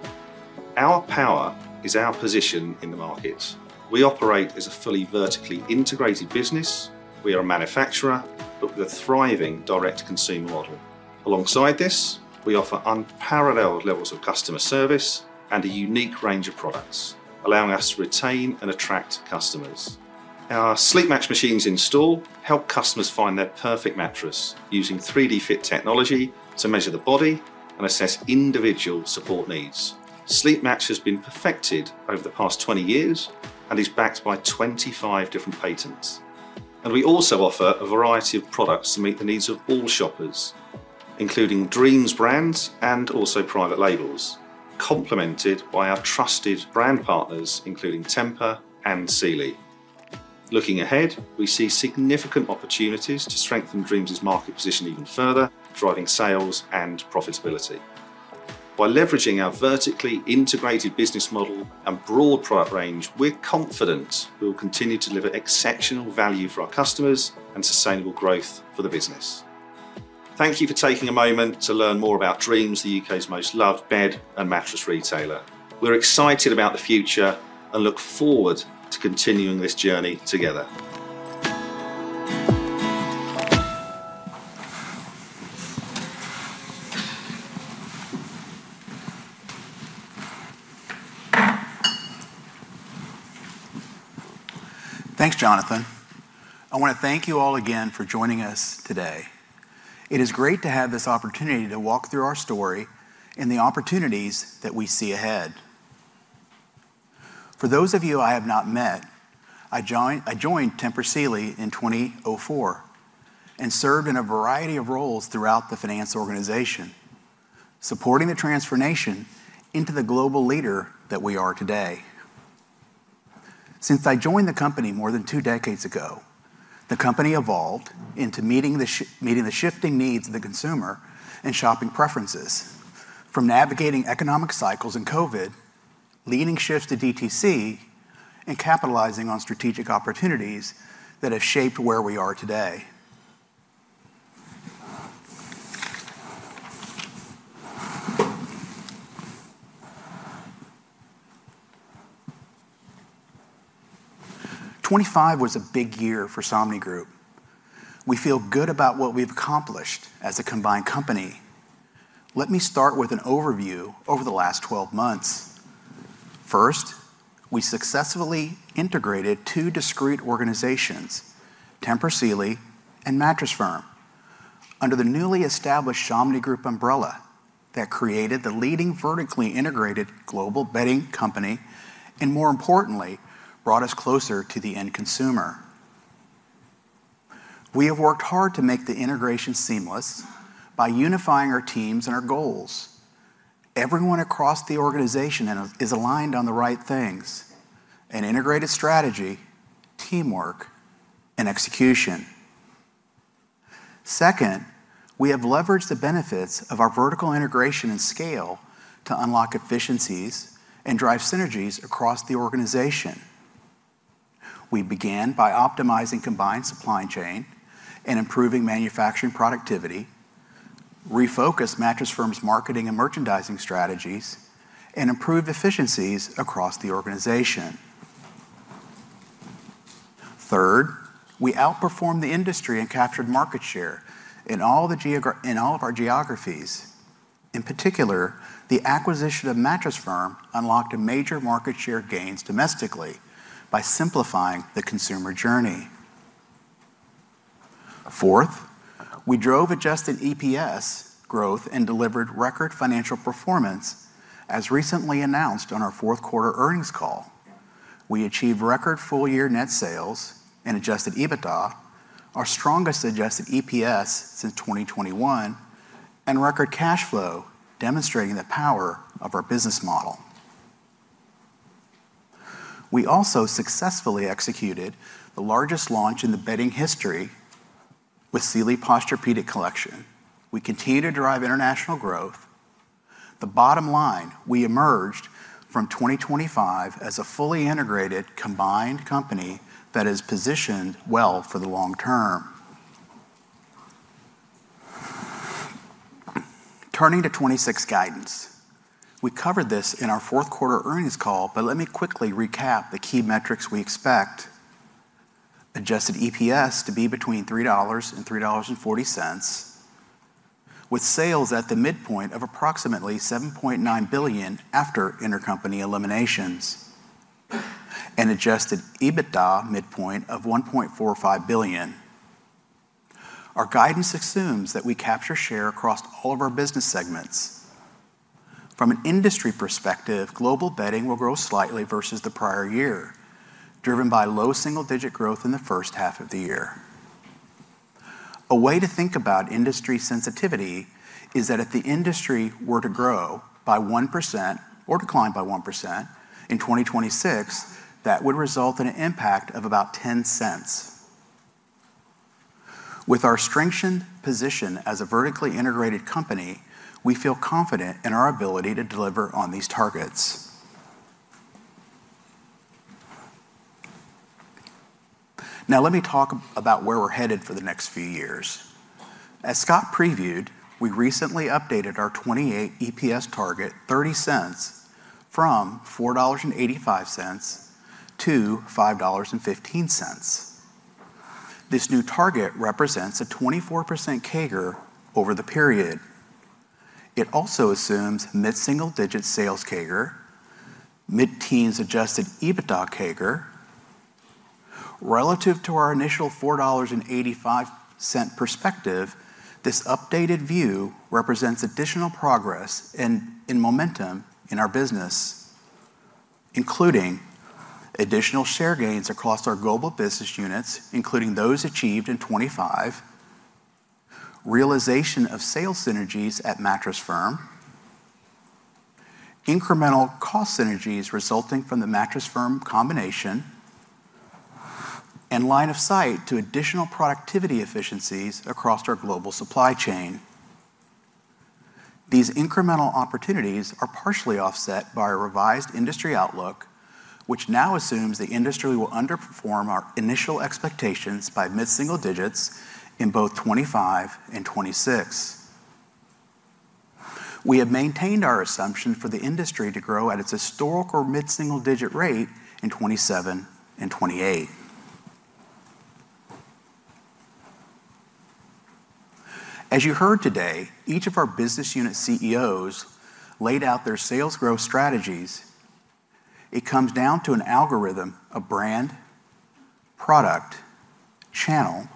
Our power is our position in the market. We operate as a fully vertically integrated business. We are a manufacturer with a thriving direct-to-consumer model. Alongside this, we offer unparalleled levels of customer service and a unique range of products, allowing us to retain and attract customers. Our SleepMatch machines in-store help customers find their perfect mattress using 3-D fit technology to measure the body and assess individual support needs. SleepMatch has been perfected over the past 20 years and is backed by 25 different patents. We also offer a variety of products to meet the needs of all shoppers, including Dreams brands and also private labels, complemented by our trusted brand partners, including Tempur and Sealy. Looking ahead, we see significant opportunities to strengthen Dreams' market position even further, driving sales and profitability. By leveraging our vertically integrated business model and broad product range, we're confident we'll continue to deliver exceptional value for our customers and sustainable growth for the business. Thank you for taking a moment to learn more about Dreams, the U.K.'s most loved bed and mattress retailer. We're excited about the future and look forward to continuing this journey together. Thanks, Jonathan. I want to thank you all again for joining us today. It is great to have this opportunity to walk through our story and the opportunities that we see ahead. For those of you I have not met, I joined Tempur Sealy in 2004 and served in a variety of roles throughout the finance organization, supporting the transformation into the global leader that we are today. Since I joined the company more than two decades ago, the company evolved into meeting the shifting needs of the consumer and shopping preferences. From navigating economic cycles and COVID, leading shifts to DTC, and capitalizing on strategic opportunities that have shaped where we are today. 25 was a big year for Somnigroup. We feel good about what we've accomplished as a combined company. Let me start with an overview over the last 12 months. First, we successfully integrated two discrete organizations, Tempur Sealy and Mattress Firm, under the newly established Somnigroup umbrella that created the leading vertically integrated global bedding company. More importantly, brought us closer to the end consumer. We have worked hard to make the integration seamless by unifying our teams and our goals. Everyone across the organization is aligned on the right things, an integrated strategy, teamwork, and execution. Second, we have leveraged the benefits of our vertical integration and scale to unlock efficiencies and drive synergies across the organization. We began by optimizing combined supply chain and improving manufacturing productivity, refocused Mattress Firm's marketing and merchandising strategies, and improved efficiencies across the organization. Third, we outperformed the industry and captured market share in all of our geographies. In particular, the acquisition of Mattress Firm unlocked a major market share gains domestically by simplifying the consumer journey. Fourth, we drove adjusted EPS growth and delivered record financial performance, as recently announced on our fourth quarter earnings call. We achieved record full-year net sales and adjusted EBITDA, our strongest adjusted EPS since 2021, and record cash flow, demonstrating the power of our business model. We also successfully executed the largest launch in the bedding history with Sealy Posturepedic collection. We continue to drive international growth. The bottom line, we emerged from 2025 as a fully integrated, combined company that is positioned well for the long term. Turning to 2026 guidance. We covered this in our fourth quarter earnings call, but let me quickly recap the key metrics we expect. Adjusted EPS to be between $3.00-$3.40, with sales at the midpoint of approximately $7.9 billion after intercompany eliminations, and adjusted EBITDA midpoint of $1.45 billion. Our guidance assumes that we capture share across all of our business segments. From an industry perspective, global bedding will grow slightly versus the prior year, driven by low single-digit growth in the first half of the year. A way to think about industry sensitivity is that if the industry were to grow by 1% or decline by 1% in 2026, that would result in an impact of about $0.10. With our strengths and position as a vertically integrated company, we feel confident in our ability to deliver on these targets. Let me talk about where we're headed for the next few years. As Scott previewed, we recently updated our 2028 EPS target $0.30 from $4.85 to $5.15. This new target represents a 24% CAGR over the period. It also assumes mid-single-digit sales CAGR, mid-teens Adjusted EBITDA CAGR. Relative to our initial $4.85 perspective, this updated view represents additional progress and in momentum in our business, including additional share gains across our global business units, including those achieved in 2025, realization of sales synergies at Mattress Firm, incremental cost synergies resulting from the Mattress Firm combination, and line of sight to additional productivity efficiencies across our global supply chain. These incremental opportunities are partially offset by a revised industry outlook, which now assumes the industry will underperform our initial expectations by mid-single digits in both 2025 and 2026. We have maintained our assumption for the industry to grow at its historical mid-single-digit rate in 2027 and 2028. As you heard today, each of our business unit CEOs laid out their sales growth strategies. It comes down to an algorithm of brand, product, channel,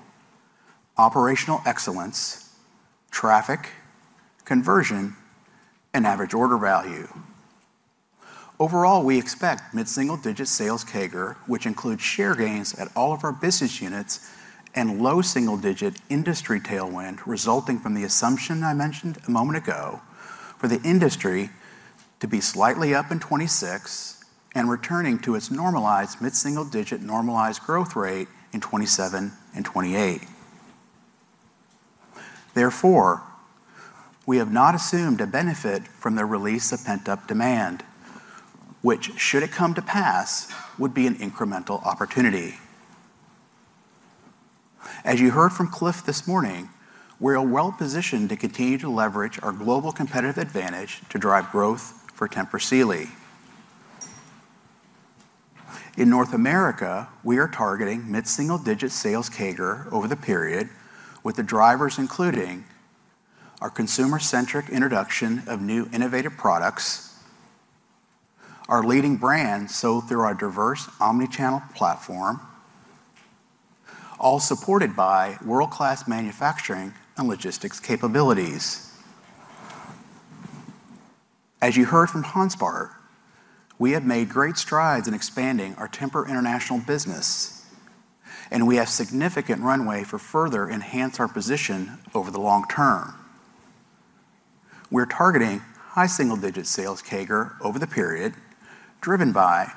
operational excellence, traffic, conversion, and average order value. Overall, we expect mid-single-digit sales CAGR, which includes share gains at all of our business units and low single-digit industry tailwind resulting from the assumption I mentioned a moment ago for the industry to be slightly up in 2026 and returning to its normalized mid-single-digit normalized growth rate in 2027 and 2028. Therefore, we have not assumed a benefit from the release of pent-up demand, which should it come to pass, would be an incremental opportunity. As you heard from Cliff this morning, we're well-positioned to continue to leverage our global competitive advantage to drive growth for Tempur Sealy. In North America, we are targeting mid-single-digit sales CAGR over the period with the drivers including our consumer-centric introduction of new innovative products, our leading brands sold through our diverse omnichannel platform, all supported by world-class manufacturing and logistics capabilities. As you heard from Hans Bart, we have made great strides in expanding our Tempur international business, and we have significant runway to further enhance our position over the long term. We're targeting high-single-digit sales CAGR over the period, driven by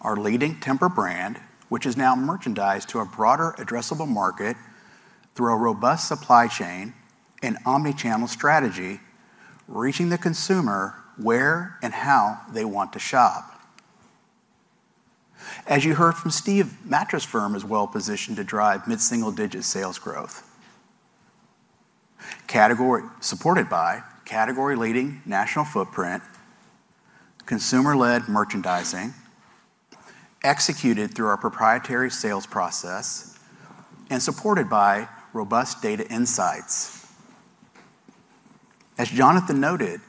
our leading Tempur brand, which is now merchandised to a broader addressable market through a robust supply chain and omnichannel strategy, reaching the consumer where and how they want to shop. As you heard from Steve, Mattress Firm is well-positioned to drive mid-single digit sales growth. Supported by category-leading national footprint, consumer-led merchandising, executed through our proprietary sales process and supported by robust data insights. As Jonathan noted,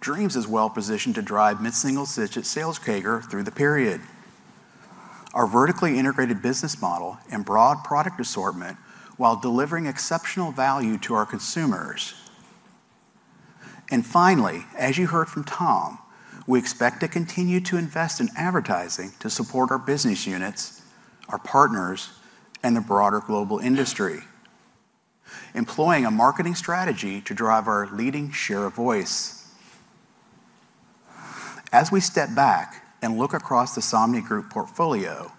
Dreams is well-positioned to drive mid-single digit sales CAGR through the period. Our vertically integrated business model and broad product assortment, while delivering exceptional value to our consumers. Finally, as you heard from Tom, we expect to continue to invest in advertising to support our business units, our partners, and the broader global industry, employing a marketing strategy to drive our leading share of voice. As we step back and look across the Somnigroup portfolio,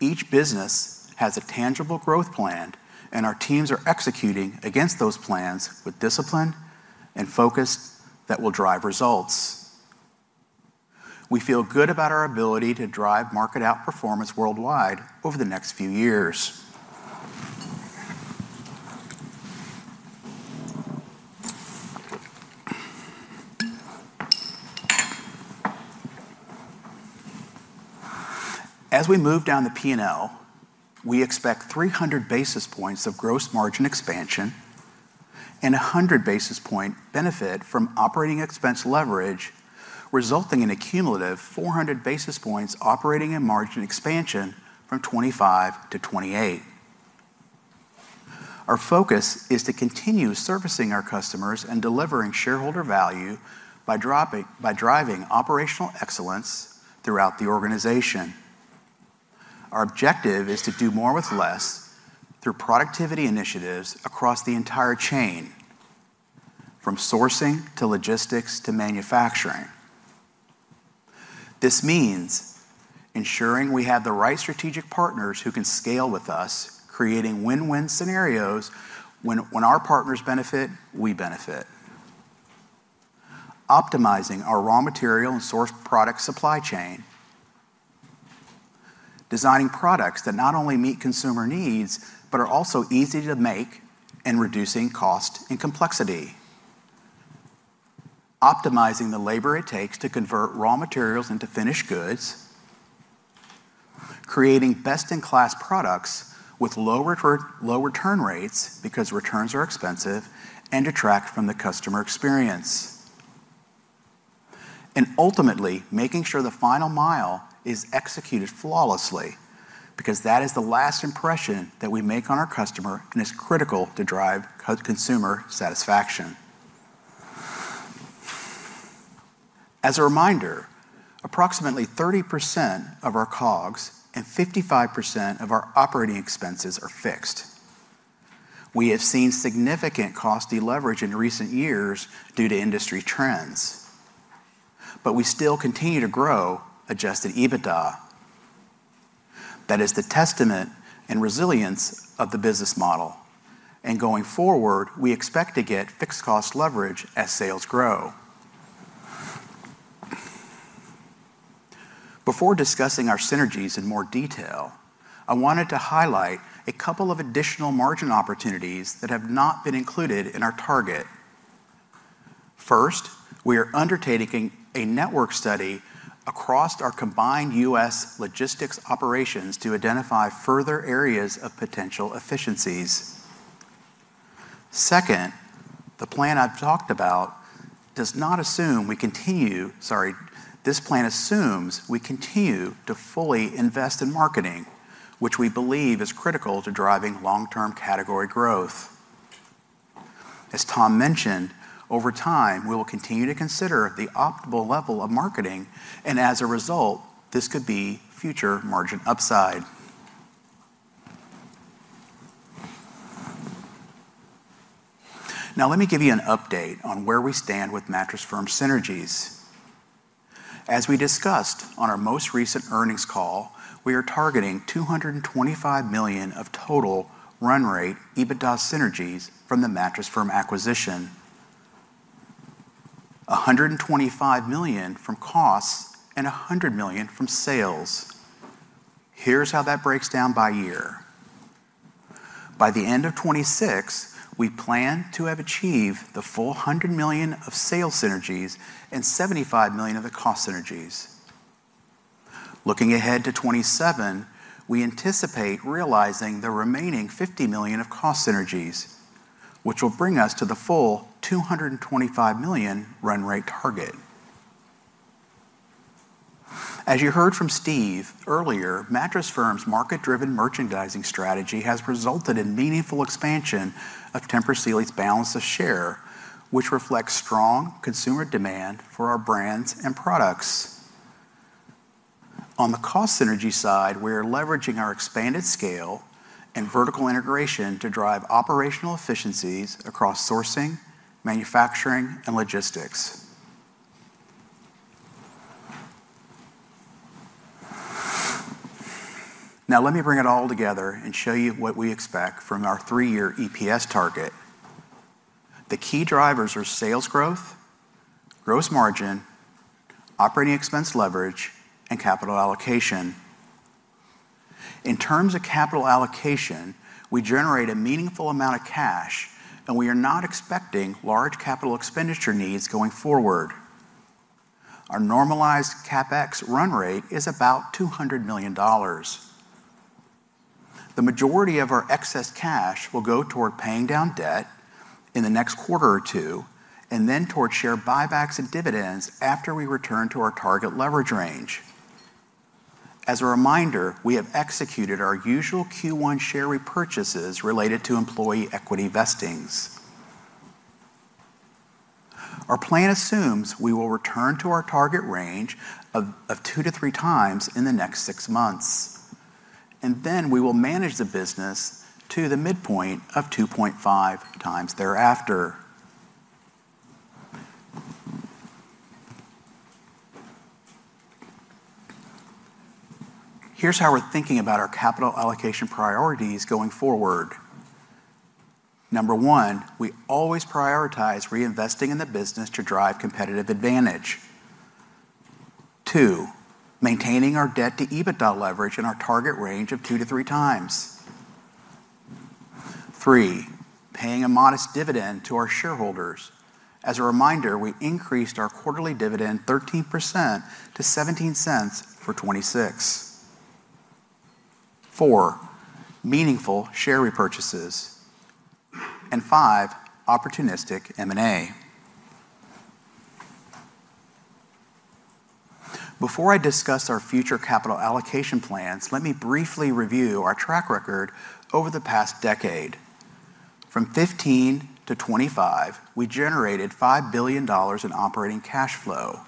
each business has a tangible growth plan, and our teams are executing against those plans with discipline and focus that will drive results. We feel good about our ability to drive market outperformance worldwide over the next few years. As we move down the P&L, we expect 300 basis points of gross margin expansion and a 100 basis point benefit from operating expense leverage, resulting in a cumulative 400 basis points operating and margin expansion from 2025 to 2028. Our focus is to continue servicing our customers and delivering shareholder value by driving operational excellence throughout the organization. Our objective is to do more with less through productivity initiatives across the entire chain, from sourcing to logistics to manufacturing. This means ensuring we have the right strategic partners who can scale with us, creating win-win scenarios. When our partners benefit, we benefit. Optimizing our raw material and source product supply chain. Designing products that not only meet consumer needs but are also easy to make and reducing cost and complexity. Optimizing the labor it takes to convert raw materials into finished goods. Creating best-in-class products with low return rates because returns are expensive and detract from the customer experience. Ultimately making sure the final mile is executed flawlessly because that is the last impression that we make on our customer and is critical to drive consumer satisfaction. As a reminder, approximately 30% of our COGS and 55% of our operating expenses are fixed. We have seen significant cost deleverage in recent years due to industry trends, but we still continue to grow adjusted EBITDA. That is the testament and resilience of the business model. Going forward, we expect to get fixed cost leverage as sales grow. Before discussing our synergies in more detail, I wanted to highlight a couple of additional margin opportunities that have not been included in our target. First, we are undertaking a network study across our combined U.S. logistics operations to identify further areas of potential efficiencies. Second, this plan assumes we continue to fully invest in marketing, which we believe is critical to driving long-term category growth. As Tom mentioned, over time, we will continue to consider the optimal level of marketing. As a result, this could be future margin upside. Let me give you an update on where we stand with Mattress Firm synergies. As we discussed on our most recent earnings call, we are targeting $225 million of total run rate EBITDA synergies from the Mattress Firm acquisition. $125 million from costs and $100 million from sales. Here's how that breaks down by year. By the end of 2026, we plan to have achieved the full $100 million of sales synergies and $75 million of the cost synergies. Looking ahead to 2027, we anticipate realizing the remaining $50 million of cost synergies, which will bring us to the full $225 million run rate target. As you heard from Steve earlier, Mattress Firm's market-driven merchandising strategy has resulted in meaningful expansion of Tempur Sealy's balance of share, which reflects strong consumer demand for our brands and products. On the cost synergy side, we are leveraging our expanded scale and vertical integration to drive operational efficiencies across sourcing, manufacturing, and logistics. Now, let me bring it all together and show you what we expect from our three-year EPS target. The key drivers are sales growth, gross margin, operating expense leverage, and capital allocation. In terms of capital allocation, we generate a meaningful amount of cash, we are not expecting large capital expenditure needs going forward. Our normalized CapEx run rate is about $200 million. The majority of our excess cash will go toward paying down debt in the next quarter or two, then towards share buybacks and dividends after we return to our target leverage range. As a reminder, we have executed our usual Q1 share repurchases related to employee equity vestings. Our plan assumes we will return to our target range of two to three times in the next six months, then we will manage the business to the midpoint of 2.5 times thereafter. Here's how we're thinking about our capital allocation priorities going forward. Number 1, we always prioritize reinvesting in the business to drive competitive advantage. 2, maintaining our debt to EBITDA leverage in our target range of 2 - 3 times. 3, paying a modest dividend to our shareholders. As a reminder, we increased our quarterly dividend 13% to $0.17 for 2026. 4, meaningful share repurchases. 5, opportunistic M&A. Before I discuss our future capital allocation plans, let me briefly review our track record over the past decade. From 2015 to 2025, we generated $5 billion in operating cash flow.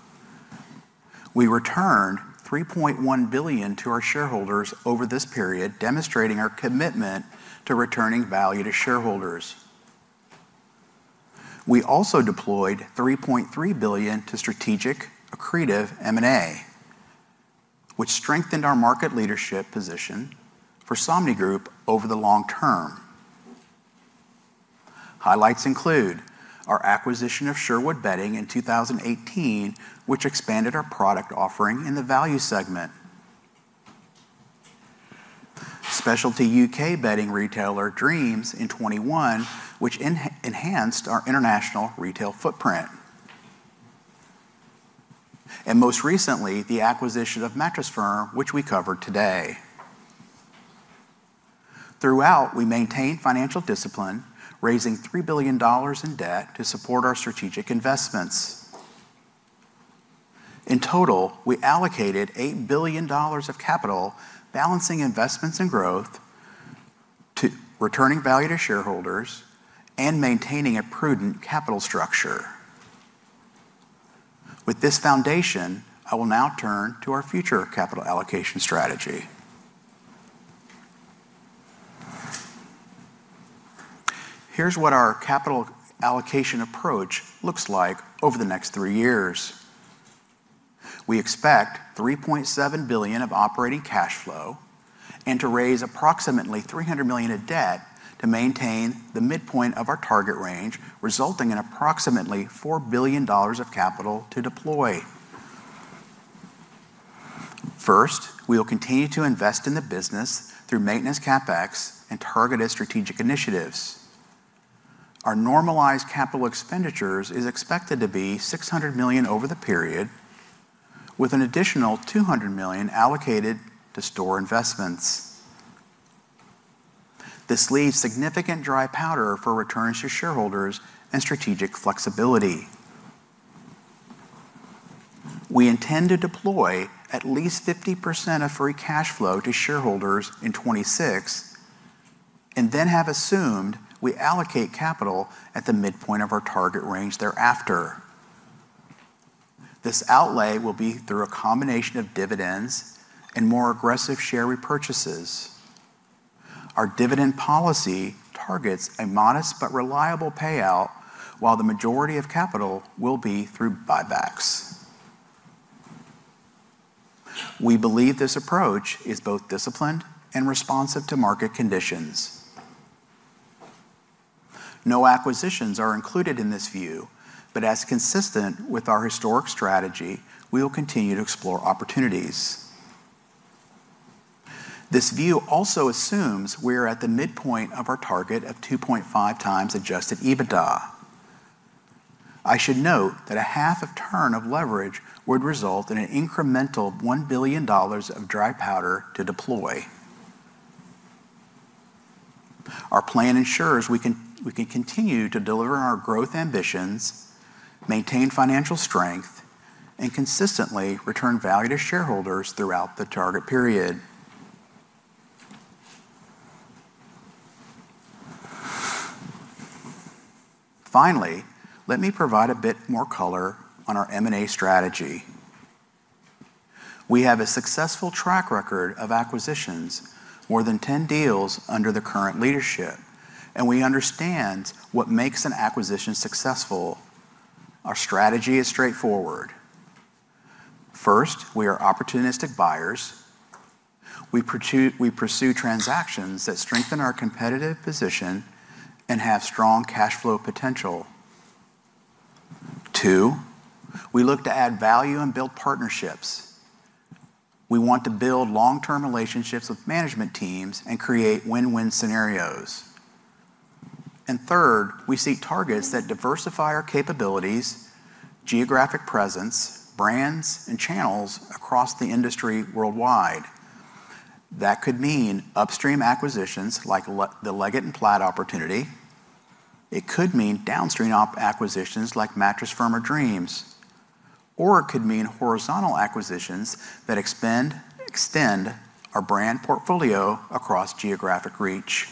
We returned $3.1 billion to our shareholders over this period, demonstrating our commitment to returning value to shareholders. We also deployed $3.3 billion to strategic accretive M&A, which strengthened our market leadership position for Somnigroup over the long term. Highlights include our acquisition of Sherwood Bedding in 2018, which expanded our product offering in the value segment. Specialty U.K. bedding retailer Dreams in 2021, which enhanced our international retail footprint. Most recently, the acquisition of Mattress Firm, which we covered today. Throughout, we maintained financial discipline, raising $3 billion in debt to support our strategic investments. In total, we allocated $8 billion of capital, balancing investments and growth to returning value to shareholders and maintaining a prudent capital structure. With this foundation, I will now turn to our future capital allocation strategy. Here's what our capital allocation approach looks like over the next three years. We expect $3.7 billion of operating cash flow and to raise approximately $300 million of debt to maintain the midpoint of our target range, resulting in approximately $4 billion of capital to deploy. First, we will continue to invest in the business through maintenance CapEx and targeted strategic initiatives. Our normalized capital expenditures is expected to be $600 million over the period, with an additional $200 million allocated to store investments. This leaves significant dry powder for returns to shareholders and strategic flexibility. We intend to deploy at least 50% of free cash flow to shareholders in 2026, and then have assumed we allocate capital at the midpoint of our target range thereafter. This outlay will be through a combination of dividends and more aggressive share repurchases. Our dividend policy targets a modest but reliable payout, while the majority of capital will be through buybacks. We believe this approach is both disciplined and responsive to market conditions. No acquisitions are included in this view, but as consistent with our historic strategy, we will continue to explore opportunities. This view also assumes we're at the midpoint of our target of 2.5 times Adjusted EBITDA. I should note that a half of turn of leverage would result in an incremental $1 billion of dry powder to deploy. Our plan ensures we can continue to deliver on our growth ambitions, maintain financial strength, and consistently return value to shareholders throughout the target period. Finally, let me provide a bit more color on our M&A strategy. We have a successful track record of acquisitions, more than 10 deals under the current leadership, and we understand what makes an acquisition successful. Our strategy is straightforward. First, we are opportunistic buyers. We pursue transactions that strengthen our competitive position and have strong cash flow potential. Two, we look to add value and build partnerships. We want to build long-term relationships with management teams and create win-win scenarios. Third, we seek targets that diversify our capabilities, geographic presence, brands, and channels across the industry worldwide. That could mean upstream acquisitions like the Leggett & Platt opportunity. It could mean downstream acquisitions like Mattress Firm or Dreams. It could mean horizontal acquisitions that extend our brand portfolio across geographic reach.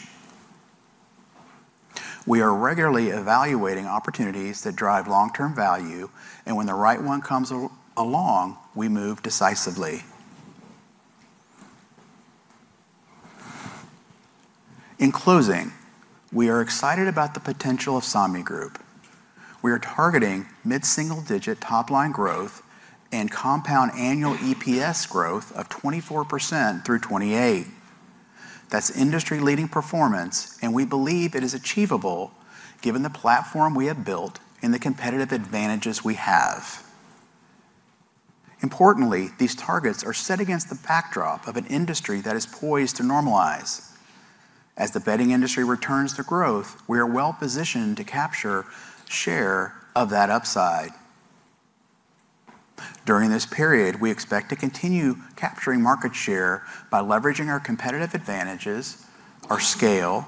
We are regularly evaluating opportunities that drive long-term value, and when the right one comes along, we move decisively. In closing, we are excited about the potential of Somnigroup. We are targeting mid-single digit top-line growth and compound annual EPS growth of 24% through 2028. That's industry-leading performance, and we believe it is achievable given the platform we have built and the competitive advantages we have. Importantly, these targets are set against the backdrop of an industry that is poised to normalize. As the bedding industry returns to growth, we are well-positioned to capture share of that upside. During this period, we expect to continue capturing market share by leveraging our competitive advantages, our scale,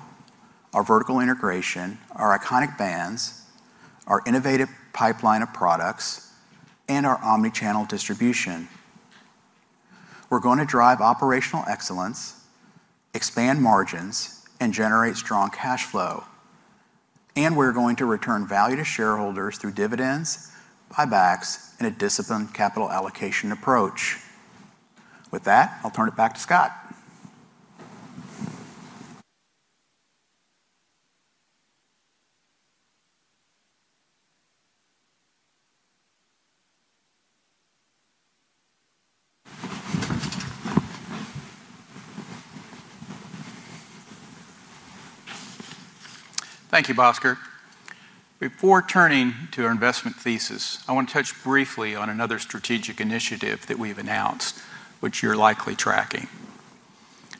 our vertical integration, our iconic brands, our innovative pipeline of products, and our omnichannel distribution. We're gonna drive operational excellence, expand margins, and generate strong cash flow. We're going to return value to shareholders through dividends, buybacks, and a disciplined capital allocation approach. With that, I'll turn it back to Scott. Thank you, Bhaskar. Before turning to our investment thesis, I wanna touch briefly on another strategic initiative that we've announced, which you're likely tracking.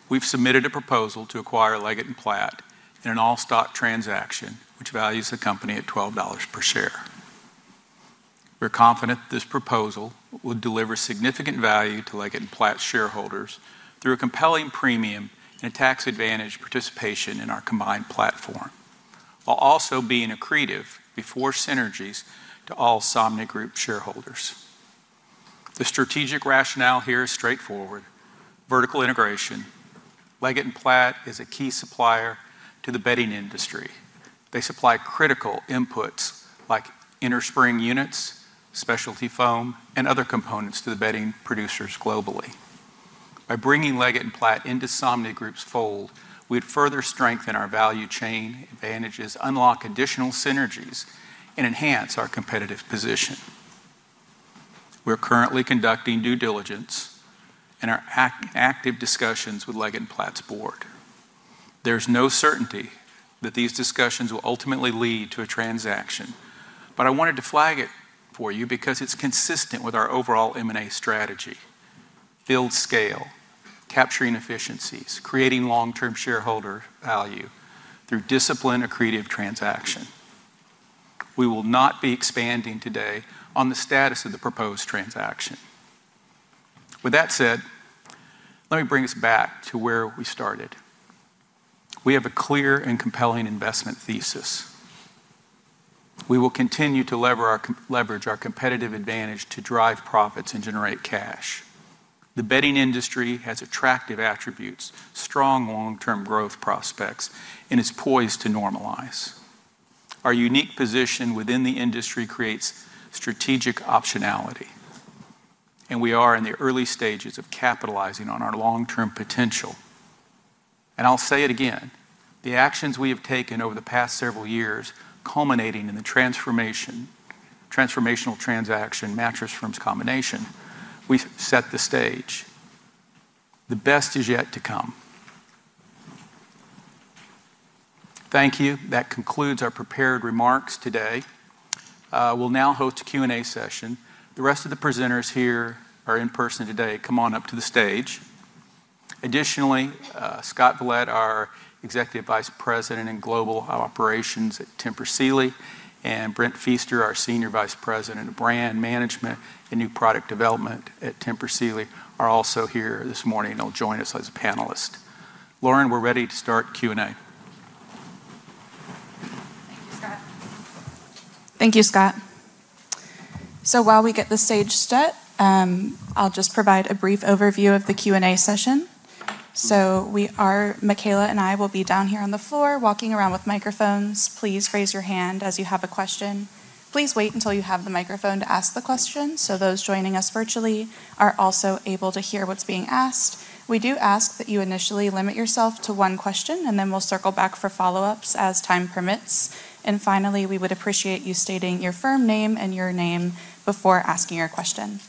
We've submitted a proposal to acquire Leggett & Platt in an all-stock transaction, which values the company at $12 per share. We're confident this proposal will deliver significant value to Leggett & Platt shareholders through a compelling premium and a tax-advantaged participation in our combined platform, while also being accretive before synergies to all Somnigroup shareholders. The strategic rationale here is straightforward: vertical integration. Leggett & Platt is a key supplier to the bedding industry. They supply critical inputs like innerspring units, specialty foam, and other components to the bedding producers globally. By bringing Leggett & Platt into Somnigroup's fold, we'd further strengthen our value chain advantages, unlock additional synergies, and enhance our competitive position. We're currently conducting due diligence and are active discussions with Leggett & Platt's board. There's no certainty that these discussions will ultimately lead to a transaction. I wanted to flag it for you because it's consistent with our overall M&A strategy: build scale, capturing efficiencies, creating long-term shareholder value through disciplined, accretive transaction. We will not be expanding today on the status of the proposed transaction. With that said, let me bring us back to where we started. We have a clear and compelling investment thesis. We will continue to leverage our competitive advantage to drive profits and generate cash. The bedding industry has attractive attributes, strong long-term growth prospects, and is poised to normalize. Our unique position within the industry creates strategic optionality. We are in the early stages of capitalizing on our long-term potential. I'll say it again, the actions we have taken over the past several years, culminating in the transformational transaction Mattress Firm's combination, we've set the stage. The best is yet to come. Thank you. That concludes our prepared remarks today. We'll now host a Q&A session. The rest of the presenters here are in person today. Come on up to the stage. Additionally, Scott Vollet, our Executive Vice President in Global Operations at Tempur Sealy, and Brent Pfister, our Senior Vice President of Brand Management and New Product Development at Tempur Sealy, are also here this morning. They'll join us as a panelist. Lauren, we're ready to start Q&A. Thank you, Scott. Thank you, Scott. While we get the stage set, I'll just provide a brief overview of the Q&A session. Mikayla and I will be down here on the floor walking around with microphones. Please raise your hand as you have a question. Please wait until you have the microphone to ask the question so those joining us virtually are also able to hear what's being asked. We do ask that you initially limit yourself to one question, and then we'll circle back for follow-ups as time permits. Finally, we would appreciate you stating your firm name and your name before asking your question.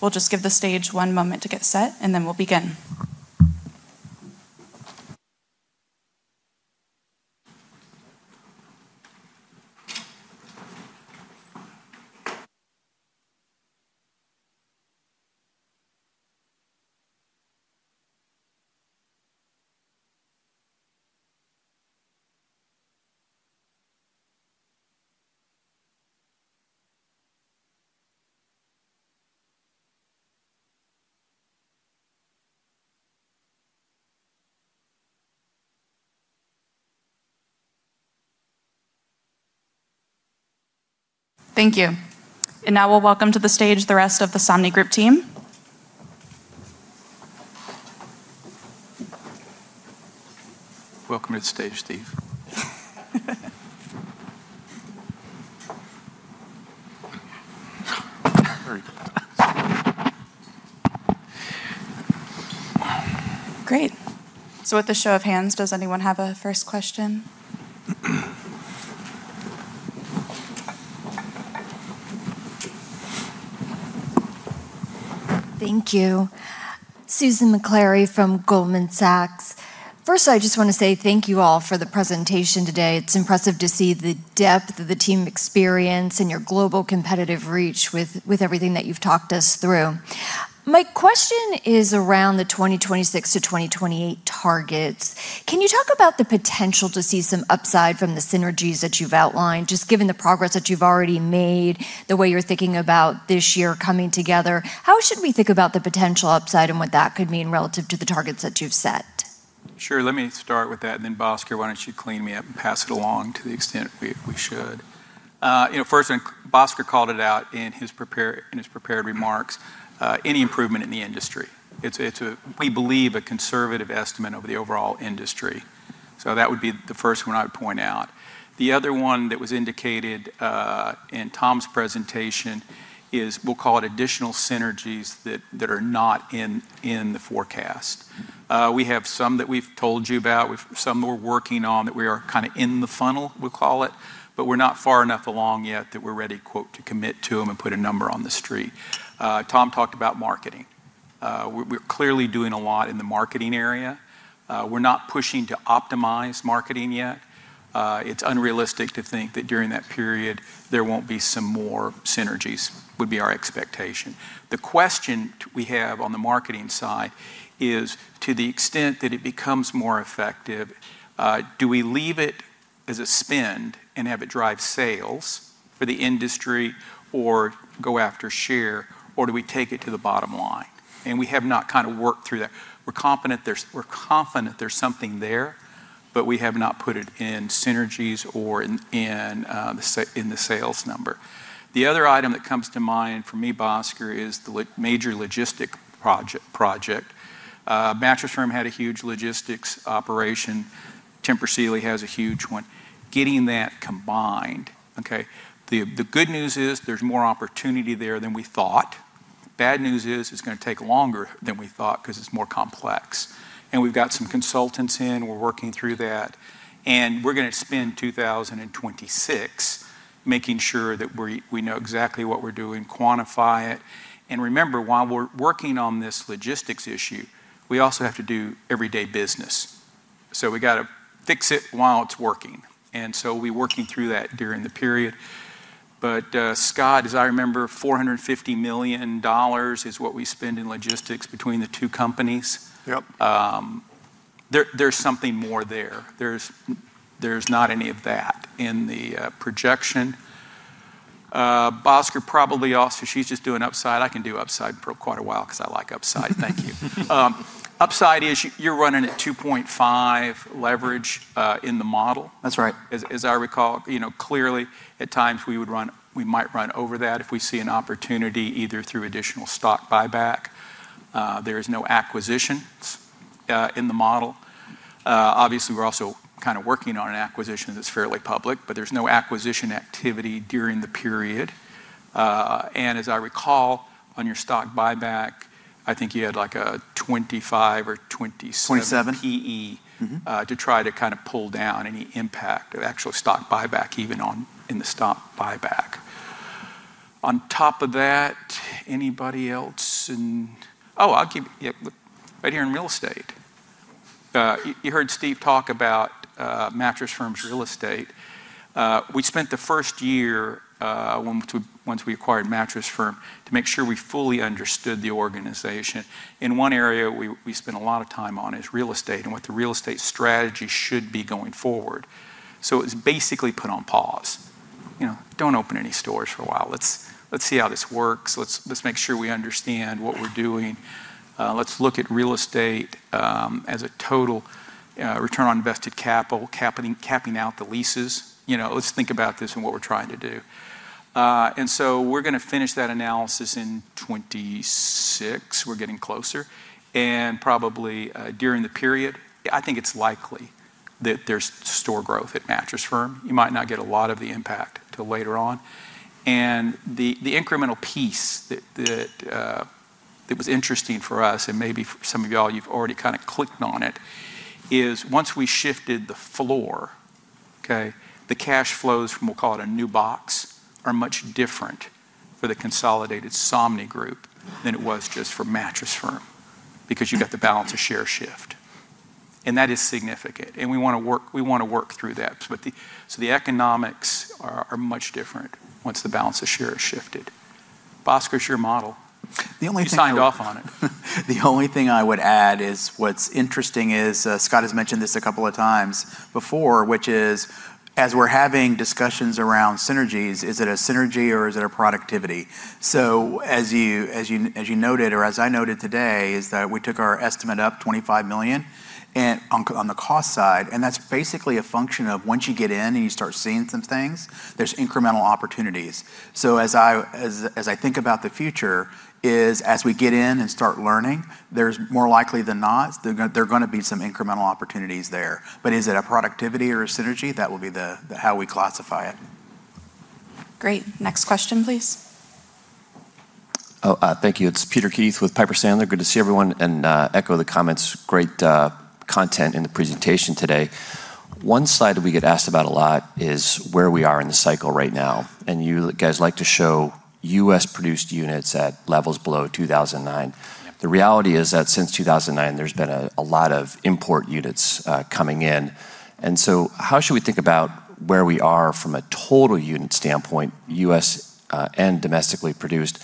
We'll just give the stage one moment to get set, and then we'll begin. Thank you. Now we'll welcome to the stage the rest of the Somnigroup team. Welcome to the stage, Steve. Great. With a show of hands, does anyone have a first question? Thank you. Susan Maklari from Goldman Sachs. First, I just wanna say thank you all for the presentation today. It's impressive to see the depth of the team experience and your global competitive reach with everything that you've talked us through. My question is around the 2026 to 2028 targets. Can you talk about the potential to see some upside from the synergies that you've outlined, just given the progress that you've already made, the way you're thinking about this year coming together? How should we think about the potential upside and what that could mean relative to the targets that you've set? Sure. Let me start with that, and then Bhaskar, why don't you clean me up and pass it along to the extent we should. you know, first when Bhaskar called it out in his prepared remarks, any improvement in the industry. It's a, we believe, a conservative estimate of the overall industry. That would be the first one I would point out. The other one that was indicated in Tom's presentation is, we'll call it additional synergies that are not in the forecast. We have some that we've told you about. Some we're working on that we are kinda in the funnel, we'll call it, but we're not far enough along yet that we're ready, quote, "To commit to them and put a number on the street." Tom talked about marketing. We're clearly doing a lot in the marketing area. We're not pushing to optimize marketing yet. It's unrealistic to think that during that period, there won't be some more synergies, would be our expectation. The question we have on the marketing side is, to the extent that it becomes more effective, do we leave it as a spend and have it drive sales for the industry or go after share, or do we take it to the bottom line? We have not kinda worked through that. We're confident there's something there, but we have not put it in synergies or in the sales number. The other item that comes to mind for me, Bhaskar, is the major logistic project. Mattress Firm had a huge logistics operation. Tempur Sealy has a huge one. Getting that combined, okay? The good news is there's more opportunity there than we thought. Bad news is it's gonna take longer than we thought 'cause it's more complex. We've got some consultants in. We're working through that, and we're gonna spend 2026 making sure that we know exactly what we're doing, quantify it. Remember, while we're working on this logistics issue, we also have to do everyday business. We gotta fix it while it's working. We're working through that during the period. Scott, as I remember, $450 million is what we spend in logistics between the two companies. Yep. There's something more there. There's not any of that in the projection. Bhaskar probably also, she's just doing upside. I can do upside for quite a while 'cause I like upside. Thank you. Upside is you're running at 2.5 leverage in the model. That's right. As I recall, you know, clearly at times we might run over that if we see an opportunity, either through additional stock buyback. There is no acquisitions in the model. Obviously we're also kinda working on an acquisition that's fairly public, but there's no acquisition activity during the period. As I recall on your stock buyback, I think you had like a 25 or 27 PE Mm-hmm to try to kinda pull down any impact of actual stock buyback even on the stock buyback. On top of that, anybody else. Oh, I'll give you. Right here in real estate. You heard Steve talk about Mattress Firm's real estate. We spent the first year, once we acquired Mattress Firm, to make sure we fully understood the organization. In one area, we spent a lot of time on is real estate and what the real estate strategy should be going forward. It's basically put on pause. You know, don't open any stores for a while. Let's see how this works. Let's make sure we understand what we're doing. Let's look at real estate as a total return on invested capital, capping out the leases. You know, let's think about this and what we're trying to do. We're gonna finish that analysis in 26. We're getting closer. Probably, during the period, I think it's likely that there's store growth at MattressFirm. You might not get a lot of the impact till later on. The, the incremental piece that, that was interesting for us, and maybe some of y'all, you've already kinda clicked on it, is once we shifted the floor, okay, the cash flows from, we'll call it a new box, are much different for the consolidated Somnigroup than it was just for MattressFirm, because you got the balance of share shift. That is significant, and we wanna work through that. The economics are much different once the balance of share has shifted. Bhaskar, it's your model. The only thing. You signed off on it. The only thing I would add is what's interesting is, Scott has mentioned this a couple of times before, which is as we're having discussions around synergies, is it a synergy or is it a productivity? As you noted, or as I noted today, is that we took our estimate up $25 million on the cost side, and that's basically a function of once you get in and you start seeing some things, there's incremental opportunities. As I think about the future is as we get in and start learning, there's more likely than not there are gonna be some incremental opportunities there. Is it a productivity or a synergy? That will be the how we classify it. Great. Next question, please. Thank you. It's Peter Keith with Piper Sandler. Good to see everyone. Echo the comments. Great content in the presentation today. One slide that we get asked about a lot is where we are in the cycle right now. You guys like to show U.S.-produced units at levels below 2009. The reality is that since 2009, there's been a lot of import units coming in. How should we think about where we are from a total unit standpoint, U.S. and domestically produced?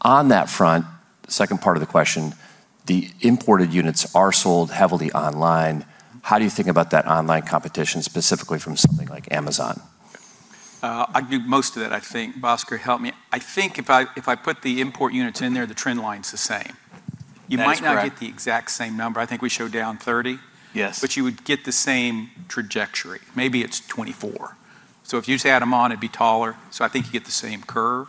On that front, second part of the question, the imported units are sold heavily online. How do you think about that online competition, specifically from something like Amazon? I can do most of that, I think. Bhaskar, help me. I think if I, if I put the import units in there, the trend line's the same. That's correct. You might not get the exact same number. I think we show down 30. Yes. You would get the same trajectory. Maybe it's 24. If you just add them on, it'd be taller, so I think you get the same curve.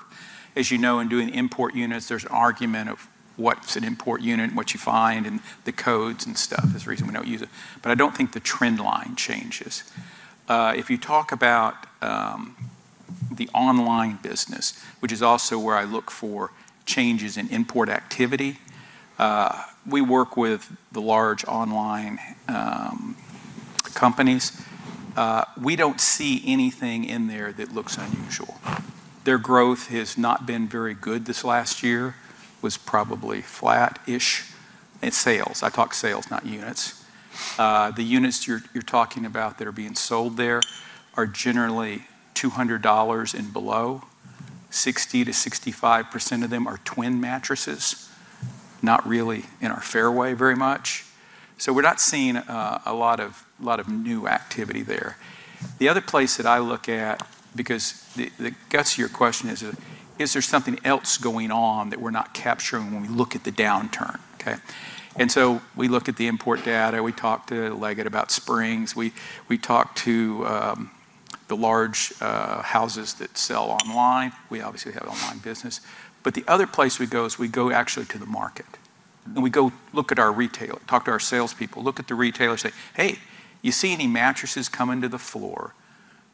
You know, in doing import units, there's an argument of what's an import unit and what you find and the codes and stuff. That's the reason we don't use it. I don't think the trend line changes. If you talk about the online business, which is also where I look for changes in import activity, we work with the large online companies. We don't see anything in there that looks unusual. Their growth has not been very good this last year. Was probably flat-ish in sales. I talk sales, not units. The units you're talking about that are being sold there are generally $200 and below. 60%-65% of them are twin mattresses, not really in our fairway very much. We're not seeing a lot of new activity there. The other place that I look at, because the guts of your question is there something else going on that we're not capturing when we look at the downturn, okay? We look at the import data. We talk to Leggett about springs. We talk to the large houses that sell online. We obviously have online business. The other place we go is we go actually to the market, and we go look at our talk to our salespeople, look at the retailers, say, "Hey, you see any mattresses come into the floor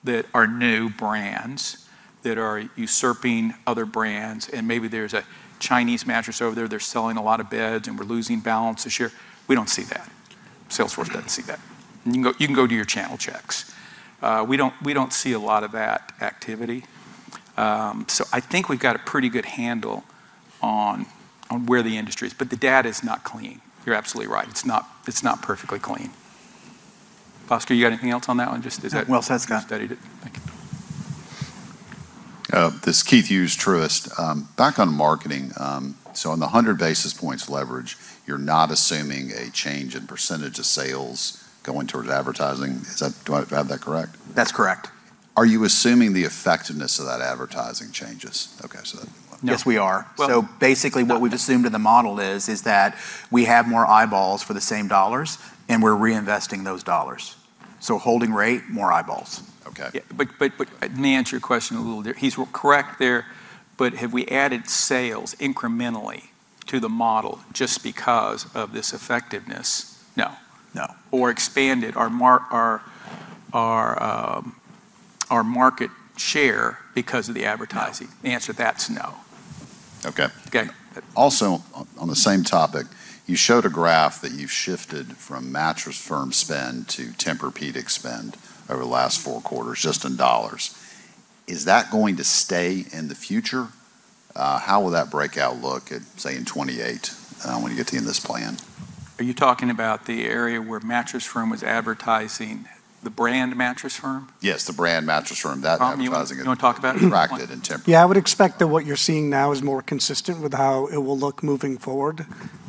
that are new brands that are usurping other brands and maybe there's a Chinese mattress over there, they're selling a lot of beds, and we're losing balance this year?" We don't see that. Sales force doesn't see that. You can go do your channel checks. We don't see a lot of that activity. I think we've got a pretty good handle on where the industry is, the data is not clean. You're absolutely right. It's not perfectly clean. Bhaskar, you got anything else on that one? Well said, Scott. Studied it. Thank you. This is Keith Hughes, Truist. Back on marketing, so on the 100 basis points leverage, you're not assuming a change in percentage of sales going towards advertising. Do I have that correct? That's correct. Are you assuming the effectiveness of that advertising changes? Okay. Yes, we are. Well Basically what we've assumed in the model is that we have more eyeballs for the same dollars. We're reinvesting those dollars. Holding rate, more eyeballs. Okay. Yeah. But let me answer your question a little there. He's correct there, have we added sales incrementally to the model just because of this effectiveness? No. No. expanded our market share because of the advertising? No. The answer to that's no. Okay. Okay. Also on the same topic, you showed a graph that you've shifted from Mattress Firm spend to Tempur-Pedic spend over the last four quarters just in dollars. Is that going to stay in the future? How will that breakout look at, say, in 2028, when you get to the end of this plan? Are you talking about the area where Mattress Firm was advertising the brand Mattress Firm? Yes, the brand Mattress Firm, that advertising Tom, you wanna talk about it? contracted in Tempur- Yeah, I would expect that what you're seeing now is more consistent with how it will look moving forward.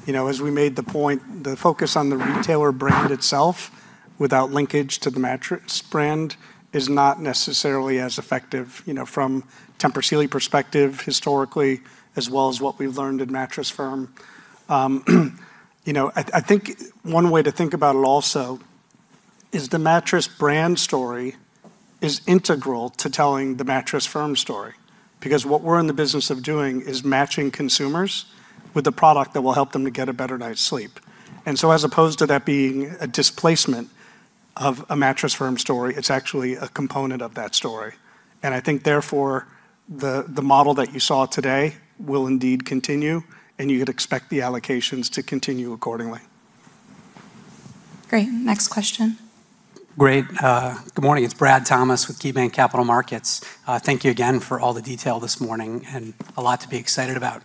You know, as we made the point, the focus on the retailer brand itself without linkage to the mattress brand is not necessarily as effective, you know, from Tempur Sealy perspective historically as well as what we've learned at Mattress Firm. You know, I think one way to think about it also is the mattress brand story is integral to telling the Mattress Firm story because what we're in the business of doing is matching consumers with a product that will help them to get a better night's sleep. As opposed to that being a displacement of a Mattress Firm story, it's actually a component of that story. I think therefore the model that you saw today will indeed continue, and you could expect the allocations to continue accordingly. Great. Next question. Great. Good morning. It's Brad Thomas with KeyBanc Capital Markets. Thank you again for all the detail this morning and a lot to be excited about.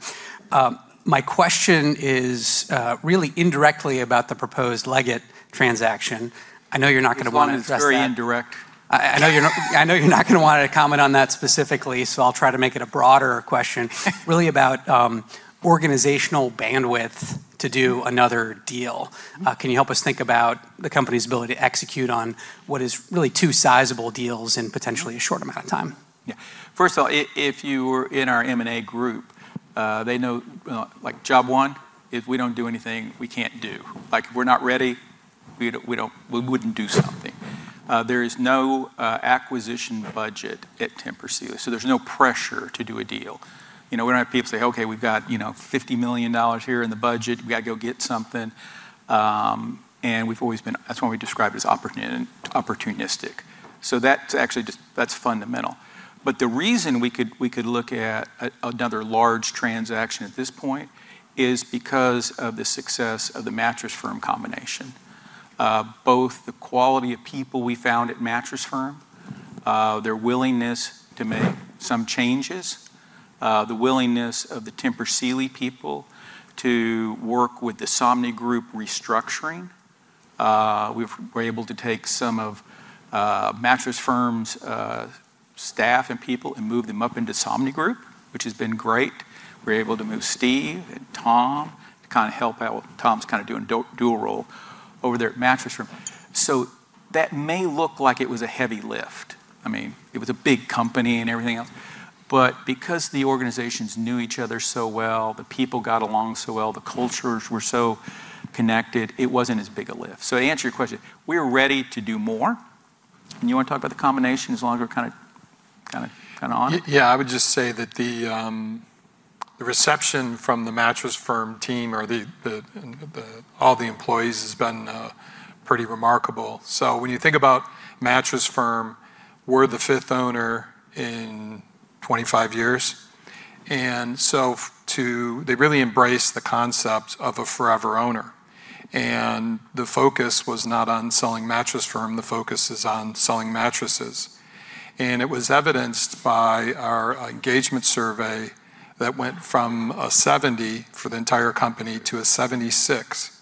My question is, really indirectly about the proposed Leggett transaction. I know you're not gonna wanna address that. This one is very indirect. I know you're not gonna wanna comment on that specifically, so I'll try to make it a broader question really about organizational bandwidth to do another deal. Can you help us think about the company's ability to execute on what is really two sizable deals in potentially a short amount of time? Yeah. First of all, if you were in our M&A group, they know, like job one, if we don't do anything we can't do. Like if we're not ready, we wouldn't do something. There is no acquisition budget at Tempur Sealy, so there's no pressure to do a deal. You know, we don't have people say, "Okay, we've got, you know, $50 million here in the budget. We gotta go get something." We've always been that's why we describe it as opportunistic. That's actually that's fundamental. The reason we could look at another large transaction at this point is because of the success of the Mattress Firm combination. Both the quality of people we found at Mattress Firm, their willingness to make some changes, the willingness of the Tempur Sealy people to work with the Somnigroup restructuring. We're able to take some of, Mattress Firm's staff and people and move them up into Somnigroup, which has been great. We're able to move Steve and Tom to kinda help out. Tom's kinda doing dual role over there at Mattress Firm. That may look like it was a heavy lift. I mean, it was a big company and everything else. Because the organizations knew each other so well, the people got along so well, the cultures were so connected, it wasn't as big a lift. To answer your question, we are ready to do more. you wanna talk about the combination as long as we're kinda on it? Yeah, I would just say that the reception from the Mattress Firm team or all the employees has been pretty remarkable. When you think about Mattress Firm, we're the 5th owner in 25 years. They really embrace the concept of a forever owner. The focus was not on selling Mattress Firm, the focus is on selling mattresses. It was evidenced by our engagement survey that went from a 70 for the entire company to a 76.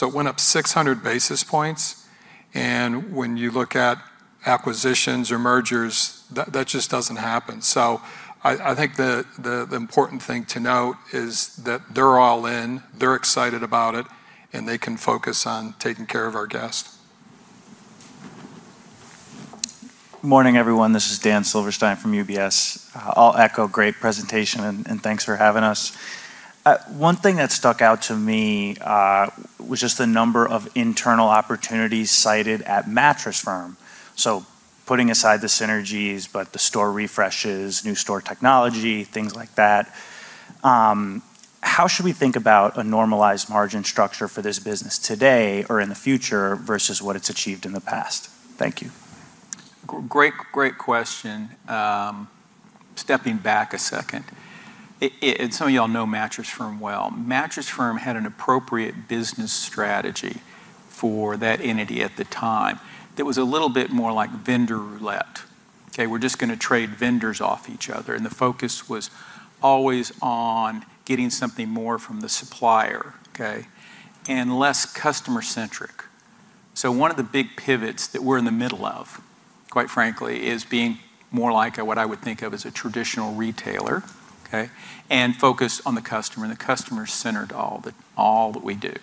It went up 600 basis points. When you look at acquisitions or mergers, that just doesn't happen. I think the important thing to note is that they're all in, they're excited about it, and they can focus on taking care of our guests. Morning, everyone. This is Dan Silverstein from UBS. I'll echo great presentation and thanks for having us. One thing that stuck out to me was just the number of internal opportunities cited at Mattress Firm. Putting aside the synergies, but the store refreshes, new store technology, things like that, how should we think about a normalized margin structure for this business today or in the future versus what it's achieved in the past? Thank you. Great, great question. Stepping back a second, some of y'all know Mattress Firm well. Mattress Firm had an appropriate business strategy for that entity at the time that was a little bit more like vendor roulette. Okay, we're just gonna trade vendors off each other, the focus was always on getting something more from the supplier, okay? Less customer-centric. One of the big pivots that we're in the middle of, quite frankly, is being more like a what I would think of as a traditional retailer, okay? Focus on the customer, and the customer is centered all that, all that we do.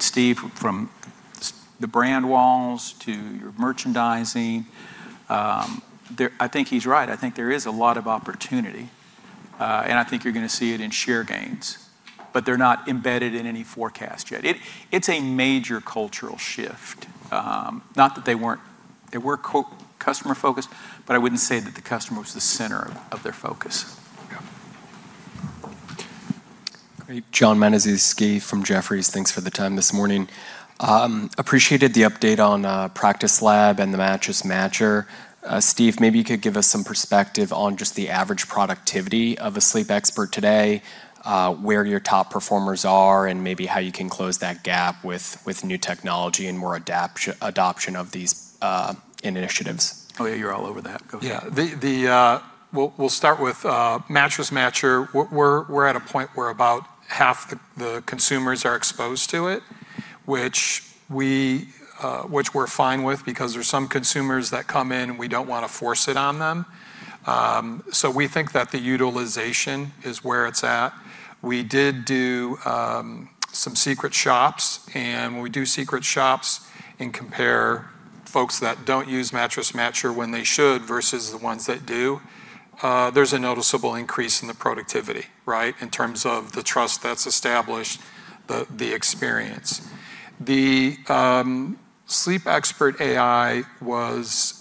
Steve, from the brand walls to your merchandising, I think he's right. I think there is a lot of opportunity. I think you're gonna see it in share gains. They're not embedded in any forecast yet. It's a major cultural shift. Not that they weren't... They were customer-focused. I wouldn't say that the customer was the center of their focus. Yeah. Great. Jon Matuszewski from Jefferies. Thanks for the time this morning. appreciated the update on Practice Lab and the Mattress Matcher. Steve, maybe you could give us some perspective on just the average productivity of a sleep expert today, where your top performers are, and maybe how you can close that gap with new technology and more adoption of these initiatives. Oh, yeah, you're all over that. Go for it. Yeah. We'll start with Mattress Matcher. We're at a point where about half the consumers are exposed to it, which we're fine with because there's some consumers that come in and we don't wanna force it on them. We think that the utilization is where it's at. We did do some secret shops, and when we do secret shops and compare folks that don't use Mattress Matcher when they should versus the ones that do, there's a noticeable increase in the productivity, right, in terms of the trust that's established, the experience. Sleep Expert AI was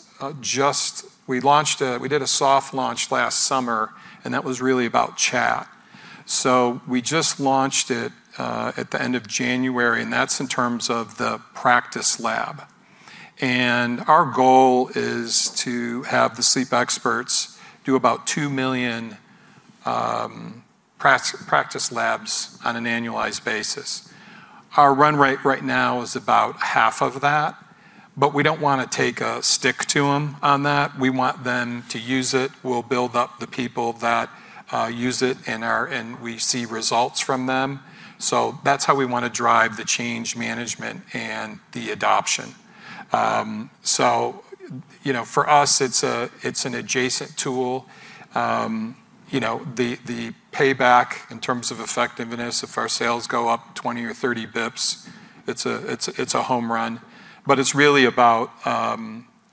we did a soft launch last summer, that was really about chat. We just launched it at the end of January, and that's in terms of the Practice Lab. Our goal is to have the sleep experts do about 2 million Practice Labs on an annualized basis. Our run rate right now is about half of that, but we don't wanna take a stick to them on that. We want them to use it. We'll build up the people that use it and we see results from them. That's how we wanna drive the change management and the adoption. You know, for us, it's an adjacent tool. You know, the payback in terms of effectiveness, if our sales go up 20 or 30 bips, it's a home run. It's really about,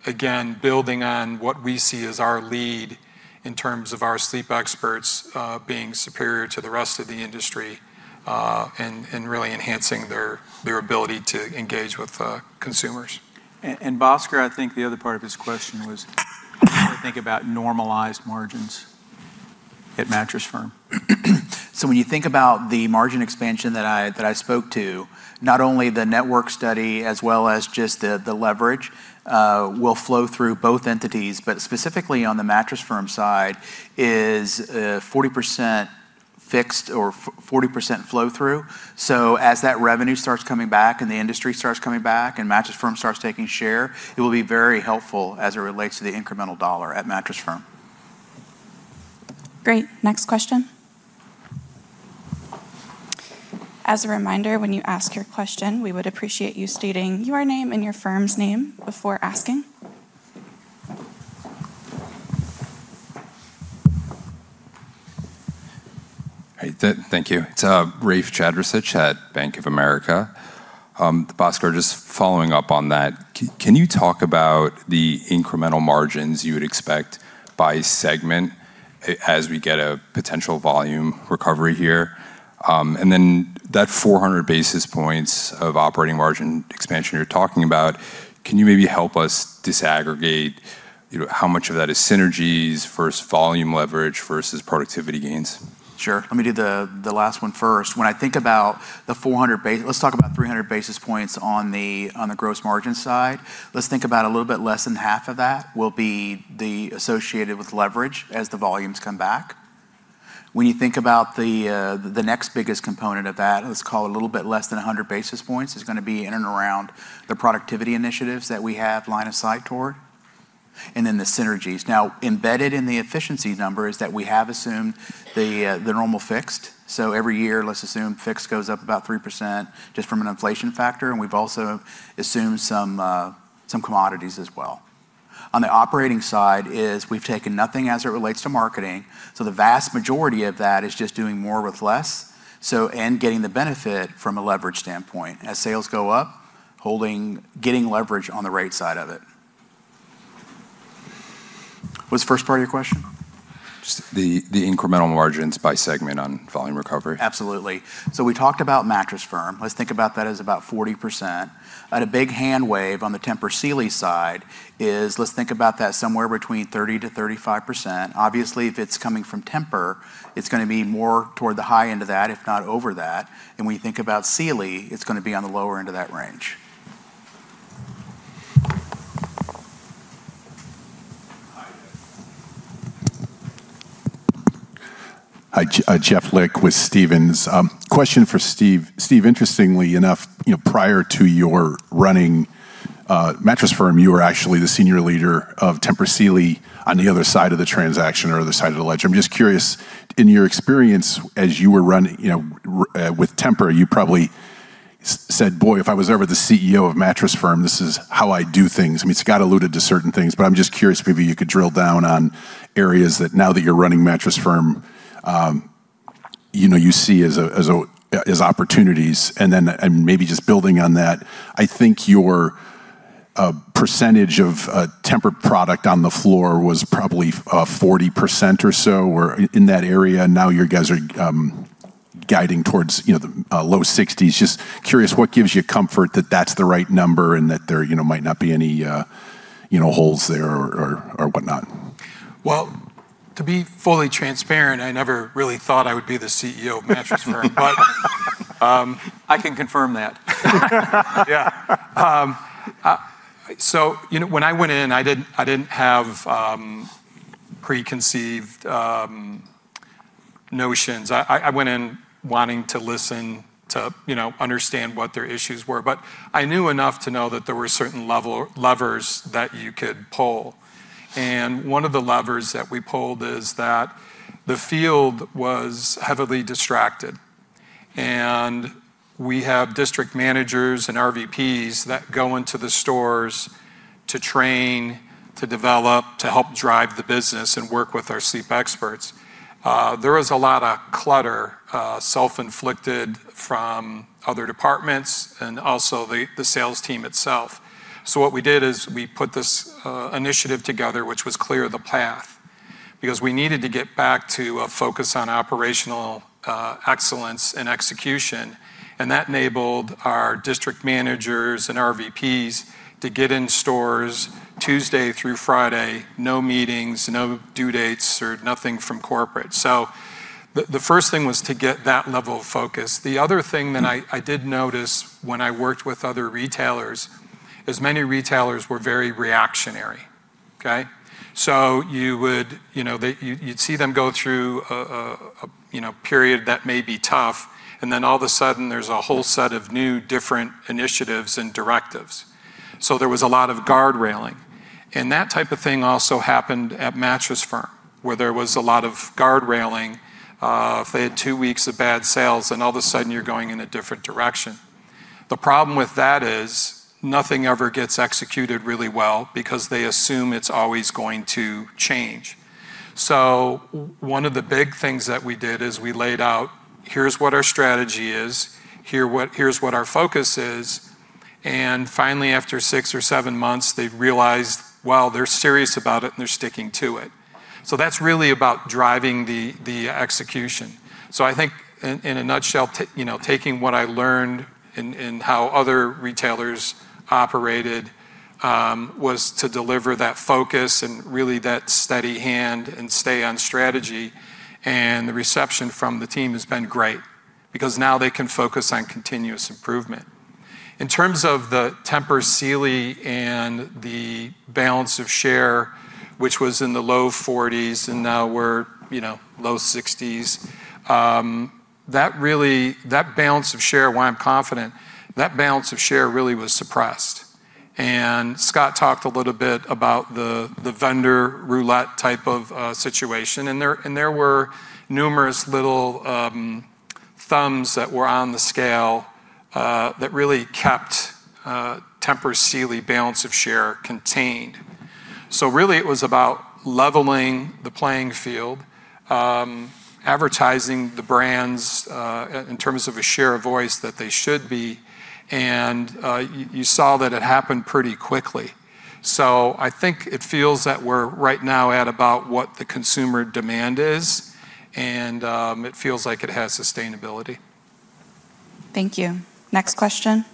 again, building on what we see as our lead in terms of our sleep experts, being superior to the rest of the industry, and really enhancing their ability to engage with consumers. Bhaskar, I think the other part of his question was how do you think about normalized margins? At Mattress Firm. When you think about the margin expansion that I spoke to, not only the network study as well as just the leverage, will flow through both entities, but specifically on the Mattress Firm side is 40% fixed or 40% flow-through. As that revenue starts coming back and the industry starts coming back and Mattress Firm starts taking share, it will be very helpful as it relates to the incremental dollar at Mattress Firm. Great. Next question. As a reminder, when you ask your question, we would appreciate you stating your name and your firm's name before asking. Hi. Thank you. It's Rafe Jadrosich at Bank of America. Bhaskar, just following up on that, can you talk about the incremental margins you would expect by segment as we get a potential volume recovery here? That 400 basis points of operating margin expansion you're talking about, can you maybe help us disaggregate, you know, how much of that is synergies versus volume leverage versus productivity gains? Sure. Let me do the last one first. When I think about 300 basis points on the gross margin side. Let's think about a little bit less than half of that will be the associated with leverage as the volumes come back. When you think about the next biggest component of that, let's call it a little bit less than 100 basis points, is gonna be in and around the productivity initiatives that we have line of sight toward, and then the synergies. Now, embedded in the efficiency number is that we have assumed the normal fixed. Every year, let's assume fixed goes up about 3% just from an inflation factor, and we've also assumed some commodities as well. On the operating side is we've taken nothing as it relates to marketing, so the vast majority of that is just doing more with less, and getting the benefit from a leverage standpoint. As sales go up, getting leverage on the right side of it. What's the first part of your question? Just the incremental margins by segment on volume recovery. Absolutely. We talked about Mattress Firm. Let's think about that as about 40%. At a big hand wave on the Tempur Sealy side is let's think about that somewhere between 30%-35%. Obviously, if it's coming from Tempur, it's gonna be more toward the high end of that, if not over that. When you think about Sealy, it's gonna be on the lower end of that range. Hi, Jeff Lick with Stephens. Question for Steve. Steve, interestingly enough, you know, prior to your running Mattress Firm, you were actually the senior leader of Tempur Sealy on the other side of the transaction or other side of the ledger. I'm just curious, in your experience as you were, you know, with Tempur, you probably said, "Boy, if I was ever the CEO of Mattress Firm, this is how I'd do things." I mean, Scott alluded to certain things. I'm just curious maybe you could drill down on areas that now that you're running Mattress Firm, you know, you see as opportunities. Maybe just building on that, I think your percentage of Tempur product on the floor was probably 40% or so or in that area. You guys are guiding towards, you know, the low sixties. Just curious, what gives you comfort that that's the right number and that there, you know, might not be any, you know, holes there or whatnot? Well, to be fully transparent, I never really thought I would be the CEO of Mattress Firm. I can confirm that. Yeah. You know, when I went in, I didn't have preconceived notions. I went in wanting to listen to, you know, understand what their issues were. I knew enough to know that there were certain levers that you could pull. One of the levers that we pulled is that the field was heavily distracted. We have district managers and RVPs that go into the stores to train, to develop, to help drive the business and work with our sleep experts. There was a lot of clutter, self-inflicted from other departments and also the sales team itself. What we did is we put this initiative together, which was clear the path, because we needed to get back to a focus on operational excellence and execution. That enabled our district managers and RVPs to get in stores Tuesday through Friday, no meetings, no due dates or nothing from corporate. The first thing was to get that level of focus. The other thing that I did notice when I worked with other retailers is many retailers were very reactionary, okay? You know, you'd see them go through a, you know, period that may be tough, and then all of a sudden there's a whole set of new, different initiatives and directives. There was a lot of guardrailing. That type of thing also happened at Mattress Firm, where there was a lot of guardrailing. If they had two weeks of bad sales and all of a sudden you're going in a different direction. The problem with that is nothing ever gets executed really well because they assume it's always going to change. One of the big things that we did is we laid out, here's what our strategy is, here's what our focus is, and finally after six or seven months, they've realized, wow, they're serious about it and they're sticking to it. That's really about driving the execution. I think in a nutshell, you know, taking what I learned in how other retailers operated, was to deliver that focus and really that steady hand and stay on strategy, and the reception from the team has been great. Because now they can focus on continuous improvement. In terms of the Tempur Sealy and the balance of share, which was in the low 40s and now we're, you know, low 60s, that balance of share, why I'm confident, that balance of share really was suppressed. Scott talked a little bit about the vendor roulette type of situation. There were numerous little thumbs that were on the scale that really kept Tempur Sealy balance of share contained. Really it was about leveling the playing field, advertising the brands, in terms of a share of voice that they should be, and you saw that it happened pretty quickly. I think it feels that we're right now at about what the consumer demand is, and it feels like it has sustainability. Thank you. Next question.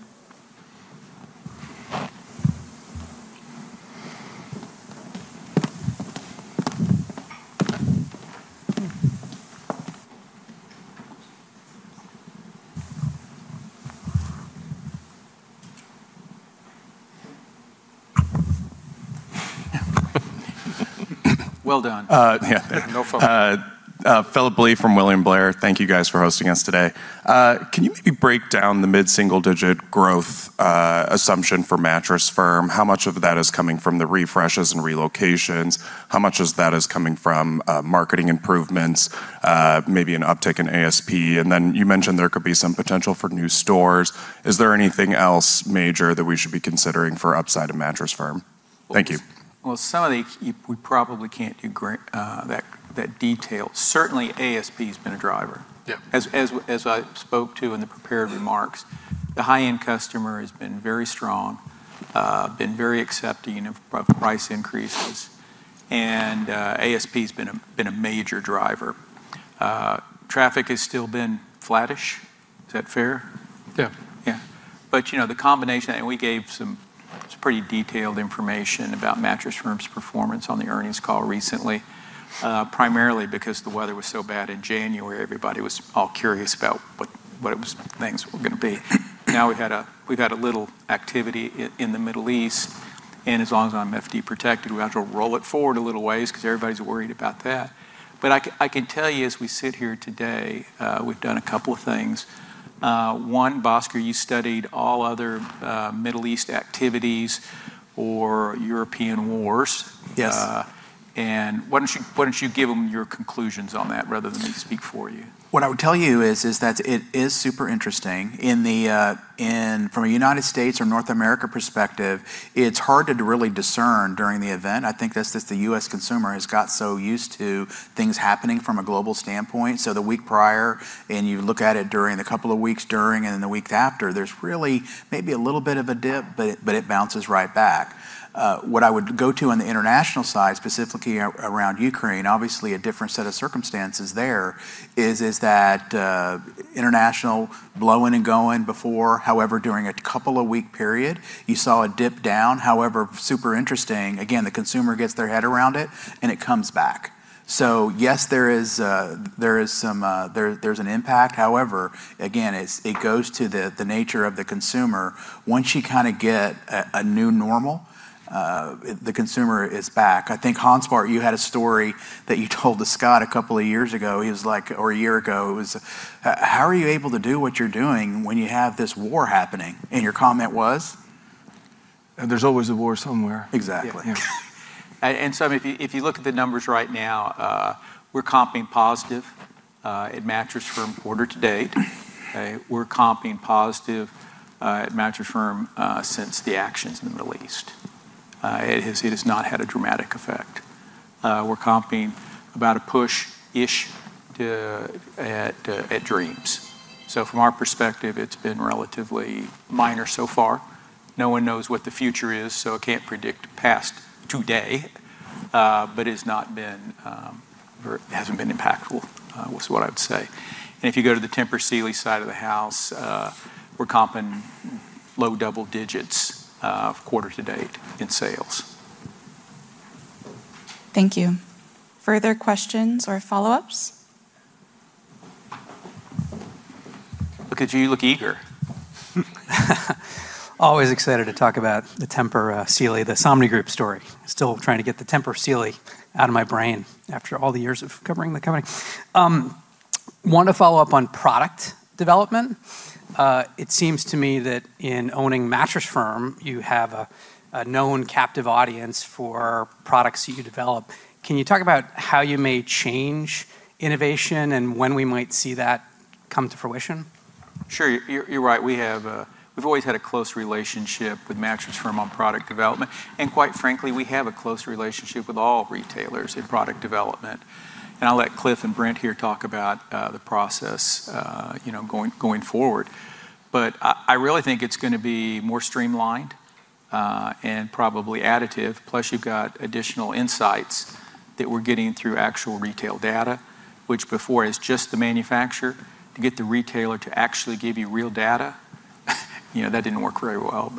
Well done. Yeah. No follow-up. Philip Lee from William Blair. Thank you guys for hosting us today. Can you maybe break down the mid-single-digit growth assumption for Mattress Firm? How much of that is coming from the refreshes and relocations? How much is that is coming from marketing improvements, maybe an uptick in ASP? Then you mentioned there could be some potential for new stores. Is there anything else major that we should be considering for upside of Mattress Firm? Thank you. Well, we probably can't do that detail. Certainly, ASP has been a driver. Yeah. As I spoke to in the prepared remarks, the high-end customer has been very strong, been very accepting of price increases, and ASP has been a major driver. Traffic has still been flattish. Is that fair? Yeah. Yeah. You know, we gave some pretty detailed information about Mattress Firm's performance on the earnings call recently, primarily because the weather was so bad in January, everybody was all curious about what it was things were going to be. We've had a little activity in the Middle East, as long as I'm FD protected, we have to roll it forward a little ways because everybody's worried about that. I can tell you as we sit here today, we've done a couple of things. One, Bhaskar, you studied all other, Middle East activities or European wars. Yes. Why don't you, why don't you give them your conclusions on that rather than me speak for you? What I would tell you is that it is super interesting in the from a United States or North America perspective, it's hard to really discern during the event. I think that's just the U.S. consumer has got so used to things happening from a global standpoint. The week prior, you look at it during the couple of weeks during and the week after, there's really maybe a little bit of a dip, but it bounces right back. What I would go to on the international side, specifically around Ukraine, obviously a different set of circumstances there, is that international blowing and going before, during a couple of week period, you saw a dip down. Super interesting, again, the consumer gets their head around it comes back. Yes, there is some, there's an impact. However, again, it goes to the nature of the consumer. Once you kinda get a new normal, the consumer is back. I think Hansbart, you had a story that you told to Scott a couple of years ago. He was like or a year ago. It was, "How are you able to do what you're doing when you have this war happening?" And your comment was? There's always a war somewhere. Exactly. Yeah. If you look at the numbers right now, we're comping positive at Mattress Firm quarter to date. Okay? We're comping positive at Mattress Firm since the actions in the Middle East. It has not had a dramatic effect. We're comping about a push-ish at Dreams. From our perspective, it's been relatively minor so far. No one knows what the future is, so I can't predict past today, but it's not been, or it hasn't been impactful, is what I'd say. If you go to the Tempur Sealy side of the house, we're comping low double digits quarter to date in sales. Thank you. Further questions or follow-ups? Look at you look eager. Always excited to talk about the Tempur Sealy, the Somnigroup story. Still trying to get the Tempur Sealy out of my brain after all the years of covering the company. Want to follow up on product development. It seems to me that in owning Mattress Firm, you have a known captive audience for products you develop. Can you talk about how you may change innovation and when we might see that come to fruition? Sure. You're right. We've always had a close relationship with Mattress Firm on product development, and quite frankly, we have a close relationship with all retailers in product development. I'll let Cliff and Brent here talk about the process, you know, going forward. I really think it's gonna be more streamlined and probably additive. Plus you've got additional insights that we're getting through actual retail data, which before is just the manufacturer. To get the retailer to actually give you real data. You know, that didn't work very well.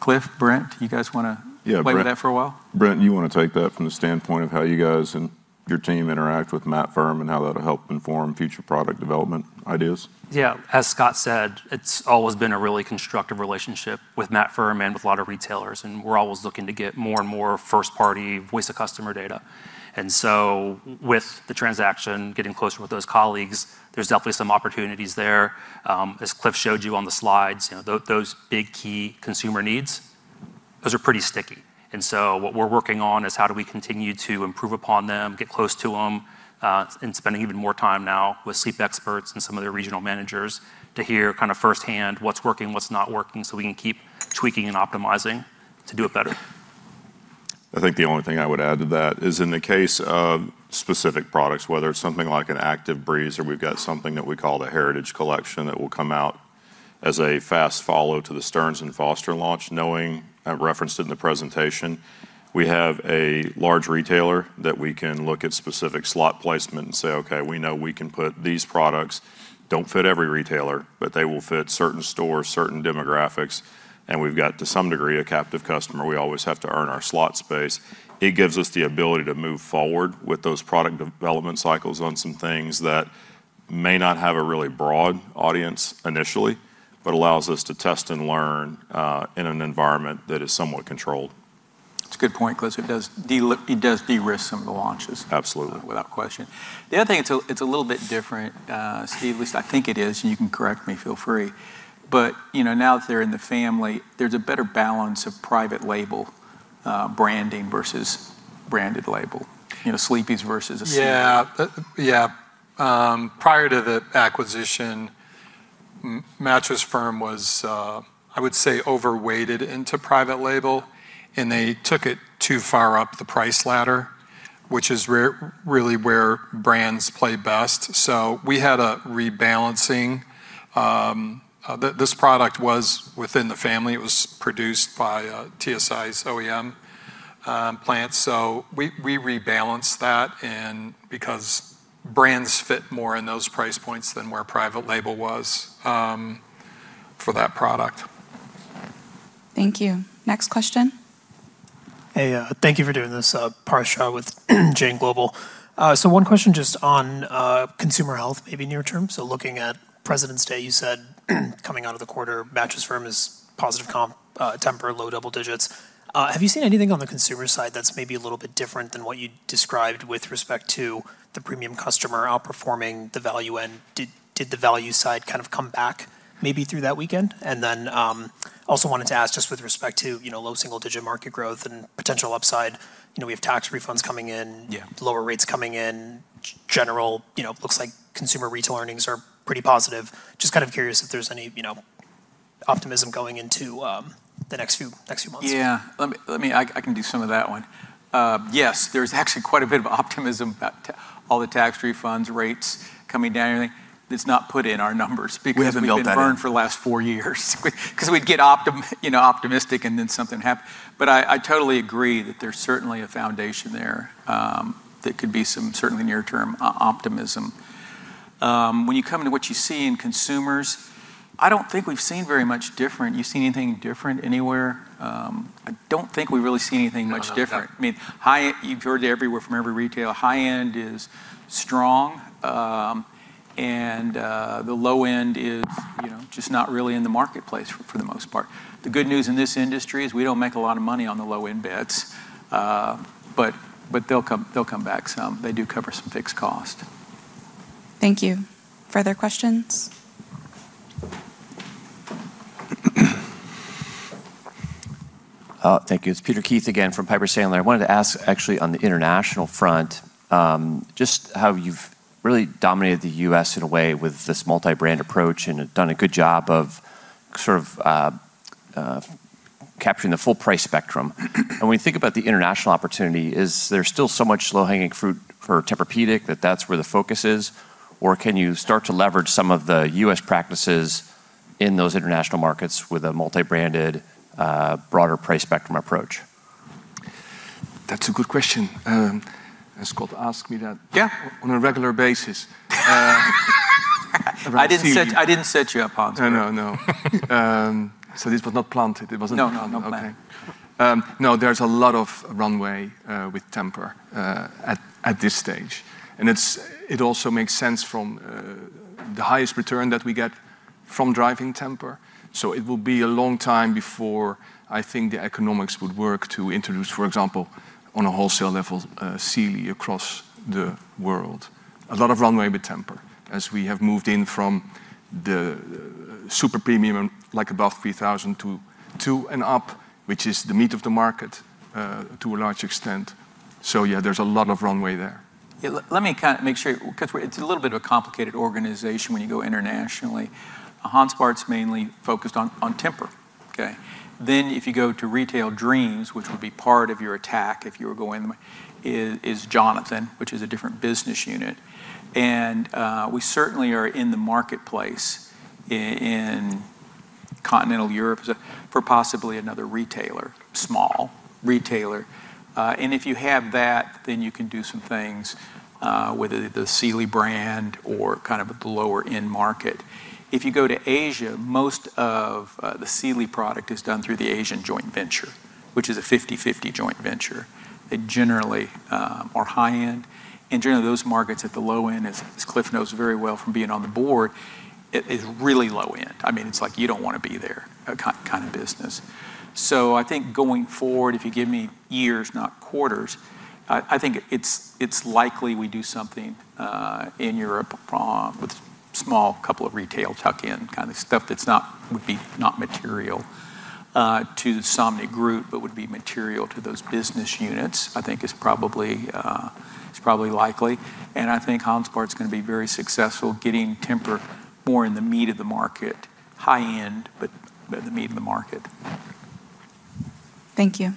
Cliff, Brent, you guys wanna? Yeah, Brent. play with that for a while? Brent, you wanna take that from the standpoint of how you guys and your team interact with Matt Firm and how that'll help inform future product development ideas? Yeah. As Scott said, it's always been a really constructive relationship with Mattress Firm and with a lot of retailers, we're always looking to get more and more first-party voice of customer data. With the transaction, getting closer with those colleagues, there's definitely some opportunities there. As Cliff showed you on the slides, you know, those big key consumer needs, those are pretty sticky. What we're working on is how do we continue to improve upon them, get close to 'em, and spending even more time now with sleep experts and some of their regional managers to hear kind of firsthand what's working, what's not working, so we can keep tweaking and optimizing to do it better. I think the only thing I would add to that is in the case of specific products, whether it's something like an Active Breeze or we've got something that we call the Heritage Collection that will come out as a fast follow to the Stearns & Foster launch, knowing, I referenced it in the presentation, we have a large retailer that we can look at specific slot placement and say, "Okay, we know we can put these products." Don't fit every retailer, but they will fit certain stores, certain demographics, and we've got to some degree a captive customer. We always have to earn our slot space. It gives us the ability to move forward with those product development cycles on some things that may not have a really broad audience initially, but allows us to test and learn in an environment that is somewhat controlled. That's a good point, Cliff. It does de-risk some of the launches. Absolutely. without question. The other thing, it's a, it's a little bit different, Steve, at least I think it is, and you can correct me, feel free. You know, now that they're in the family, there's a better balance of private label, branding versus branded label. You know, Sleepy's versus a Sealy. Yeah. Prior to the acquisition, Mattress Firm was, I would say, overweighted into private label, and they took it too far up the price ladder, which is where, really where brands play best. So we had a rebalancing. This product was within the family. It was produced by TSI's OEM plant. So we rebalanced that and because brands fit more in those price points than where private label was for that product. Thank you. Next question. Hey, thank you for doing this. [Prashant Patel with Janney Montgomery Scott]. One question just on consumer health, maybe near term. Looking at President's Day, you said, coming out of the quarter, Mattress Firm is positive comp, Tempur low double digits. Have you seen anything on the consumer side that's maybe a little bit different than what you described with respect to the premium customer outperforming the value end? Did the value side kind of come back maybe through that weekend? Also wanted to ask just with respect to, you know, low single digit market growth and potential upside, you know, we have tax refunds coming in... Yeah ...lower rates coming in, general, you know, looks like consumer retail earnings are pretty positive. Just kind of curious if there's any, you know, optimism going into the next few months? Yeah. Let me I can do some of that one. Yes, there's actually quite a bit of optimism about all the tax refunds, rates coming down and everything. It's not put in our numbers because- We haven't built that in. ...we've been burned for the last four years. We'd get you know, optimistic, and then something happened. I totally agree that there's certainly a foundation there, that could be some certainly near-term optimism. When you come to what you see in consumers, I don't think we've seen very much different. You seen anything different anywhere? I don't think we really see anything much different. No. No. I mean, You've heard everywhere from every retailer, high end is strong, and the low end is, you know, just not really in the marketplace for the most part. The good news in this industry is we don't make a lot of money on the low-end beds. They'll come back some. They do cover some fixed cost. Thank you. Further questions? Thank you. It's Peter Keith again from Piper Sandler. I wanted to ask actually on the international front, just how you've really dominated the US in a way with this multi-brand approach and have done a good job of sort of, capturing the full price spectrum. When you think about the international opportunity, is there still so much low-hanging fruit for Tempur-Pedic that that's where the focus is? Or can you start to leverage some of the US practices in those international markets with a multi-branded, broader price spectrum approach? That's a good question. Scott asks me that... Yeah on a regular basis. From Sealy. I didn't set you up, Hans. No, no. This was not planted. No. No plant. Okay. No, there's a lot of runway with Tempur at this stage. It also makes sense from the highest return that we get from driving Tempur. It will be a long time before I think the economics would work to introduce, for example, on a wholesale level, Sealy across the world. A lot of runway with Tempur as we have moved in from the super premium, like above $3,000 to and up, which is the meat of the market to a large extent. Yeah, there's a lot of runway there. Let me kind of make sure, 'cause it's a little bit of a complicated organization when you go internationally. Hans Bart is mainly focused on Tempur, okay? If you go to Dreams, which would be part of your attack if you were going, is Jonathan, which is a different business unit. We certainly are in the marketplace in continental Europe for possibly another retailer, small retailer. If you have that, then you can do some things with the Sealy brand or kind of at the lower end market. If you go to Asia, most of the Sealy product is done through the Asian joint venture. Which is a 50/50 joint venture. They generally are high-end. Generally, those markets at the low end, as Cliff knows very well from being on the board, it is really low end. I mean, it's like you don't wanna be there kind of business. I think going forward, if you give me years, not quarters, I think it's likely we do something in Europe with small couple of retail tuck-in kind of stuff that would be not material to the Somnigroup, but would be material to those business units, I think is probably, is probably likely. I think Hanspart's gonna be very successful getting Tempur more in the meat of the market. High-end, but the meat of the market. Thank you.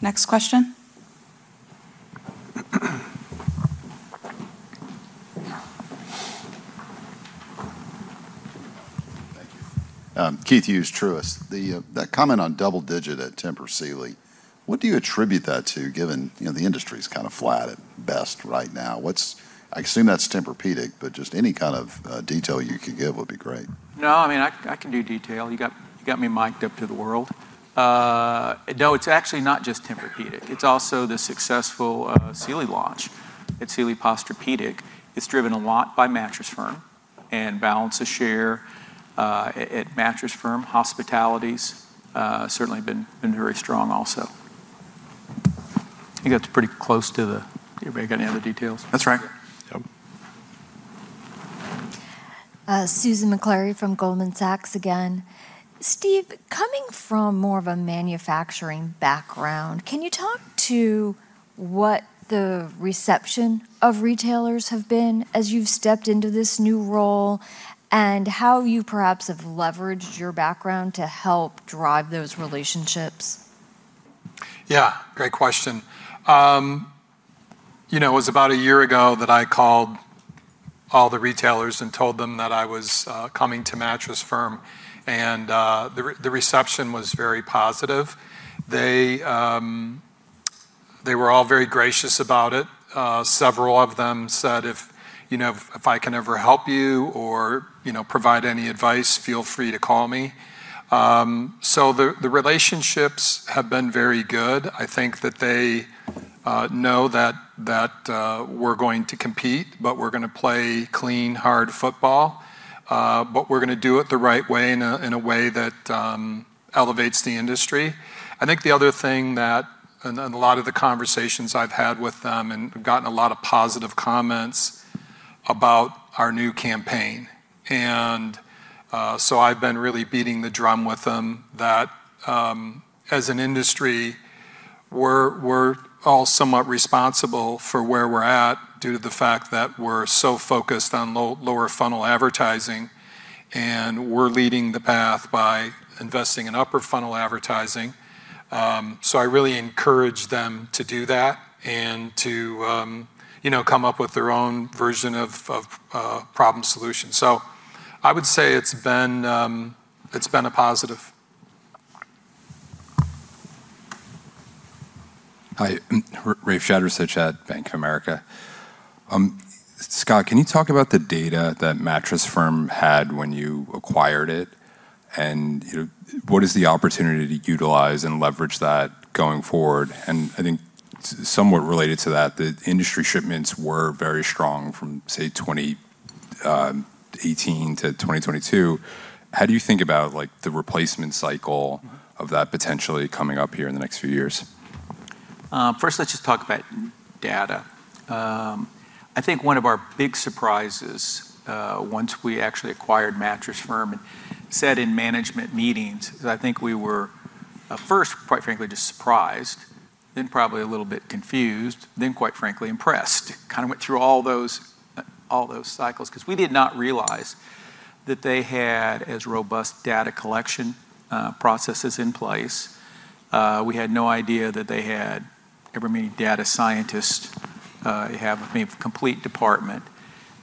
Next question. Thank you. Keith Hughes, Truist. The comment on double digit at Tempur Sealy, what do you attribute that to given, you know, the industry's kinda flat at best right now? I assume that's Tempur-Pedic, but just any kind of detail you could give would be great. No, I mean, I can do detail. You got me mic'd up to the world. No, it's actually not just Tempur-Pedic. It's also the successful Sealy launch at Sealy Posturepedic. It's driven a lot by Mattress Firm and balance of share at Mattress Firm. Hospitalities certainly been very strong also. I think that's pretty close to the. Anybody got any other details? That's right. Yep. Susan Maklari from Goldman Sachs again. Steve, coming from more of a manufacturing background, can you talk to what the reception of retailers have been as you've stepped into this new role and how you perhaps have leveraged your background to help drive those relationships? Yeah, great question. you know, it was about a year ago that I called all the retailers and told them that I was coming to Mattress Firm and the reception was very positive. They were all very gracious about it. Several of them said, "If, you know, if I can ever help you or, you know, provide any advice, feel free to call me." The relationships have been very good. I think that they know that we're going to compete, but we're gonna play clean, hard football. We're gonna do it the right way in a way that elevates the industry. I think the other thing that, and a lot of the conversations I've had with them and gotten a lot of positive comments about our new campaign. I've been really beating the drum with them that, as an industry, we're all somewhat responsible for where we're at due to the fact that we're so focused on lower funnel advertising, and we're leading the path by investing in upper funnel advertising. I really encourage them to do that and to, you know, come up with their own version of problem solution. I would say it's been, it's been a positive. Hi, Rafe Jadrosich at Bank of America. Scott, can you talk about the data that Mattress Firm had when you acquired it? What is the opportunity to utilize and leverage that going forward? I think somewhat related to that, the industry shipments were very strong from, say, 2018-2022. How do you think about, like, the replacement cycle of that potentially coming up here in the next few years? First, let's just talk about data. I think one of our big surprises, once we actually acquired Mattress Firm and sat in management meetings is I think we were at first, quite frankly, just surprised, then probably a little bit confused, then quite frankly, impressed. Kind of went through all those cycles because we did not realize that they had as robust data collection, processes in place. We had no idea that they had ever many data scientists, have a complete department.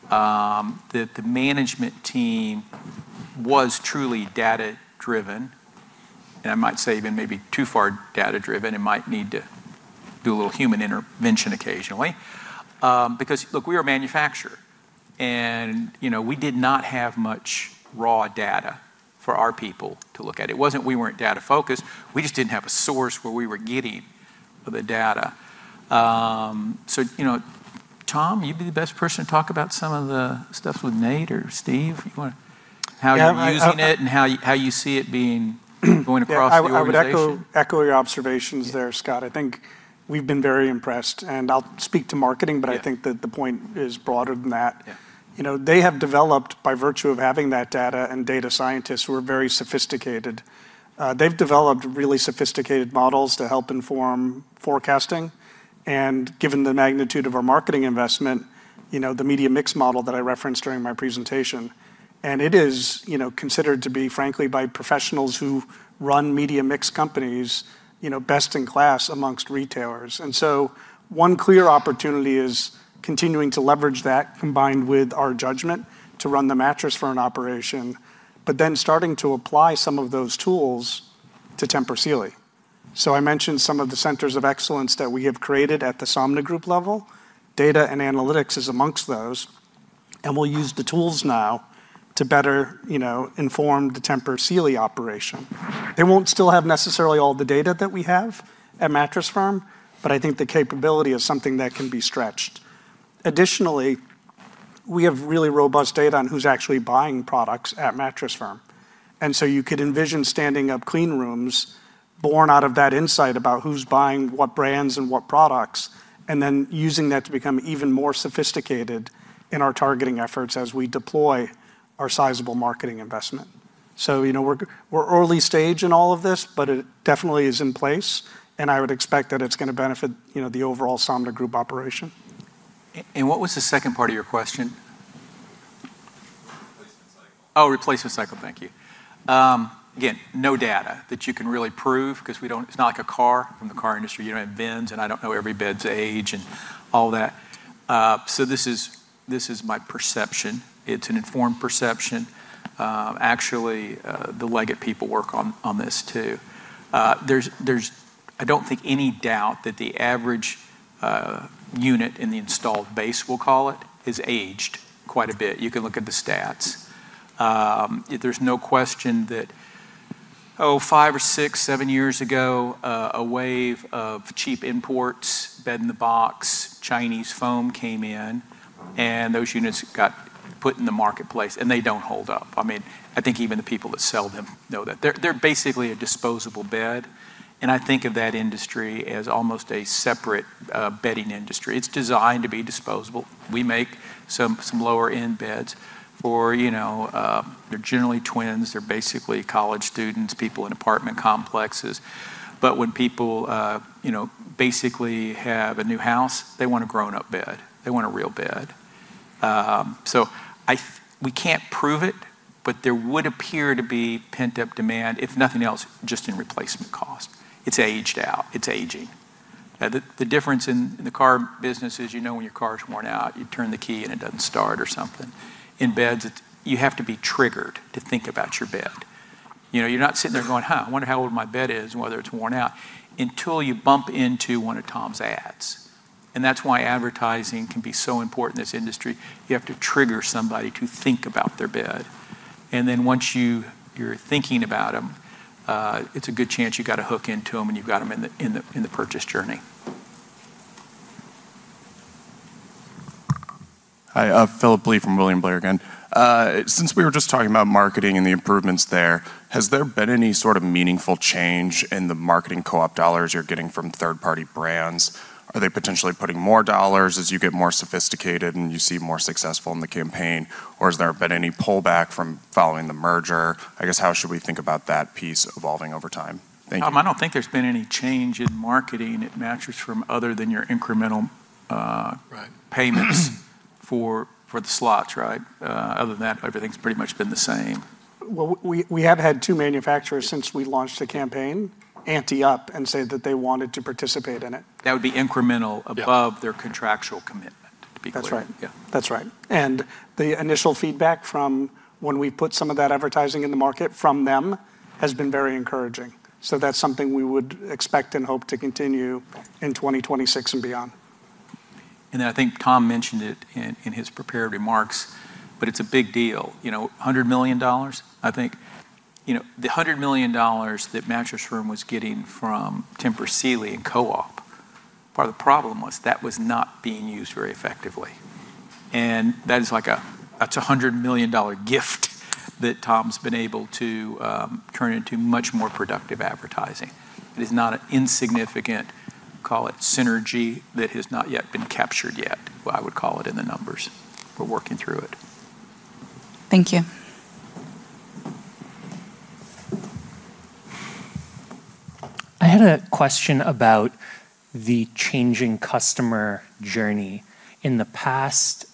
That the management team was truly data-driven, and I might say even maybe too far data-driven and might need to do a little human intervention occasionally. Because look, we are a manufacturer and, you know, we did not have much raw data for our people to look at. It wasn't we weren't data-focused, we just didn't have a source where we were getting the data. You know, Tom, you'd be the best person to talk about some of the stuff with Nate or Steve. Yeah. How you're using it and how you, how you see it going across the organization. I would echo your observations there, Scott. I think we've been very impressed, and I'll speak to marketing... Yeah. I think that the point is broader than that. Yeah. You know, they have developed by virtue of having that data and data scientists who are very sophisticated, they've developed really sophisticated models to help inform forecasting and given the magnitude of our marketing investment, you know, the media mix model that I referenced during my presentation. It is, you know, considered to be, frankly, by professionals who run media mix companies, you know, best in class amongst retailers. One clear opportunity is continuing to leverage that combined with our judgment to run the Mattress Firm operation, but then starting to apply some of those tools to Tempur Sealy. I mentioned some of the centers of excellence that we have created at the Somnigroup level. Data and analytics is amongst those. We'll use the tools now to better, you know, inform the Tempur Sealy operation. They won't still have necessarily all the data that we have at Mattress Firm. I think the capability is something that can be stretched. Additionally, we have really robust data on who's actually buying products at Mattress Firm. You could envision standing up clean rooms born out of that insight about who's buying what brands and what products, and then using that to become even more sophisticated in our targeting efforts as we deploy our sizable marketing investment. You know, we're early stage in all of this. It definitely is in place, and I would expect that it's gonna benefit, you know, the overall Somnigroup operation. What was the second part of your question? Replacement cycle. Replacement cycle. Thank you. Again, no data that you can really prove because it's not like a car from the car industry. You don't have bins, I don't know every bed's age and all that. This is my perception. It's an informed perception. Actually, the Leggett people work on this too. There's, I don't think any doubt that the average unit in the installed base, we'll call it, is aged quite a bit. You can look at the stats. There's no question that five or six, seven years ago, a wave of cheap imports, bed in the box, Chinese foam came in, those units got put in the marketplace, they don't hold up. I mean, I think even the people that sell them know that. They're basically a disposable bed, and I think of that industry as almost a separate bedding industry. It's designed to be disposable. We make some lower-end beds for, you know, they're generally twins. They're basically college students, people in apartment complexes. When people, you know, basically have a new house, they want a grown-up bed. They want a real bed. We can't prove it, but there would appear to be pent-up demand, if nothing else, just in replacement cost. It's aged out. It's aging. The difference in the car business is you know when your car is worn out, you turn the key and it doesn't start or something. In beds, you have to be triggered to think about your bed. You know, you're not sitting there going, "Huh, I wonder how old my bed is and whether it's worn out," until you bump into one of Tom's ads. That's why advertising can be so important in this industry. You have to trigger somebody to think about their bed. Then once you're thinking about them, it's a good chance you got a hook into them and you've got them in the, in the, in the purchase journey. Hi. Philip Lee from William Blair again. Since we were just talking about marketing and the improvements there, has there been any sort of meaningful change in the marketing co-op dollars you're getting from third-party brands? Are they potentially putting more dollars as you get more sophisticated and you seem more successful in the campaign, or has there been any pullback from following the merger? I guess how should we think about that piece evolving over time? Thank you. Tom, I don't think there's been any change in marketing at Mattress Firm other than your incremental. Right. payments for the slots, right? Other than that, everything's pretty much been the same. We have had 2 manufacturers since we launched the campaign ante up and say that they wanted to participate in it. That would be incremental- Yeah. above their contractual commitment, to be clear. That's right. Yeah. That's right. The initial feedback from when we put some of that advertising in the market from them has been very encouraging. That's something we would expect and hope to continue in 2026 and beyond. I think Tom mentioned it in his prepared remarks, but it's a big deal. You know, $100 million, I think. You know, the $100 million that Mattress Firm was getting from Tempur Sealy in co-op, part of the problem was that was not being used very effectively. That is like a, that's a $100 million gift that Tom's been able to turn into much more productive advertising. It is not an insignificant, call it synergy, that has not yet been captured yet, what I would call it in the numbers. We're working through it. Thank you. I had a question about the changing customer journey. In the past,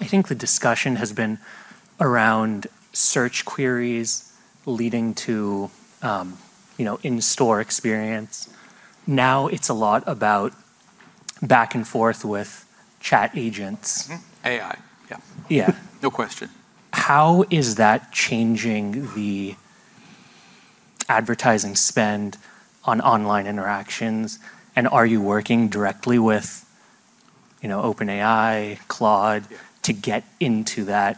I think the discussion has been around search queries leading to, you know, in-store experience. Now it's a lot about back and forth with chat agents. Mm-hmm. AI. Yeah. Yeah. No question. How is that changing the advertising spend on online interactions, and are you working directly with, you know, OpenAI, Anthropic, to get into that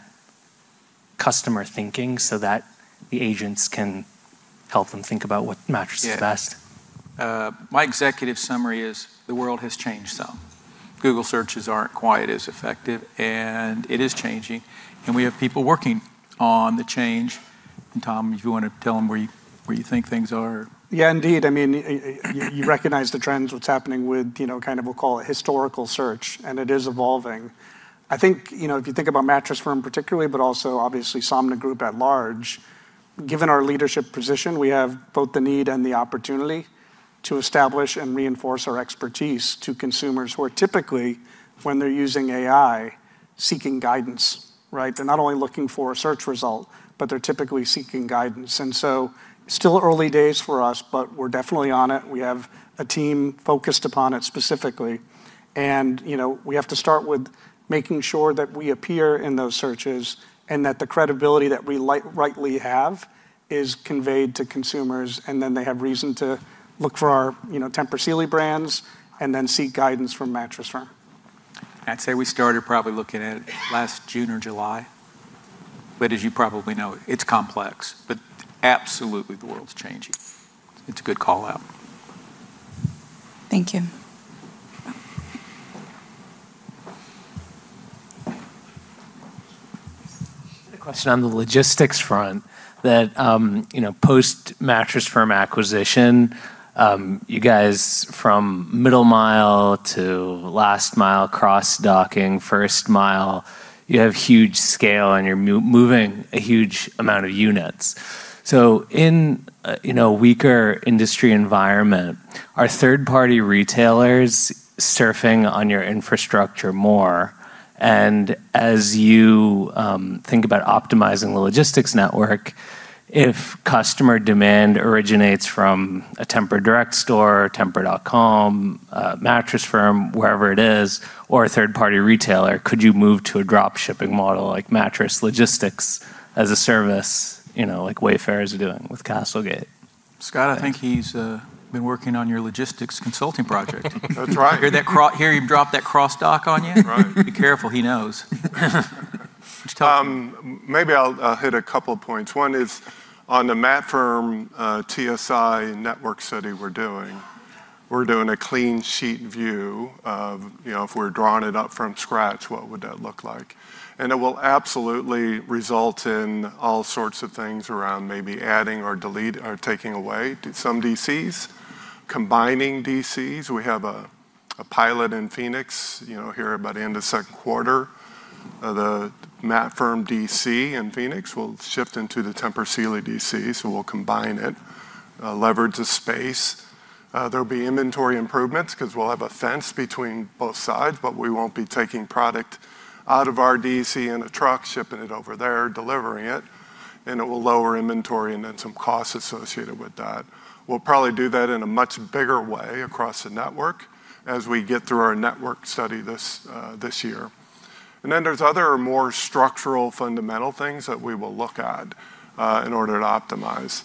customer thinking so that the agents can help them think about what mattress is best? Yeah. My executive summary is the world has changed some. Google searches aren't quite as effective, and it is changing, and we have people working on the change. Tom, if you want to tell them where you, where you think things are. Yeah, indeed. I mean, you recognize the trends, what's happening with, you know, kind of we'll call it historical search, and it is evolving. I think, you know, if you think about Mattress Firm particularly, but also obviously Somnigroup at large, given our leadership position, we have both the need and the opportunity to establish and reinforce our expertise to consumers who are typically, when they're using AI, seeking guidance, right? They're not only looking for a search result, but they're typically seeking guidance. Still early days for us, but we're definitely on it. We have a team focused upon it specifically. You know, we have to start with making sure that we appear in those searches and that the credibility that we rightly have is conveyed to consumers, and then they have reason to look for our, you know, Tempur Sealy brands and then seek guidance from Mattress Firm. I'd say we started probably looking at it last June or July. As you probably know, it's complex. Absolutely the world's changing. It's a good call-out. Thank you. A question on the logistics front that, you know, post Mattress Firm acquisition, you guys from middle mile to last mile cross-docking, first mile, you have huge scale and you're moving a huge amount of units. In a, you know, weaker industry environment, are third-party retailers surfing on your infrastructure more? As you think about optimizing the logistics network, if customer demand originates from a Tempur direct store, tempur.com, a Mattress Firm, wherever it is, or a third-party retailer, could you move to a drop shipping model like mattress logistics as a service, you know, like Wayfair is doing with CastleGate? Scott, I think he's been working on your logistics consulting project. That's right. Hear him drop that cross dock on you? Right. Be careful, he knows. What you talking about? Maybe I'll hit a couple of points. One is on the Mattress Firm, TSI network study we're doing. We're doing a clean sheet view of, you know, if we're drawing it up from scratch, what would that look like? It will absolutely result in all sorts of things around maybe adding or taking away some DCs, combining DCs. We have a pilot in Phoenix, you know, here about end of second quarter. The Mattress Firm DC in Phoenix will shift into the Tempur Sealy DC, so we'll combine it, leverage the space. There'll be inventory improvements because we'll have a fence between both sides, but we won't be taking product out of our DC in a truck, shipping it over there, delivering it, and it will lower inventory and then some costs associated with that. We'll probably do that in a much bigger way across the network as we get through our network study this year. Then there's other more structural fundamental things that we will look at in order to optimize.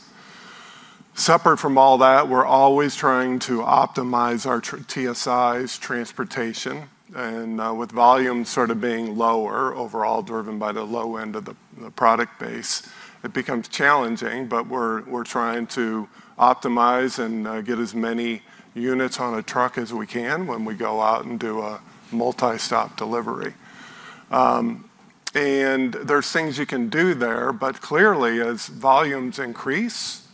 Separate from all that, we're always trying to optimize our TSI's transportation and with volume sort of being lower overall, driven by the low end of the product base, it becomes challenging, but we're trying to optimize and get as many units on a truck as we can when we go out and do a multi-stop delivery. There's things you can do there, but clearly as volumes increase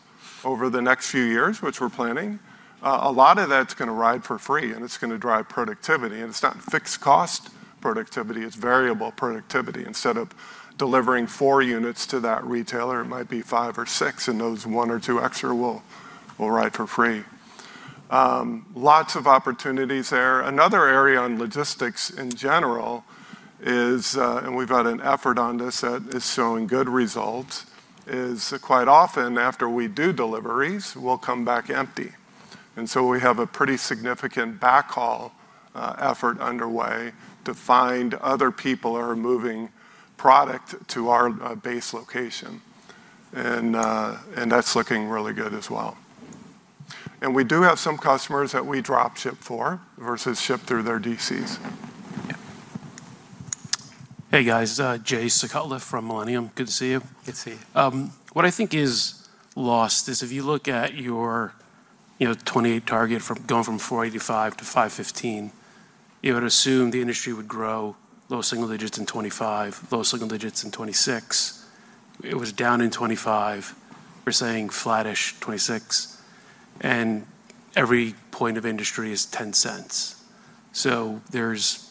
over the next few years, which we're planning, a lot of that's gonna ride for free and it's gonna drive productivity. It's not fixed cost productivity, it's variable productivity. Instead of delivering 4 units to that retailer, it might be 5 or 6, and those 1 or 2 extra will ride for free. Lots of opportunities there. Another area on logistics in general is, and we've had an effort on this that is showing good results, is quite often after we do deliveries, we'll come back empty. We have a pretty significant backhaul effort underway to find other people are moving product to our base location and that's looking really good as well. We do have some customers that we drop ship for versus ship through their DCs. Yeah. Hey guys, Jay Suchotliff from Millennium. Good to see you. Good to see you. What I think is lost is if you look at your, you know, 2028 target going from $4.85 to $5.15, you would assume the industry would grow low single digits in 2025, low single digits in 2026. It was down in 2025. We're saying flattish 2026, and every point of industry is $0.10. So there's,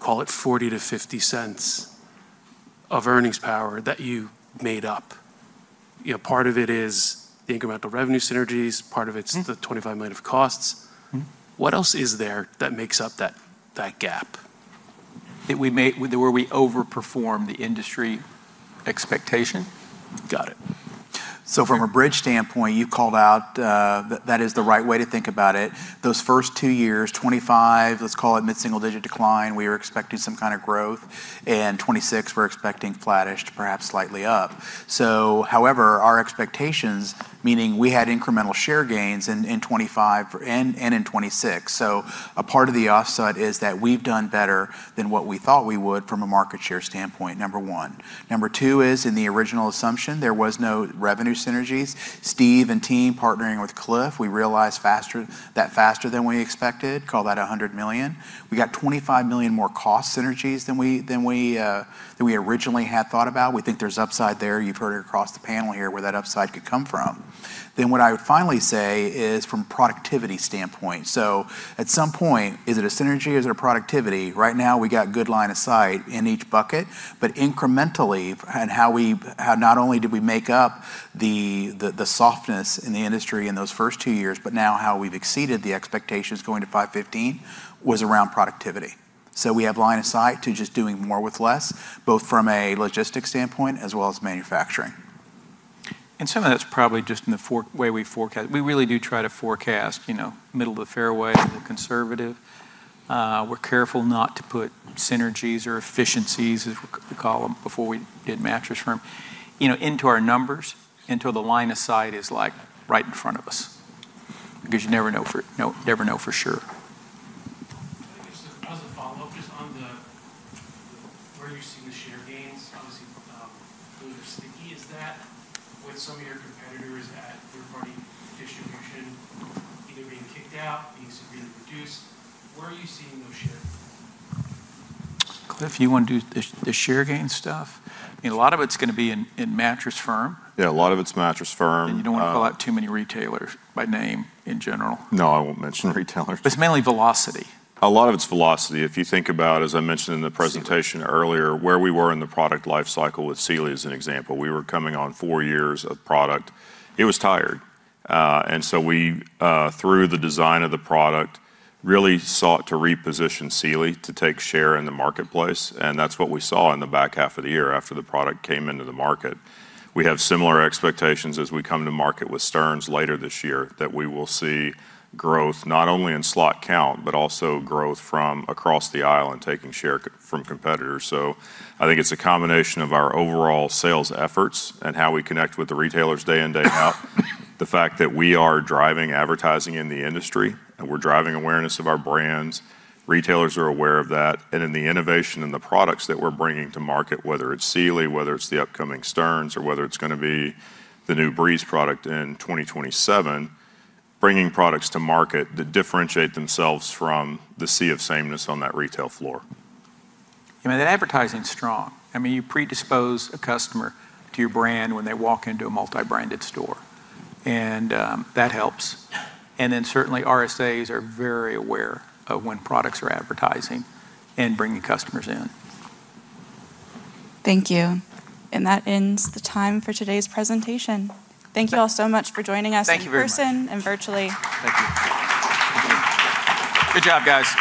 call it $0.40-$0.50 of earnings power that you made up. You know, part of it is the incremental revenue synergies, part of it's. Mm-hmm. The $25 million of costs. Mm-hmm. What else is there that makes up that gap? Where we overperformed the industry expectation? Got it. From a bridge standpoint, you called out that is the right way to think about it. Those first two years, 2025, let's call it mid-single digit decline, we were expecting some kind of growth. 2026, we're expecting flattish to perhaps slightly up. However, our expectations, meaning we had incremental share gains in 2025 and in 2026. A part of the offset is that we've done better than what we thought we would from a market share standpoint, number one. Number two is in the original assumption, there was no revenue synergies. Steve and team partnering with Scott Thompson, we realized that faster than we expected, call that $100 million. We got $25 million more cost synergies than we originally had thought about. We think there's upside there. You've heard it across the panel here where that upside could come from. What I would finally say is from productivity standpoint. At some point, is it a synergy? Is it a productivity? Right now, we got good line of sight in each bucket, but incrementally and how not only did we make up the softness in the industry in those first two years, but now how we've exceeded the expectations going to 515 was around productivity. We have line of sight to just doing more with less, both from a logistics standpoint as well as manufacturing. Some of that's probably just in the way we forecast. We really do try to forecast, you know, middle of the fairway, a little conservative. We're careful not to put synergies or efficiencies, as we call them before we did Mattress Firm, you know, into our numbers until the line of sight is like right in front of us, because you never know for sure. A follow-up just on the, where you're seeing the share gains, obviously, a little bit sticky. Is that with some of your competitors at third-party distribution either being kicked out, being severely reduced? Where are you seeing those share? Cliff, you wanna do the share gain stuff? I mean, a lot of it's gonna be in Mattress Firm. Yeah, a lot of it's Mattress Firm. You don't wanna call out too many retailers by name in general. No, I won't mention retailers. It's mainly velocity. A lot of it's velocity. If you think about, as I mentioned in the presentation earlier, where we were in the product life cycle with Sealy as an example, we were coming on four years of product. It was tired. We, through the design of the product, really sought to reposition Sealy to take share in the marketplace, and that's what we saw in the back half of the year after the product came into the market. We have similar expectations as we come to market with Stearns later this year that we will see growth not only in slot count, but also growth from across the aisle and taking share from competitors. I think it's a combination of our overall sales efforts and how we connect with the retailers day in, day out, the fact that we are driving advertising in the industry, and we're driving awareness of our brands. Retailers are aware of that. The innovation and the products that we're bringing to market, whether it's Sealy, whether it's the upcoming Stearns, or whether it's gonna be the new Breeze product in 2027, bringing products to market that differentiate themselves from the sea of sameness on that retail floor. I mean, the advertising's strong. I mean, you predispose a customer to your brand when they walk into a multi-branded store, and that helps. Certainly, RSAs are very aware of when products are advertising and bringing customers in. Thank you. That ends the time for today's presentation. Thank you all so much for joining us. Thank you very much.... in person and virtually. Thank you. Thank you. Good job, guys.